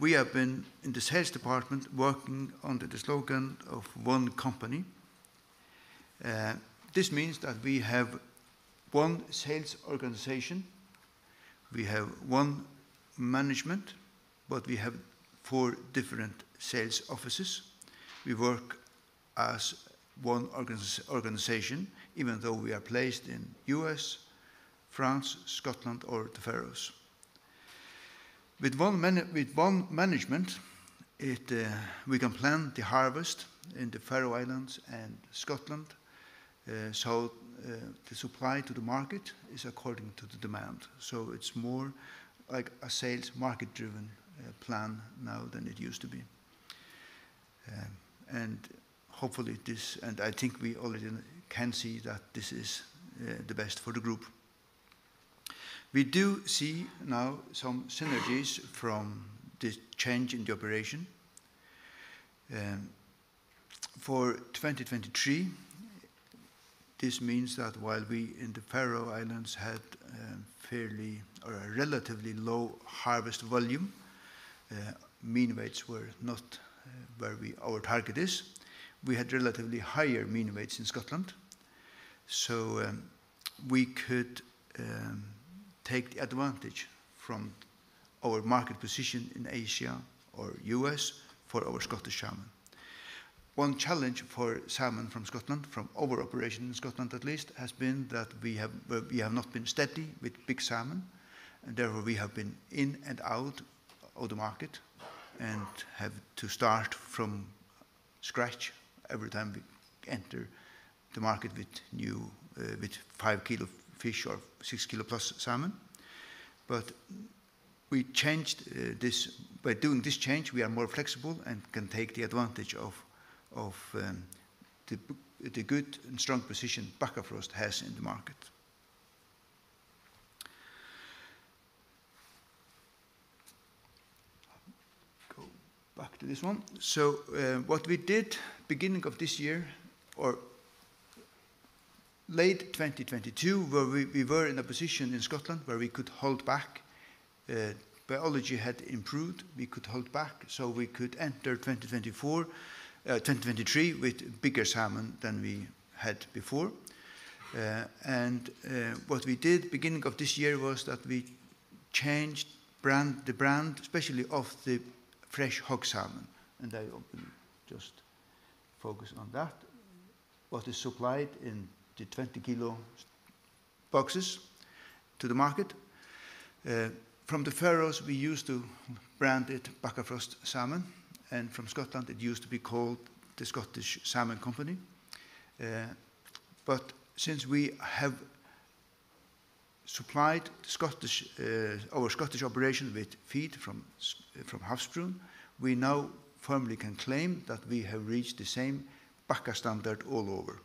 [SPEAKER 9] we have been, in the sales department, working under the slogan of One Company. This means that we have one sales organization, we have one management, but we have four different sales offices. We work as one organization, even though we are placed in U.S., France, Scotland, or the Faroes. With one management, it, we can plan the harvest in the Faroe Islands and Scotland, so the supply to the market is according to the demand. It's more like a sales market-driven plan now than it used to be. Hopefully this and I think we already can see that this is the best for the group. We do see now some synergies from this change in the operation. For 2023, this means that while we in the Faroe Islands had fairly or a relatively low harvest volume, mean weights were not where our target is. We had relatively higher mean weights in Scotland, so we could take the advantage from our market position in Asia or U.S. for our Scottish salmon. One challenge for salmon from Scotland, from our operation in Scotland at least, has been that we have not been steady with big salmon, and therefore, we have been in and out of the market and have to start from scratch every time we enter the market with new with 5 kilo fish or 6 kilo+ salmon. We changed by doing this change, we are more flexible and can take the advantage of the good and strong position Bakkafrost has in the market. Go back to this one. What we did beginning of this year or late 2022, where we were in a position in Scotland where we could hold back, biology had improved, we could hold back, so we could enter 2024, 2023, with bigger salmon than we had before. What we did beginning of this year was that we changed brand, especially of the fresh hog salmon. Just focus on that. What is supplied in the 20 kilo boxes to the market. From the Faroes, we used to brand it Bakkafrost Salmon, and from Scotland, it used to be called The Scottish Salmon Company. Since we have supplied Scottish, our Scottish operation with feed from Havsbrún, we now firmly can claim that we have reached the same Bakka standard all over.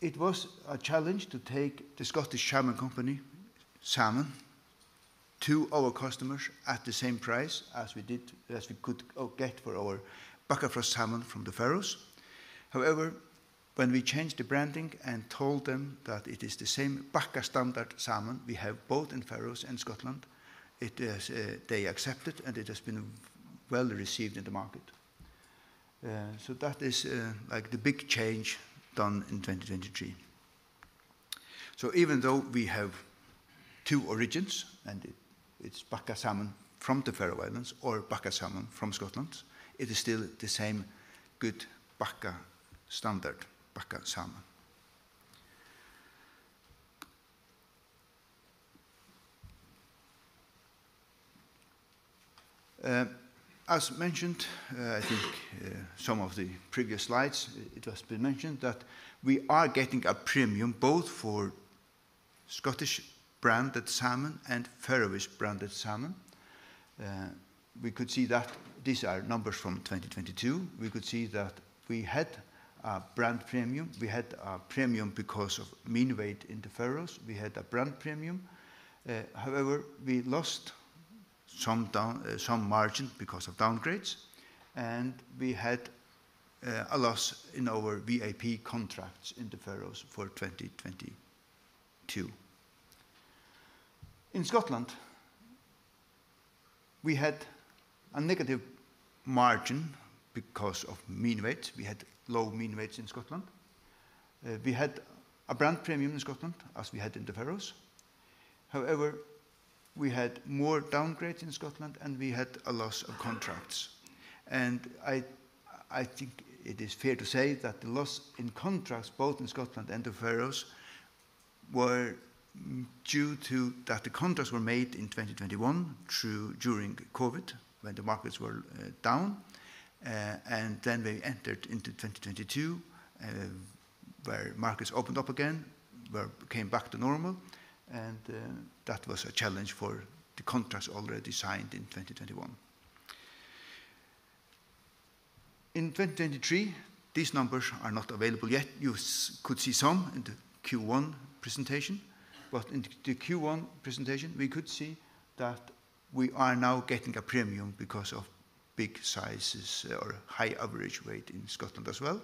[SPEAKER 9] It was a challenge to take The Scottish Salmon Company salmon to our customers at the same price as we did, as we could get for our Bakkafrost salmon from the Faroes. When we changed the branding and told them that it is the same Bakka standard salmon we have both in Faroes and Scotland, they accepted, and it has been well received in the market. That is like the big change done in 2023. Even though we have two origins, and it's Bakka Salmon from the Faroe Islands or Bakka Salmon from Scotland, it is still the same good Bakka standard, Bakka Salmon. As mentioned, I think some of the previous slides, it has been mentioned that we are getting a premium both for Scottish-branded salmon and Faroese-branded salmon. We could see that these are numbers from 2022. We could see that we had a brand premium. We had a premium because of mean weight in the Faroes. We had a brand premium. However, we lost some down, some margin because of downgrades, and we had a loss in our VAP contracts in the Faroes for 2022. In Scotland, we had a negative margin because of mean weight. We had low mean weights in Scotland. We had a brand premium in Scotland, as we had in the Faroes. However, we had more downgrades in Scotland, and we had a loss of contracts. I think it is fair to say that the loss in contracts, both in Scotland and the Faroes, were due to that the contracts were made in 2021, through during COVID, when the markets were down. We entered into 2022, where markets opened up again, where came back to normal, that was a challenge for the contracts already signed in 2021. In 2023, these numbers are not available yet. You could see some in the Q1 presentation, in the Q1 presentation, we could see that we are now getting a premium because of big sizes or high average weight in Scotland as well,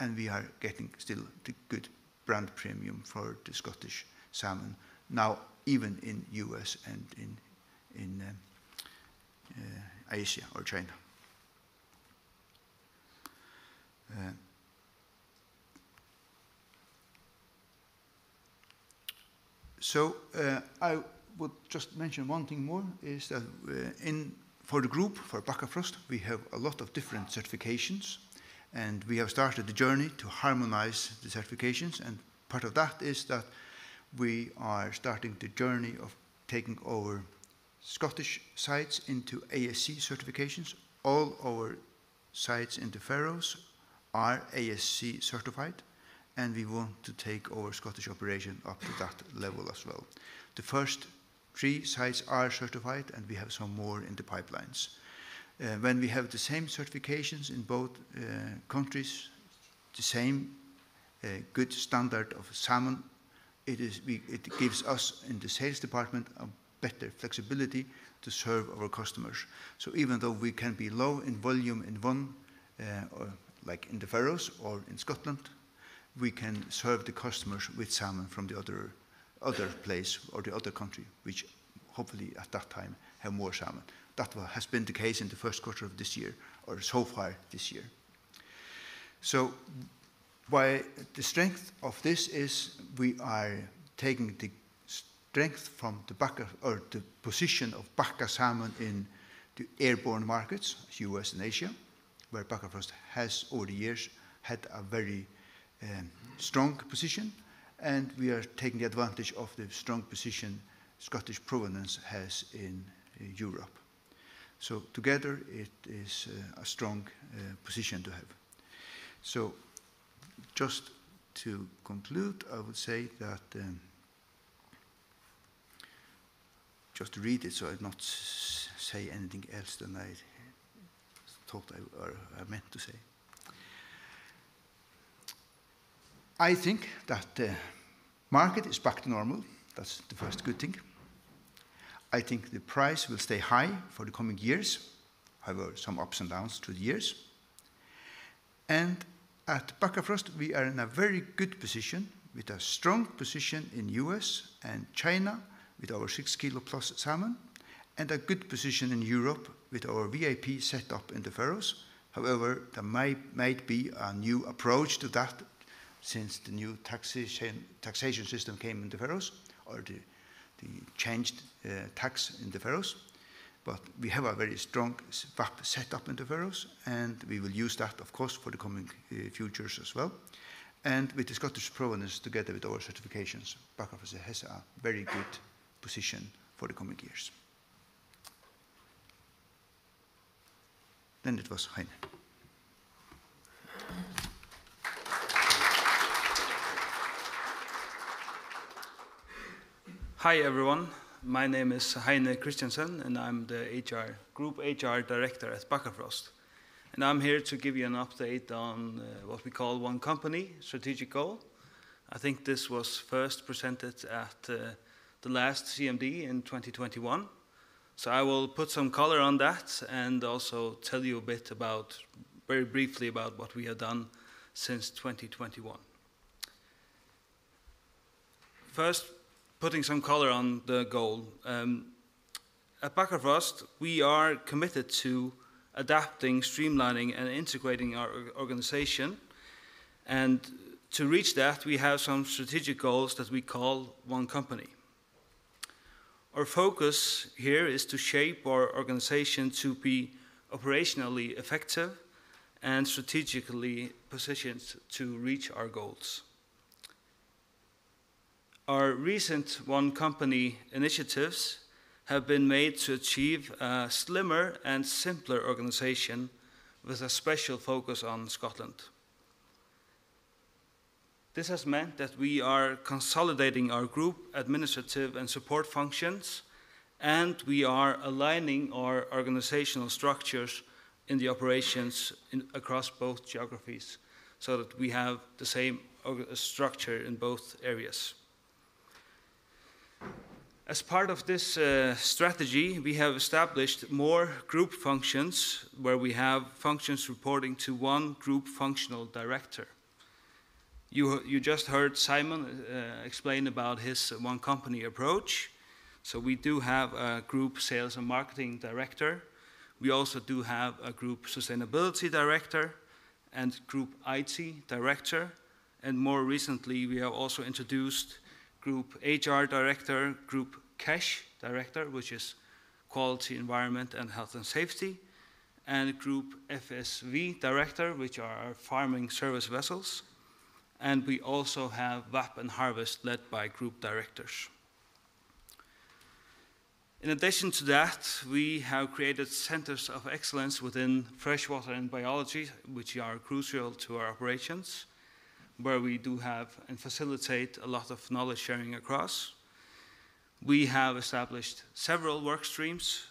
[SPEAKER 9] and we are getting still the good brand premium for the Scottish salmon, now even in U.S. and in Asia or China. I would just mention one thing more, is that for the group, for Bakkafrost, we have a lot of different certifications, we have started the journey to harmonize the certifications. Part of that is that we are starting the journey of taking Scottish sites into ASC certifications. All our sites in the Faroes are ASC certified, and we want to take our Scottish operation up to that level as well. The first three sites are certified, and we have some more in the pipelines. When we have the same certifications in both countries, the same good standard of salmon, it gives us in the sales department a better flexibility to serve our customers. Even though we can be low in volume in one, or like in the Faroes or in Scotland, we can serve the customers with salmon from the other place or the other country, which hopefully at that time have more salmon. That has been the case in the first quarter of this year or so far this year. Why the strength of this is we are taking the strength from the position of Bakka Salmon in the airborne markets, U.S. and Asia, where Bakkafrost has over the years had a very strong position, and we are taking advantage of the strong position Scottish provenance has in Europe. Together, it is a strong position to have. Just to conclude, I would say that just read it so I not say anything else than I meant to say. I think that the market is back to normal. That's the first good thing. I think the price will stay high for the coming years. However, some ups and downs through the years. At Bakkafrost, we are in a very good position, with a strong position in U.S. and China, with our 6 kilo+ salmon, and a good position in Europe with our VAP set up in the Faroes. There might be a new approach to that since the new taxation system came in the Faroes or the changed tax in the Faroes. We have a very strong VAP set up in the Faroes, and we will use that, of course, for the coming futures as well. With the Scottish provenance, together with our certifications, Bakkafrost has a very good position for the coming years. It was Heini.
[SPEAKER 10] Hi, everyone. My name is Heini Kristiansen, I'm the HR, Group HR Director at Bakkafrost. I'm here to give you an update on what we call One Company strategic goal. I think this was first presented at the last CMD in 2021. I will put some color on that and also tell you a bit about, very briefly about what we have done since 2021. First, putting some color on the goal. At Bakkafrost, we are committed to adapting, streamlining, and integrating our organization, to reach that, we have some strategic goals that we call One Company. Our focus here is to shape our organization to be operationally effective and strategically positioned to reach our goals. Our recent One Company initiatives have been made to achieve a slimmer and simpler organization with a special focus on Scotland. This has meant that we are consolidating our group administrative and support functions, and we are aligning our organizational structures in the operations in, across both geographies, so that we have the same or structure in both areas. As part of this strategy, we have established more group functions, where we have functions reporting to one group functional director. You just heard Símun explain about his One Company approach, so we do have a Group Sales and Marketing Director. We also do have a Group Sustainability Director and Group IT Director, and more recently, we have also introduced Group HR Director, Group QEHS Director, which is Quality, Environment, and Health and Safety, and Group FSV Director, which are our Farming Service Vessels, and we also have VAP and Harvest, led by group directors. In addition to that, we have created centers of excellence within freshwater and biology, which are crucial to our operations, where we do have and facilitate a lot of knowledge sharing across. We have established several work streams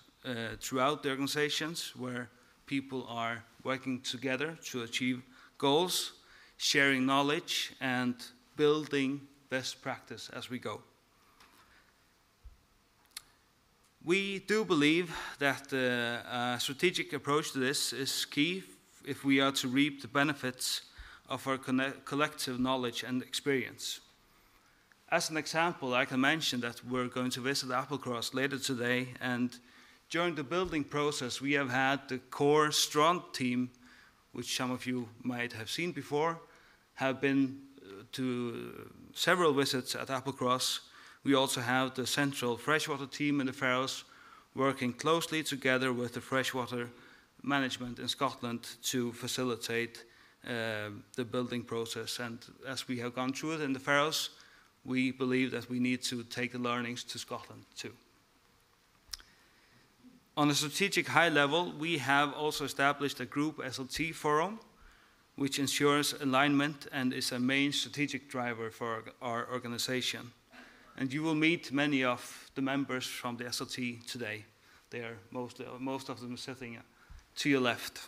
[SPEAKER 10] throughout the organizations, where people are working together to achieve goals, sharing knowledge, and building best practice as we go. We do believe that a strategic approach to this is key if we are to reap the benefits of our collective knowledge and experience. As an example, I can mention that we're going to visit Applecross later today, and during the building process, we have had the core strong team, which some of you might have seen before, have been to several visits at Applecross. We also have the central freshwater team in the Faroes, working closely together with the freshwater management in Scotland to facilitate the building process. As we have gone through it in the Faroes, we believe that we need to take the learnings to Scotland, too. On a strategic high level, we have also established a group SLT forum, which ensures alignment and is a main strategic driver for our organization. You will meet many of the members from the SLT today. They are most of them sitting to your left.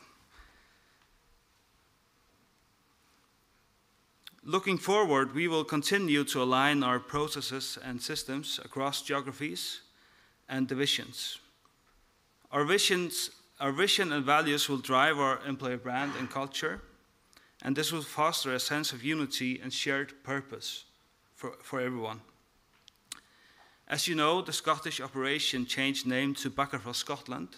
[SPEAKER 10] Looking forward, we will continue to align our processes and systems across geographies and divisions. Our vision and values will drive our employee brand and culture, and this will foster a sense of unity and shared purpose for everyone. As you know, the Scottish operation changed name to Bakkafrost Scotland,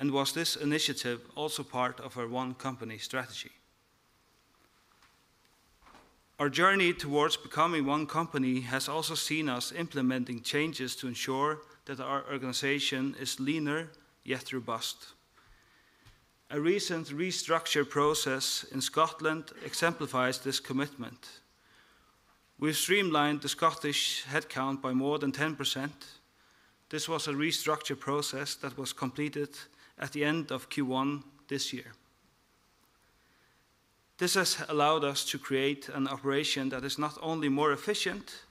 [SPEAKER 10] was this initiative also part of our One Company strategy? Our journey towards becoming One Company has also seen us implementing changes to ensure that our organization is leaner, yet robust. A recent restructure process in Scotland exemplifies this commitment. We streamlined the Scottish headcount by more than 10%. This was a restructure process that was completed at the end of Q1 this year. This has allowed us to create an operation that is not only more efficient,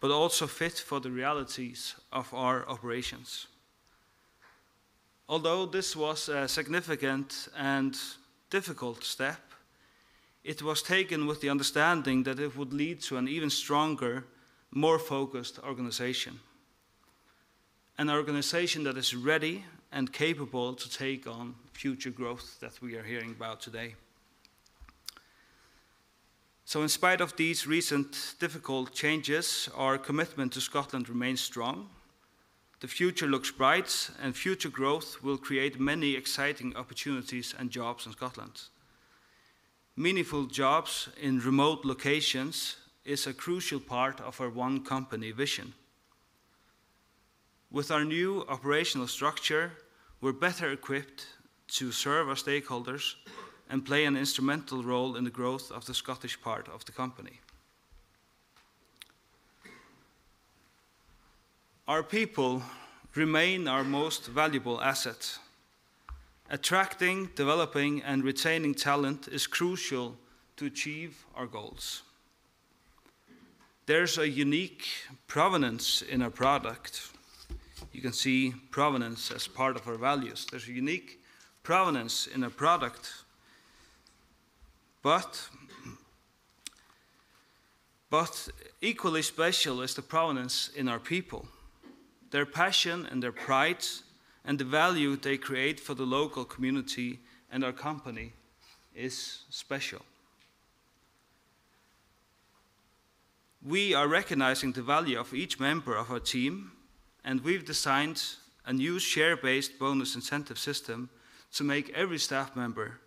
[SPEAKER 10] but also fit for the realities of our operations. Although this was a significant and difficult step, it was taken with the understanding that it would lead to an even stronger, more focused organization. An organization that is ready and capable to take on future growth that we are hearing about today. In spite of these recent difficult changes, our commitment to Scotland remains strong. The future looks bright, and future growth will create many exciting opportunities and jobs in Scotland. Meaningful jobs in remote locations is a crucial part of our One Company vision. With our new operational structure, we're better equipped to serve our stakeholders and play an instrumental role in the growth of the Scottish part of the company. Our people remain our most valuable asset. Attracting, developing, and retaining talent is crucial to achieve our goals. There's a unique provenance in our product. You can see provenance as part of our values. There's a unique provenance in our product, but equally special is the provenance in our people. Their passion and their pride, and the value they create for the local community and our company is special. We are recognizing the value of each member of our team. We've designed a new share-based bonus incentive system to make every staff member,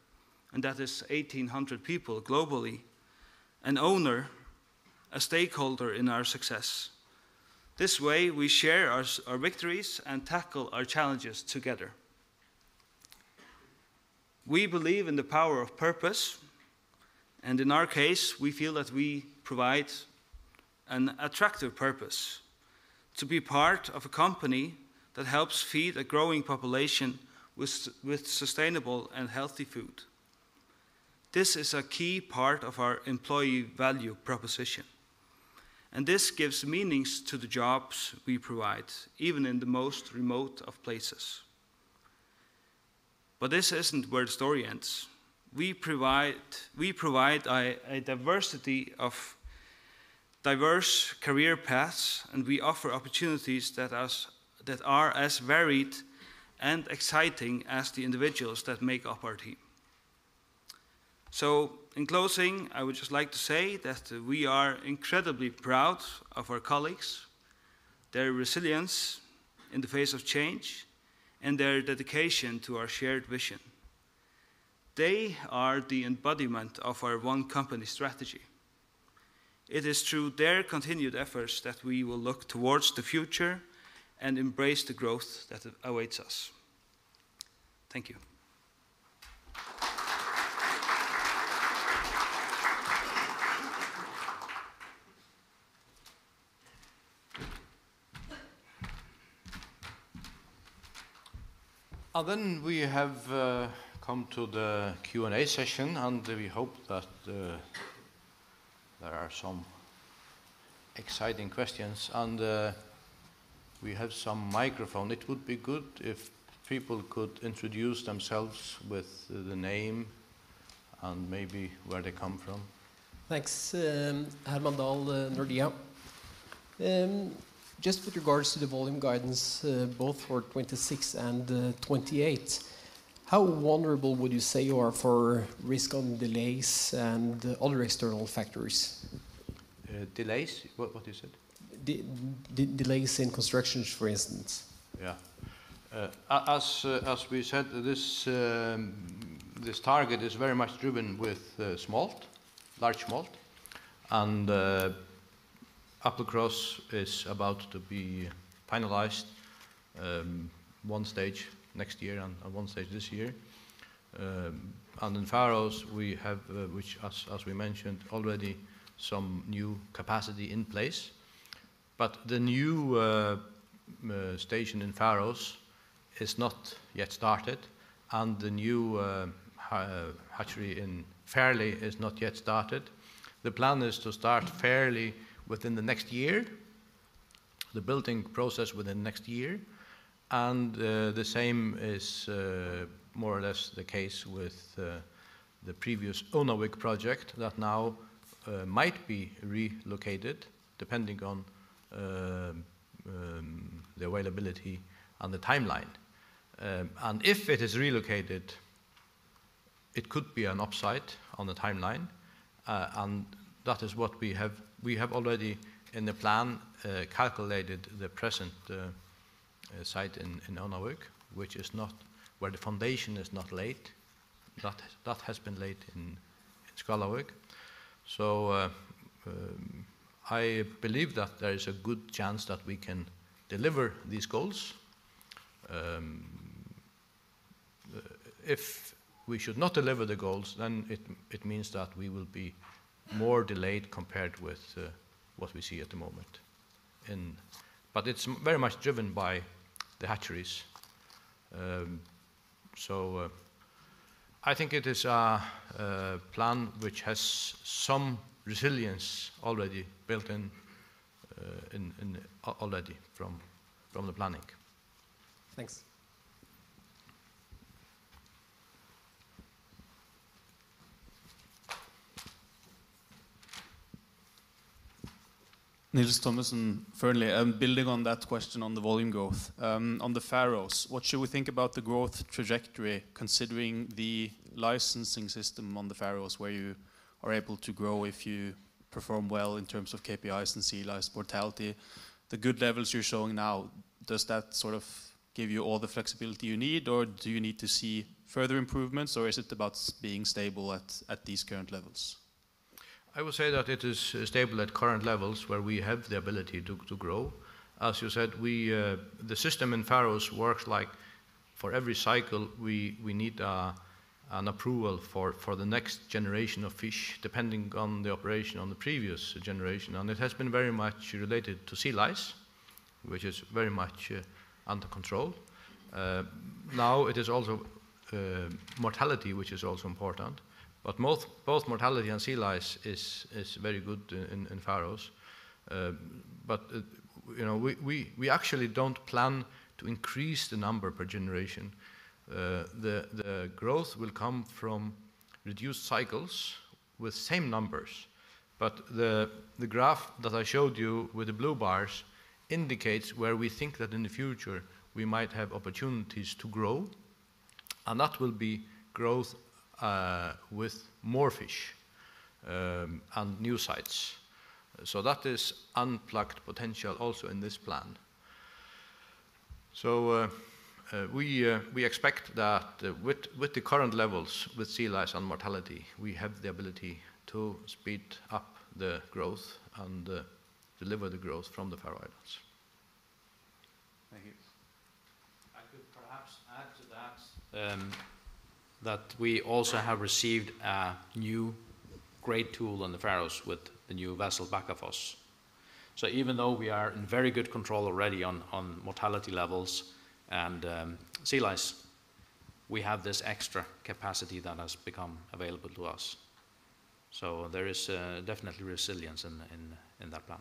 [SPEAKER 10] and that is 1,800 people globally, an owner, a stakeholder in our success. This way, we share our victories and tackle our challenges together. We believe in the power of purpose, and in our case, we feel that we provide an attractive purpose: to be part of a company that helps feed a growing population with sustainable and healthy food. This is a key part of our employee value proposition. This gives meanings to the jobs we provide, even in the most remote of places. This isn't where the story ends. We provide a diversity of diverse career paths, and we offer opportunities that are as varied and exciting as the individuals that make up our team. In closing, I would just like to say that we are incredibly proud of our colleagues, their resilience in the face of change, and their dedication to our shared vision. They are the embodiment of our One Company strategy. It is through their continued efforts that we will look towards the future and embrace the growth that awaits us. Thank you.
[SPEAKER 8] We have come to the Q&A session, and we hope that there are some exciting questions. We have some microphone. It would be good if people could introduce themselves with the name and maybe where they come from.
[SPEAKER 11] Thanks. Herman Dahl, Nordea. Just with regards to the volume guidance, both for 2026 and 2028, how vulnerable would you say you are for risk on delays and other external factors?
[SPEAKER 8] Delays? What is it?
[SPEAKER 11] Delays in constructions, for instance.
[SPEAKER 8] Yeah. As we said, this target is very much driven with smolt, large smolt, and Applecross is about to be finalized, one stage next year and one stage this year. In Faroes, we have, which as we mentioned, already some new capacity in place. The new station in Faroes is not yet started, and the new hatchery in Fairlie is not yet started. The plan is to start Fairlie within the next year, the building process within next year, and the same is more or less the case with the previous Ónavík project that now might be relocated, depending on the availability and the timeline. If it is relocated, it could be an upside on the timeline, and that is what we have. We have already, in the plan, calculated the present site in Ónavík, which is not where the foundation is not laid. That has been laid in Skálavík. I believe that there is a good chance that we can deliver these goals. If we should not deliver the goals, then it means that we will be more delayed compared with what we see at the moment in... It's very much driven by the hatcheries. I think it is a plan which has some resilience already built in already from the planning.
[SPEAKER 11] Thanks.
[SPEAKER 12] Building on that question on the volume growth on the Faroes, what should we think about the growth trajectory, considering the licensing system on the Faroes, where you are able to grow if you perform well in terms of KPIs and sea lice mortality? The good levels you're showing now, does that sort of give you all the flexibility you need, or do you need to see further improvements, or is it about being stable at these current levels?
[SPEAKER 8] I would say that it is stable at current levels, where we have the ability to grow. As you said, we. The system in Faroes works like for every cycle, we need an approval for the next generation of fish, depending on the operation on the previous generation. It has been very much related to sea lice, which is very much under control. Now it is also mortality, which is also important, but both mortality and sea lice is very good in Faroes. You know, we actually don't plan to increase the number per generation. The growth will come from reduced cycles with same numbers. The graph that I showed you with the blue bars indicates where we think that in the future we might have opportunities to grow, and that will be growth with more fish and new sites. That is unplugged potential also in this plan. We expect that with the current levels, with sea lice and mortality, we have the ability to speed up the growth and deliver the growth from the Faroe Islands.
[SPEAKER 12] Thank you.
[SPEAKER 3] I could perhaps add to that we also have received a new great tool on the Faroes with the new vessel, Bakkafossur. Even though we are in very good control already on mortality levels and sea lice, we have this extra capacity that has become available to us. There is definitely resilience in that plan.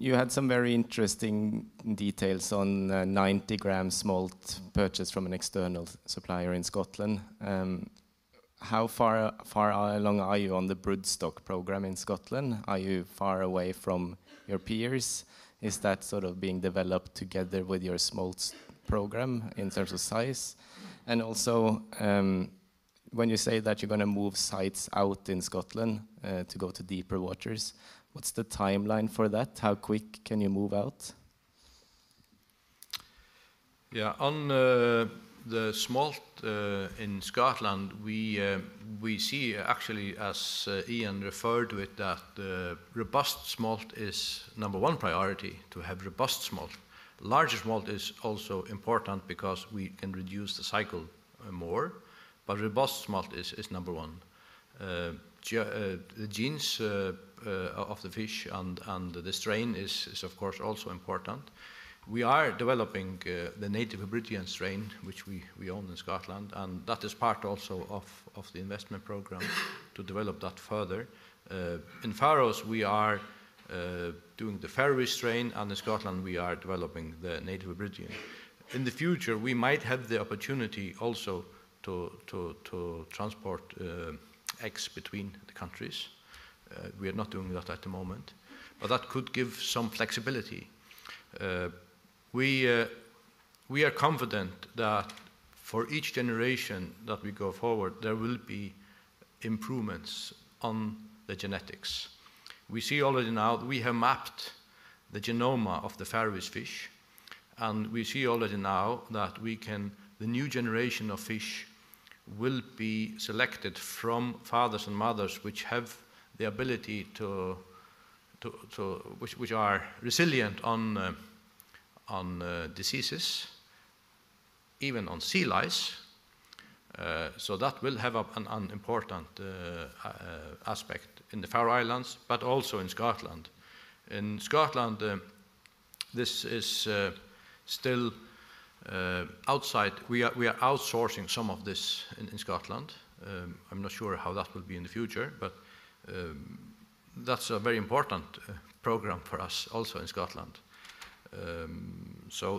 [SPEAKER 13] You had some very interesting details on 90 g smolt purchased from an external supplier in Scotland. How far along are you on the broodstock program in Scotland? Are you far away from your peers? Is that sort of being developed together with your smolt program in terms of size? Also, when you say that you're gonna move sites out in Scotland, to go to deeper waters, what's the timeline for that? How quick can you move out?
[SPEAKER 8] On the smolt in Scotland, we see actually, as Ian referred to it, that robust smolt is number one priority, to have robust smolt. Larger smolt is also important because we can reduce the cycle more, but robust smolt is number one. The genes of the fish and the strain is of course, also important. We are developing the native Iberian strain, which we own in Scotland, and that is part also of the investment program... to develop that further. In Faroes, we are doing the Faroese strain, and in Scotland, we are developing the native Iberian. In the future, we might have the opportunity also to transport eggs between the countries. We are not doing that at the moment, but that could give some flexibility. We are confident that for each generation that we go forward, there will be improvements on the genetics. We see already now that we have mapped the genome of the Faroese fish, and we see already now that we can. The new generation of fish will be selected from fathers and mothers which have the ability to, which are resilient on diseases, even on sea lice. That will have an important aspect in the Faroe Islands, but also in Scotland. In Scotland, this is still outside. We are outsourcing some of this in Scotland. I'm not sure how that will be in the future, but that's a very important program for us also in Scotland.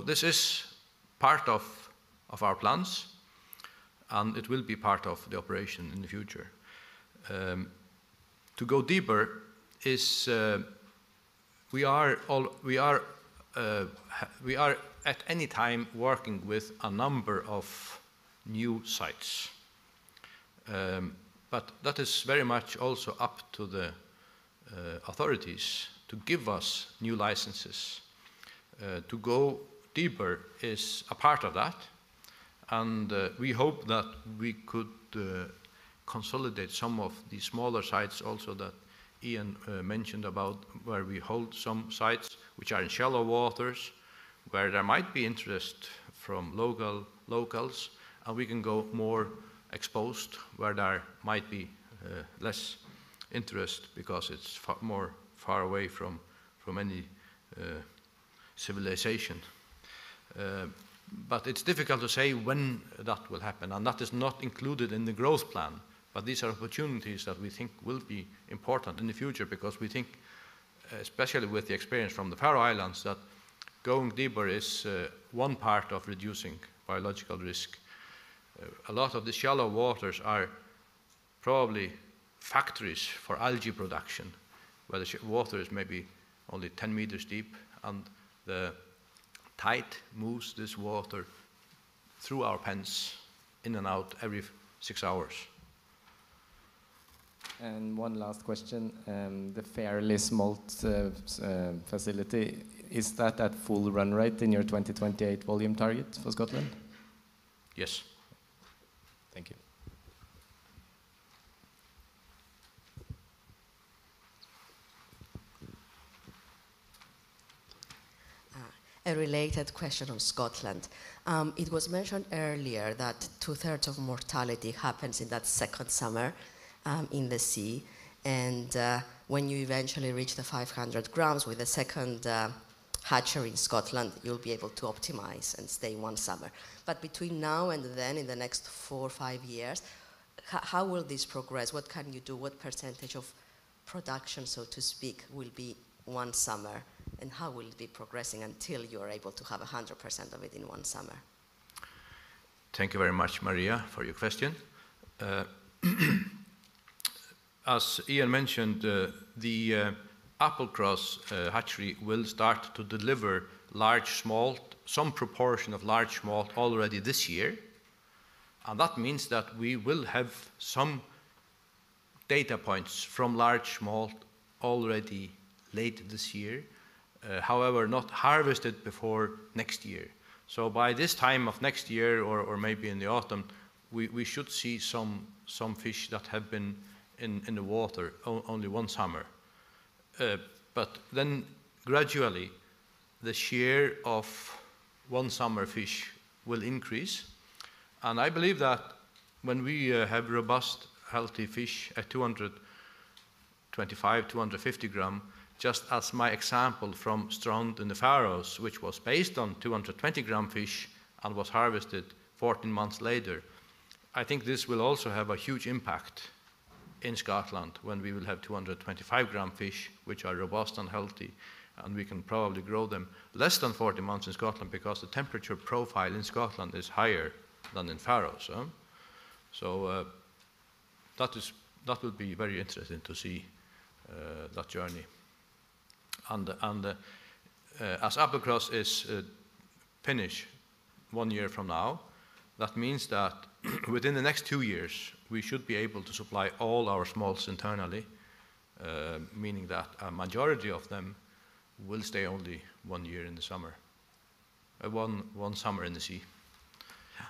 [SPEAKER 8] This is part of our plans, and it will be part of the operation in the future. To go deeper is, we are at any time working with a number of new sites. That is very much also up to the authorities to give us new licenses. To go deeper is a part of that. We hope that we could consolidate some of the smaller sites also that Ian mentioned about, where we hold some sites which are in shallow waters, where there might be interest from local, locals, and we can go more exposed, where there might be less interest because it's more far away from any civilization. It's difficult to say when that will happen, and that is not included in the growth plan. These are opportunities that we think will be important in the future, because we think, especially with the experience from the Faroe Islands, that going deeper is one part of reducing biological risk. A lot of the shallow waters are probably factories for algae production, where the water is maybe only 10 m deep, and the tide moves this water through our pens in and out every six hours.
[SPEAKER 13] One last question, the Fairlie smolt facility, is that at full run rate in your 2028 volume target for Scotland?
[SPEAKER 8] Yes.
[SPEAKER 13] Thank you.
[SPEAKER 14] A related question on Scotland. It was mentioned earlier that 2/3 of mortality happens in that second summer in the sea, when you eventually reach the 500 g with the second hatchery in Scotland, you'll be able to optimize and stay 1 summer. Between now and then, in the next four or five years, how will this progress? What can you do? What percentage of production, so to speak, will be 1 summer, and how will it be progressing until you are able to have 100% of it in one summer?
[SPEAKER 8] Thank you very much, Maria, for your question. As Ian mentioned, the Applecross hatchery will start to deliver large smolt, some proportion of large smolt already this year, and that means that we will have some data points from large smolt already late this year, however, not harvested before next year. By this time of next year, or maybe in the autumn, we should see some fish that have been in the water only one summer. Gradually, the share of one summer fish will increase, and I believe that when we have robust, healthy fish at 225 g-250 g, just as my example from Strond in the Faroes, which was based on 220 g fish and was harvested 14 months later, I think this will also have a huge impact in Scotland when we will have 225 g fish, which are robust and healthy, and we can probably grow them less than 14 months in Scotland, because the temperature profile in Scotland is higher than in Faroes, huh? That will be very interesting to see that journey. As Applecross is finished one year from now, that means that within the next two years, we should be able to supply all our smolts internally, meaning that a majority of them will stay only one year in the summer, one summer in the sea. Yeah.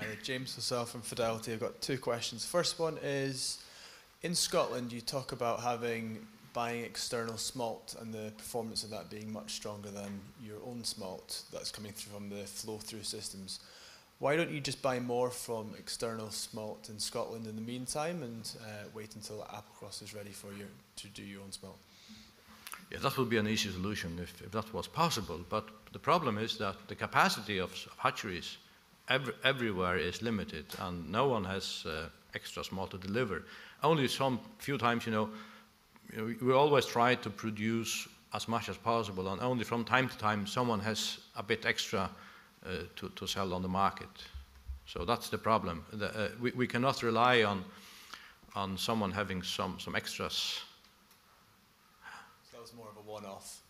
[SPEAKER 15] Hi, James Lassalle from Fidelity. I've got two questions. First one is, in Scotland, you talk about having, buying external smolt and the performance of that being much stronger than your own smolt that's coming through from the flow-through systems. Why don't you just buy more from external smolt in Scotland in the meantime, and wait until Applecross is ready for you to do your own smolt?
[SPEAKER 8] Yeah, that would be an easy solution if that was possible. The problem is that the capacity of hatcheries everywhere is limited, and no one has extra smolt to deliver. Only some few times, you know. We always try to produce as much as possible, and only from time to time, someone has a bit extra to sell on the market. That's the problem. We cannot rely on someone having some extras.
[SPEAKER 15] It's more of a one-off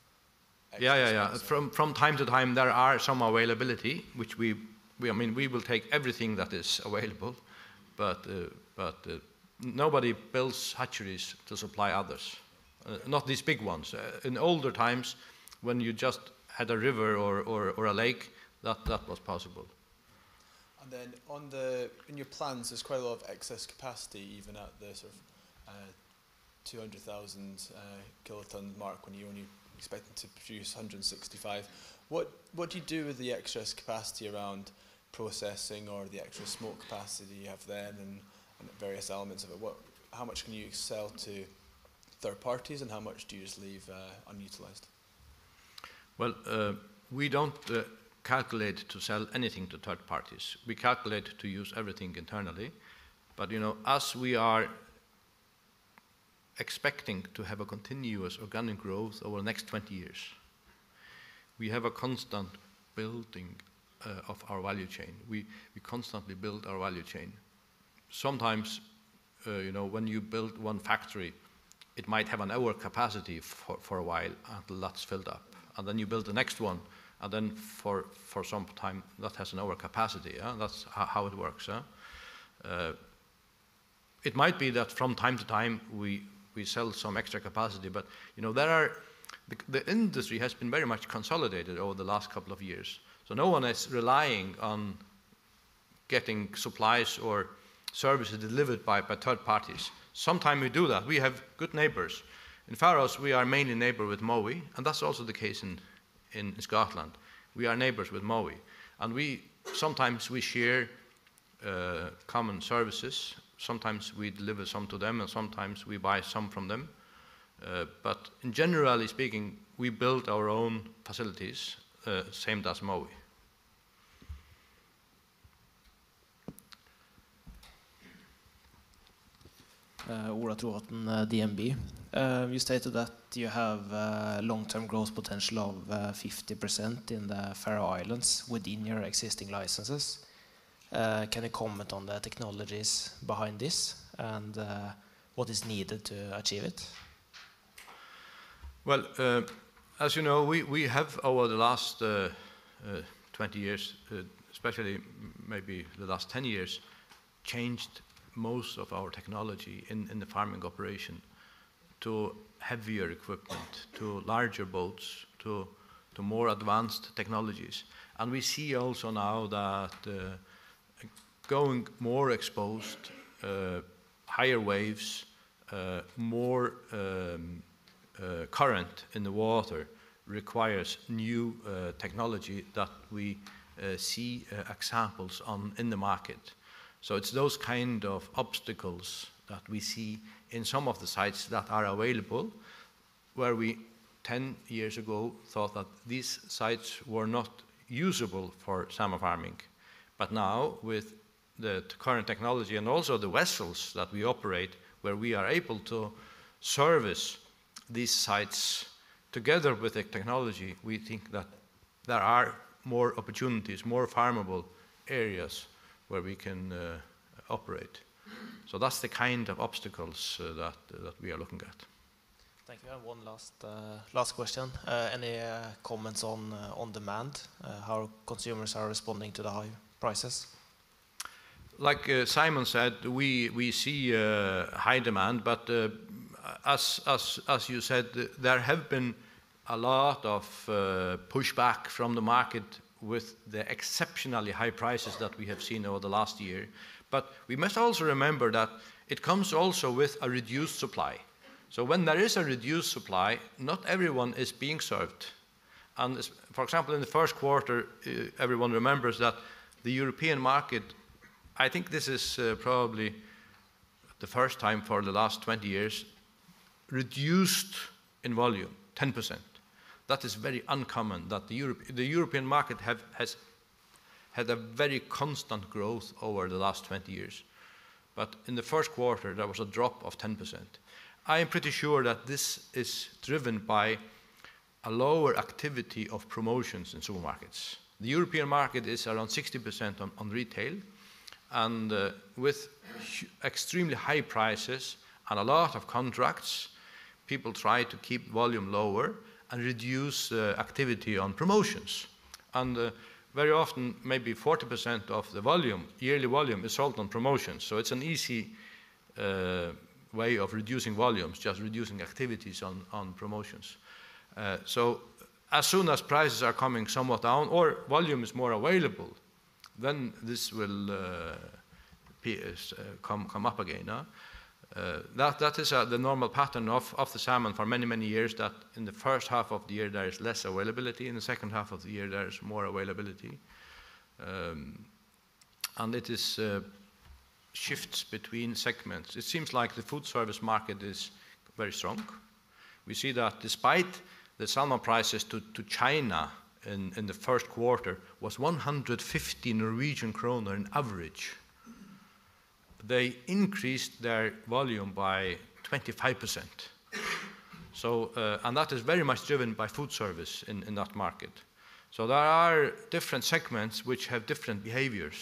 [SPEAKER 15] extra?
[SPEAKER 8] Yeah, yeah. From time to time, there are some availability, which we, I mean, we will take everything that is available, but nobody builds hatcheries to supply others, not these big ones. In older times, when you just had a river or a lake, that was possible.
[SPEAKER 15] On the, in your plans, there's quite a lot of excess capacity, even at the sort of, 200,000 kiloton mark, when you only expected to produce 165. What do you do with the excess capacity around processing or the extra smoke capacity you have then, and the various elements of it? How much can you sell to third parties, and how much do you just leave unutilized?
[SPEAKER 8] We don't calculate to sell anything to third parties. We calculate to use everything internally. You know, as we are expecting to have a continuous organic growth over the next 20 years, we have a constant building of our value chain. We constantly build our value chain. Sometimes, you know, when you build 1 factory, it might have an overcapacity for a while, until that's filled up, and then you build the next 1, and then for some time, that has an overcapacity, yeah? That's how it works, yeah. It might be that from time to time, we sell some extra capacity, you know. The industry has been very much consolidated over the last couple of years, no one is relying on getting supplies or services delivered by third parties. Sometime we do that. We have good neighbors. In Faroes, we are mainly neighbor with Mowi. That's also the case in Scotland. We are neighbors with Mowi. Sometimes we share common services. Sometimes we deliver some to them. Sometimes we buy some from them. Generally speaking, we build our own facilities, same as Mowi.
[SPEAKER 16] Ola Trovatn, DNB. You stated that you have a long-term growth potential of 50% in the Faroe Islands within your existing licenses. Can you comment on the technologies behind this, and what is needed to achieve it?
[SPEAKER 8] Well, as you know, we have, over the last 20 years, especially maybe the last 10 years, changed most of our technology in the farming operation to heavier equipment, to larger boats, to more advanced technologies. We see also now that going more exposed, higher waves, more current in the water requires new technology that we see examples on in the market. It's those kind of obstacles that we see in some of the sites that are available, where we, 10 years ago, thought that these sites were not usable for salmon farming. Now, with the current technology and also the vessels that we operate, where we are able to service these sites together with the technology, we think that there are more opportunities, more farmable areas where we can operate. That's the kind of obstacles, that we are looking at.
[SPEAKER 16] Thank you. I have one last question. Any comments on demand, how consumers are responding to the high prices?
[SPEAKER 8] Like Símun said, we see high demand, but as you said, there have been a lot of pushback from the market with the exceptionally high prices that we have seen over the last year. We must also remember that it comes also with a reduced supply. When there is a reduced supply, not everyone is being served. This, for example, in the first quarter, everyone remembers that the European market, I think this is probably the first time for the last 20 years, reduced in volume 10%. That is very uncommon, that the European market has had a very constant growth over the last 20 years. In the first quarter, there was a drop of 10%. I am pretty sure that this is driven by a lower activity of promotions in supermarkets. The European market is around 60% on retail, and with extremely high prices and a lot of contracts, people try to keep volume lower and reduce activity on promotions. Very often, maybe 40% of the volume, yearly volume, is sold on promotions, so it's an easy way of reducing volumes, just reducing activities on promotions. As soon as prices are coming somewhat down or volume is more available, then this will be come up again. That is the normal pattern of the salmon for many, many years, that in the first half of the year, there is less availability, in the second half of the year, there is more availability. It is shifts between segments. It seems like the food service market is very strong. We see that despite the salmon prices to China in the first quarter was 150 Norwegian kroner on average, they increased their volume by 25%. That is very much driven by food service in that market. There are different segments which have different behaviors,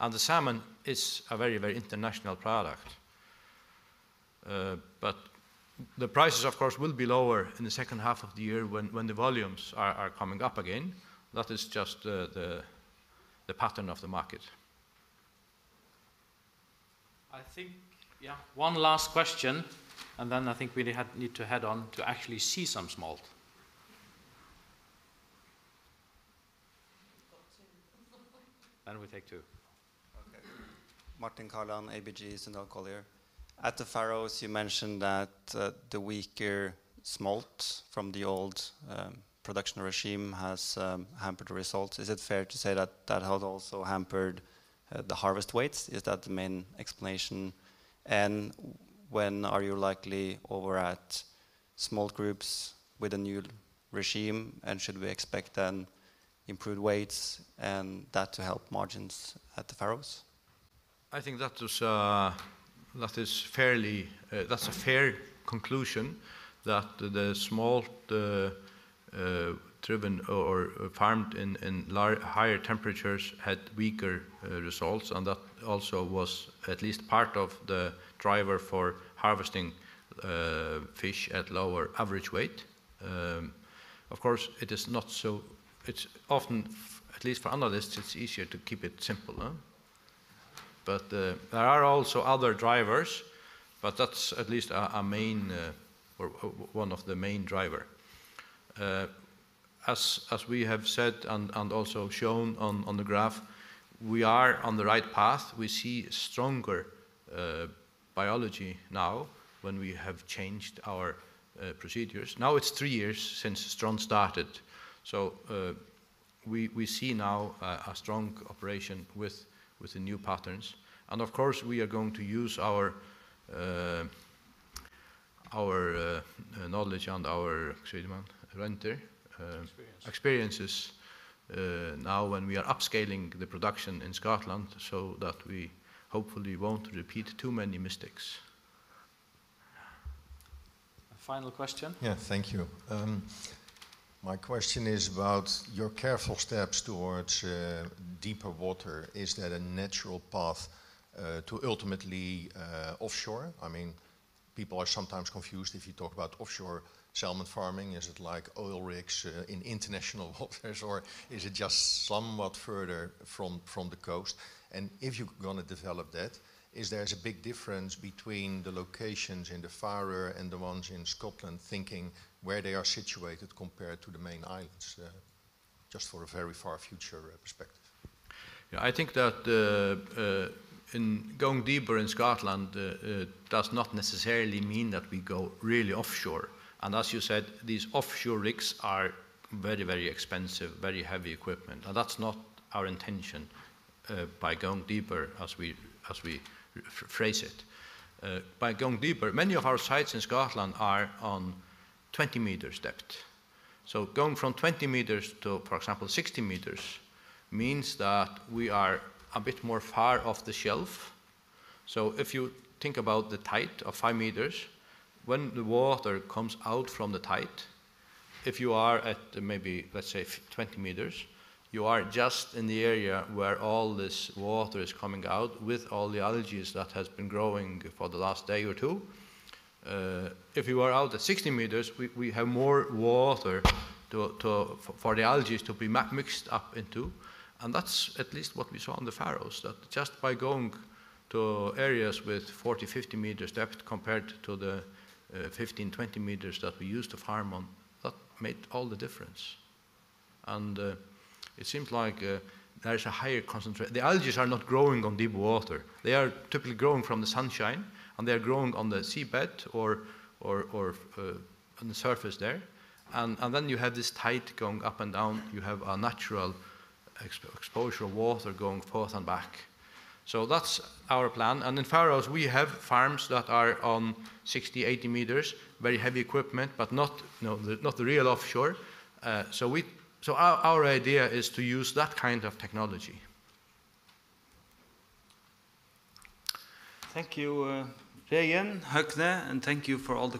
[SPEAKER 8] and the salmon is a very international product. The prices, of course, will be lower in the second half of the year when the volumes are coming up again. That is just the pattern of the market.
[SPEAKER 3] I think, yeah, one last question, and then I think we need, had need to head on to actually see some smolt.
[SPEAKER 17] We've got two.
[SPEAKER 3] We take two.
[SPEAKER 18] Okay. Martin Kaland, ABG Sundal Collier. At the Faroes, you mentioned that the weaker smolt from the old production regime has hampered the results. Is it fair to say that that has also hampered the harvest weights? Is that the main explanation? When are you likely over at smolt groups with a new regime, and should we expect then improved weights and that to help margins at the Faroes?
[SPEAKER 8] I think that was, that is fairly, that's a fair conclusion, that the smolt, driven or farmed in higher temperatures had weaker results, and that also was at least part of the driver for harvesting fish at lower average weight. Of course, it is not so... It's often, at least for analysts, it's easier to keep it simple, huh? There are also other drivers, but that's at least a main or one of the main driver. As we have said and also shown on the graph, we are on the right path. We see stronger biology now when we have changed our procedures. Now, it's three years since strong started, we see now a strong operation with the new patterns. Of course, we are going to use our knowledge and our. Excuse me, what? Renter-
[SPEAKER 3] Experience.
[SPEAKER 8] experiences, now when we are upscaling the production in Scotland so that we hopefully won't repeat too many mistakes.
[SPEAKER 3] A final question?
[SPEAKER 19] Yeah, thank you. My question is about your careful steps towards deeper water. Is that a natural path to ultimately offshore? I mean, people are sometimes confused if you talk about offshore salmon farming. Is it like oil rigs, in international waters, or is it just somewhat further from the coast? If you're gonna develop that, is there a big difference between the locations in the Faroe and the ones in Scotland, thinking where they are situated compared to the main islands? Just for a very far future perspective.
[SPEAKER 8] Yeah, I think that the going deeper in Scotland does not necessarily mean that we go really offshore. As you said, these offshore rigs are very, very expensive, very heavy equipment, and that's not our intention by going deeper, as we phrase it. By going deeper, many of our sites in Scotland are on 20 m depth. Going from 20 m to, for example, 60 m, means that we are a bit more far off the shelf. If you think about the tide of 5 m, when the water comes out from the tide, if you are at maybe, let's say, 20 m, you are just in the area where all this water is coming out, with all the algae that has been growing for the last day or two. If you are out at 60 m, we have more water to, for the algaes to be mixed up into, and that's at least what we saw on the Faroe Islands. That just by going to areas with 40 m, 50 m depth compared to the 15 m, 20 m that we used to farm on, that made all the difference. It seems like there is a higher concentrate. The algaes are not growing on deep water. They are typically growing from the sunshine, and they are growing on the seabed or on the surface there. Then you have this tide going up and down. You have a natural exposure of water going forth and back. That's our plan. In Faroes, we have farms that are on 60 m, 80 m, very heavy equipment, but not, you know, not the real offshore. Our idea is to use that kind of technology.
[SPEAKER 20] Thank you, Regin, Høgni, and thank you for all the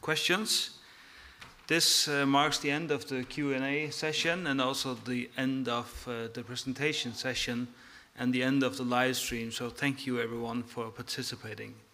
[SPEAKER 20] questions. This marks the end of the Q&A session, and also the end of the presentation session, and the end of the live stream. Thank you, everyone, for participating here.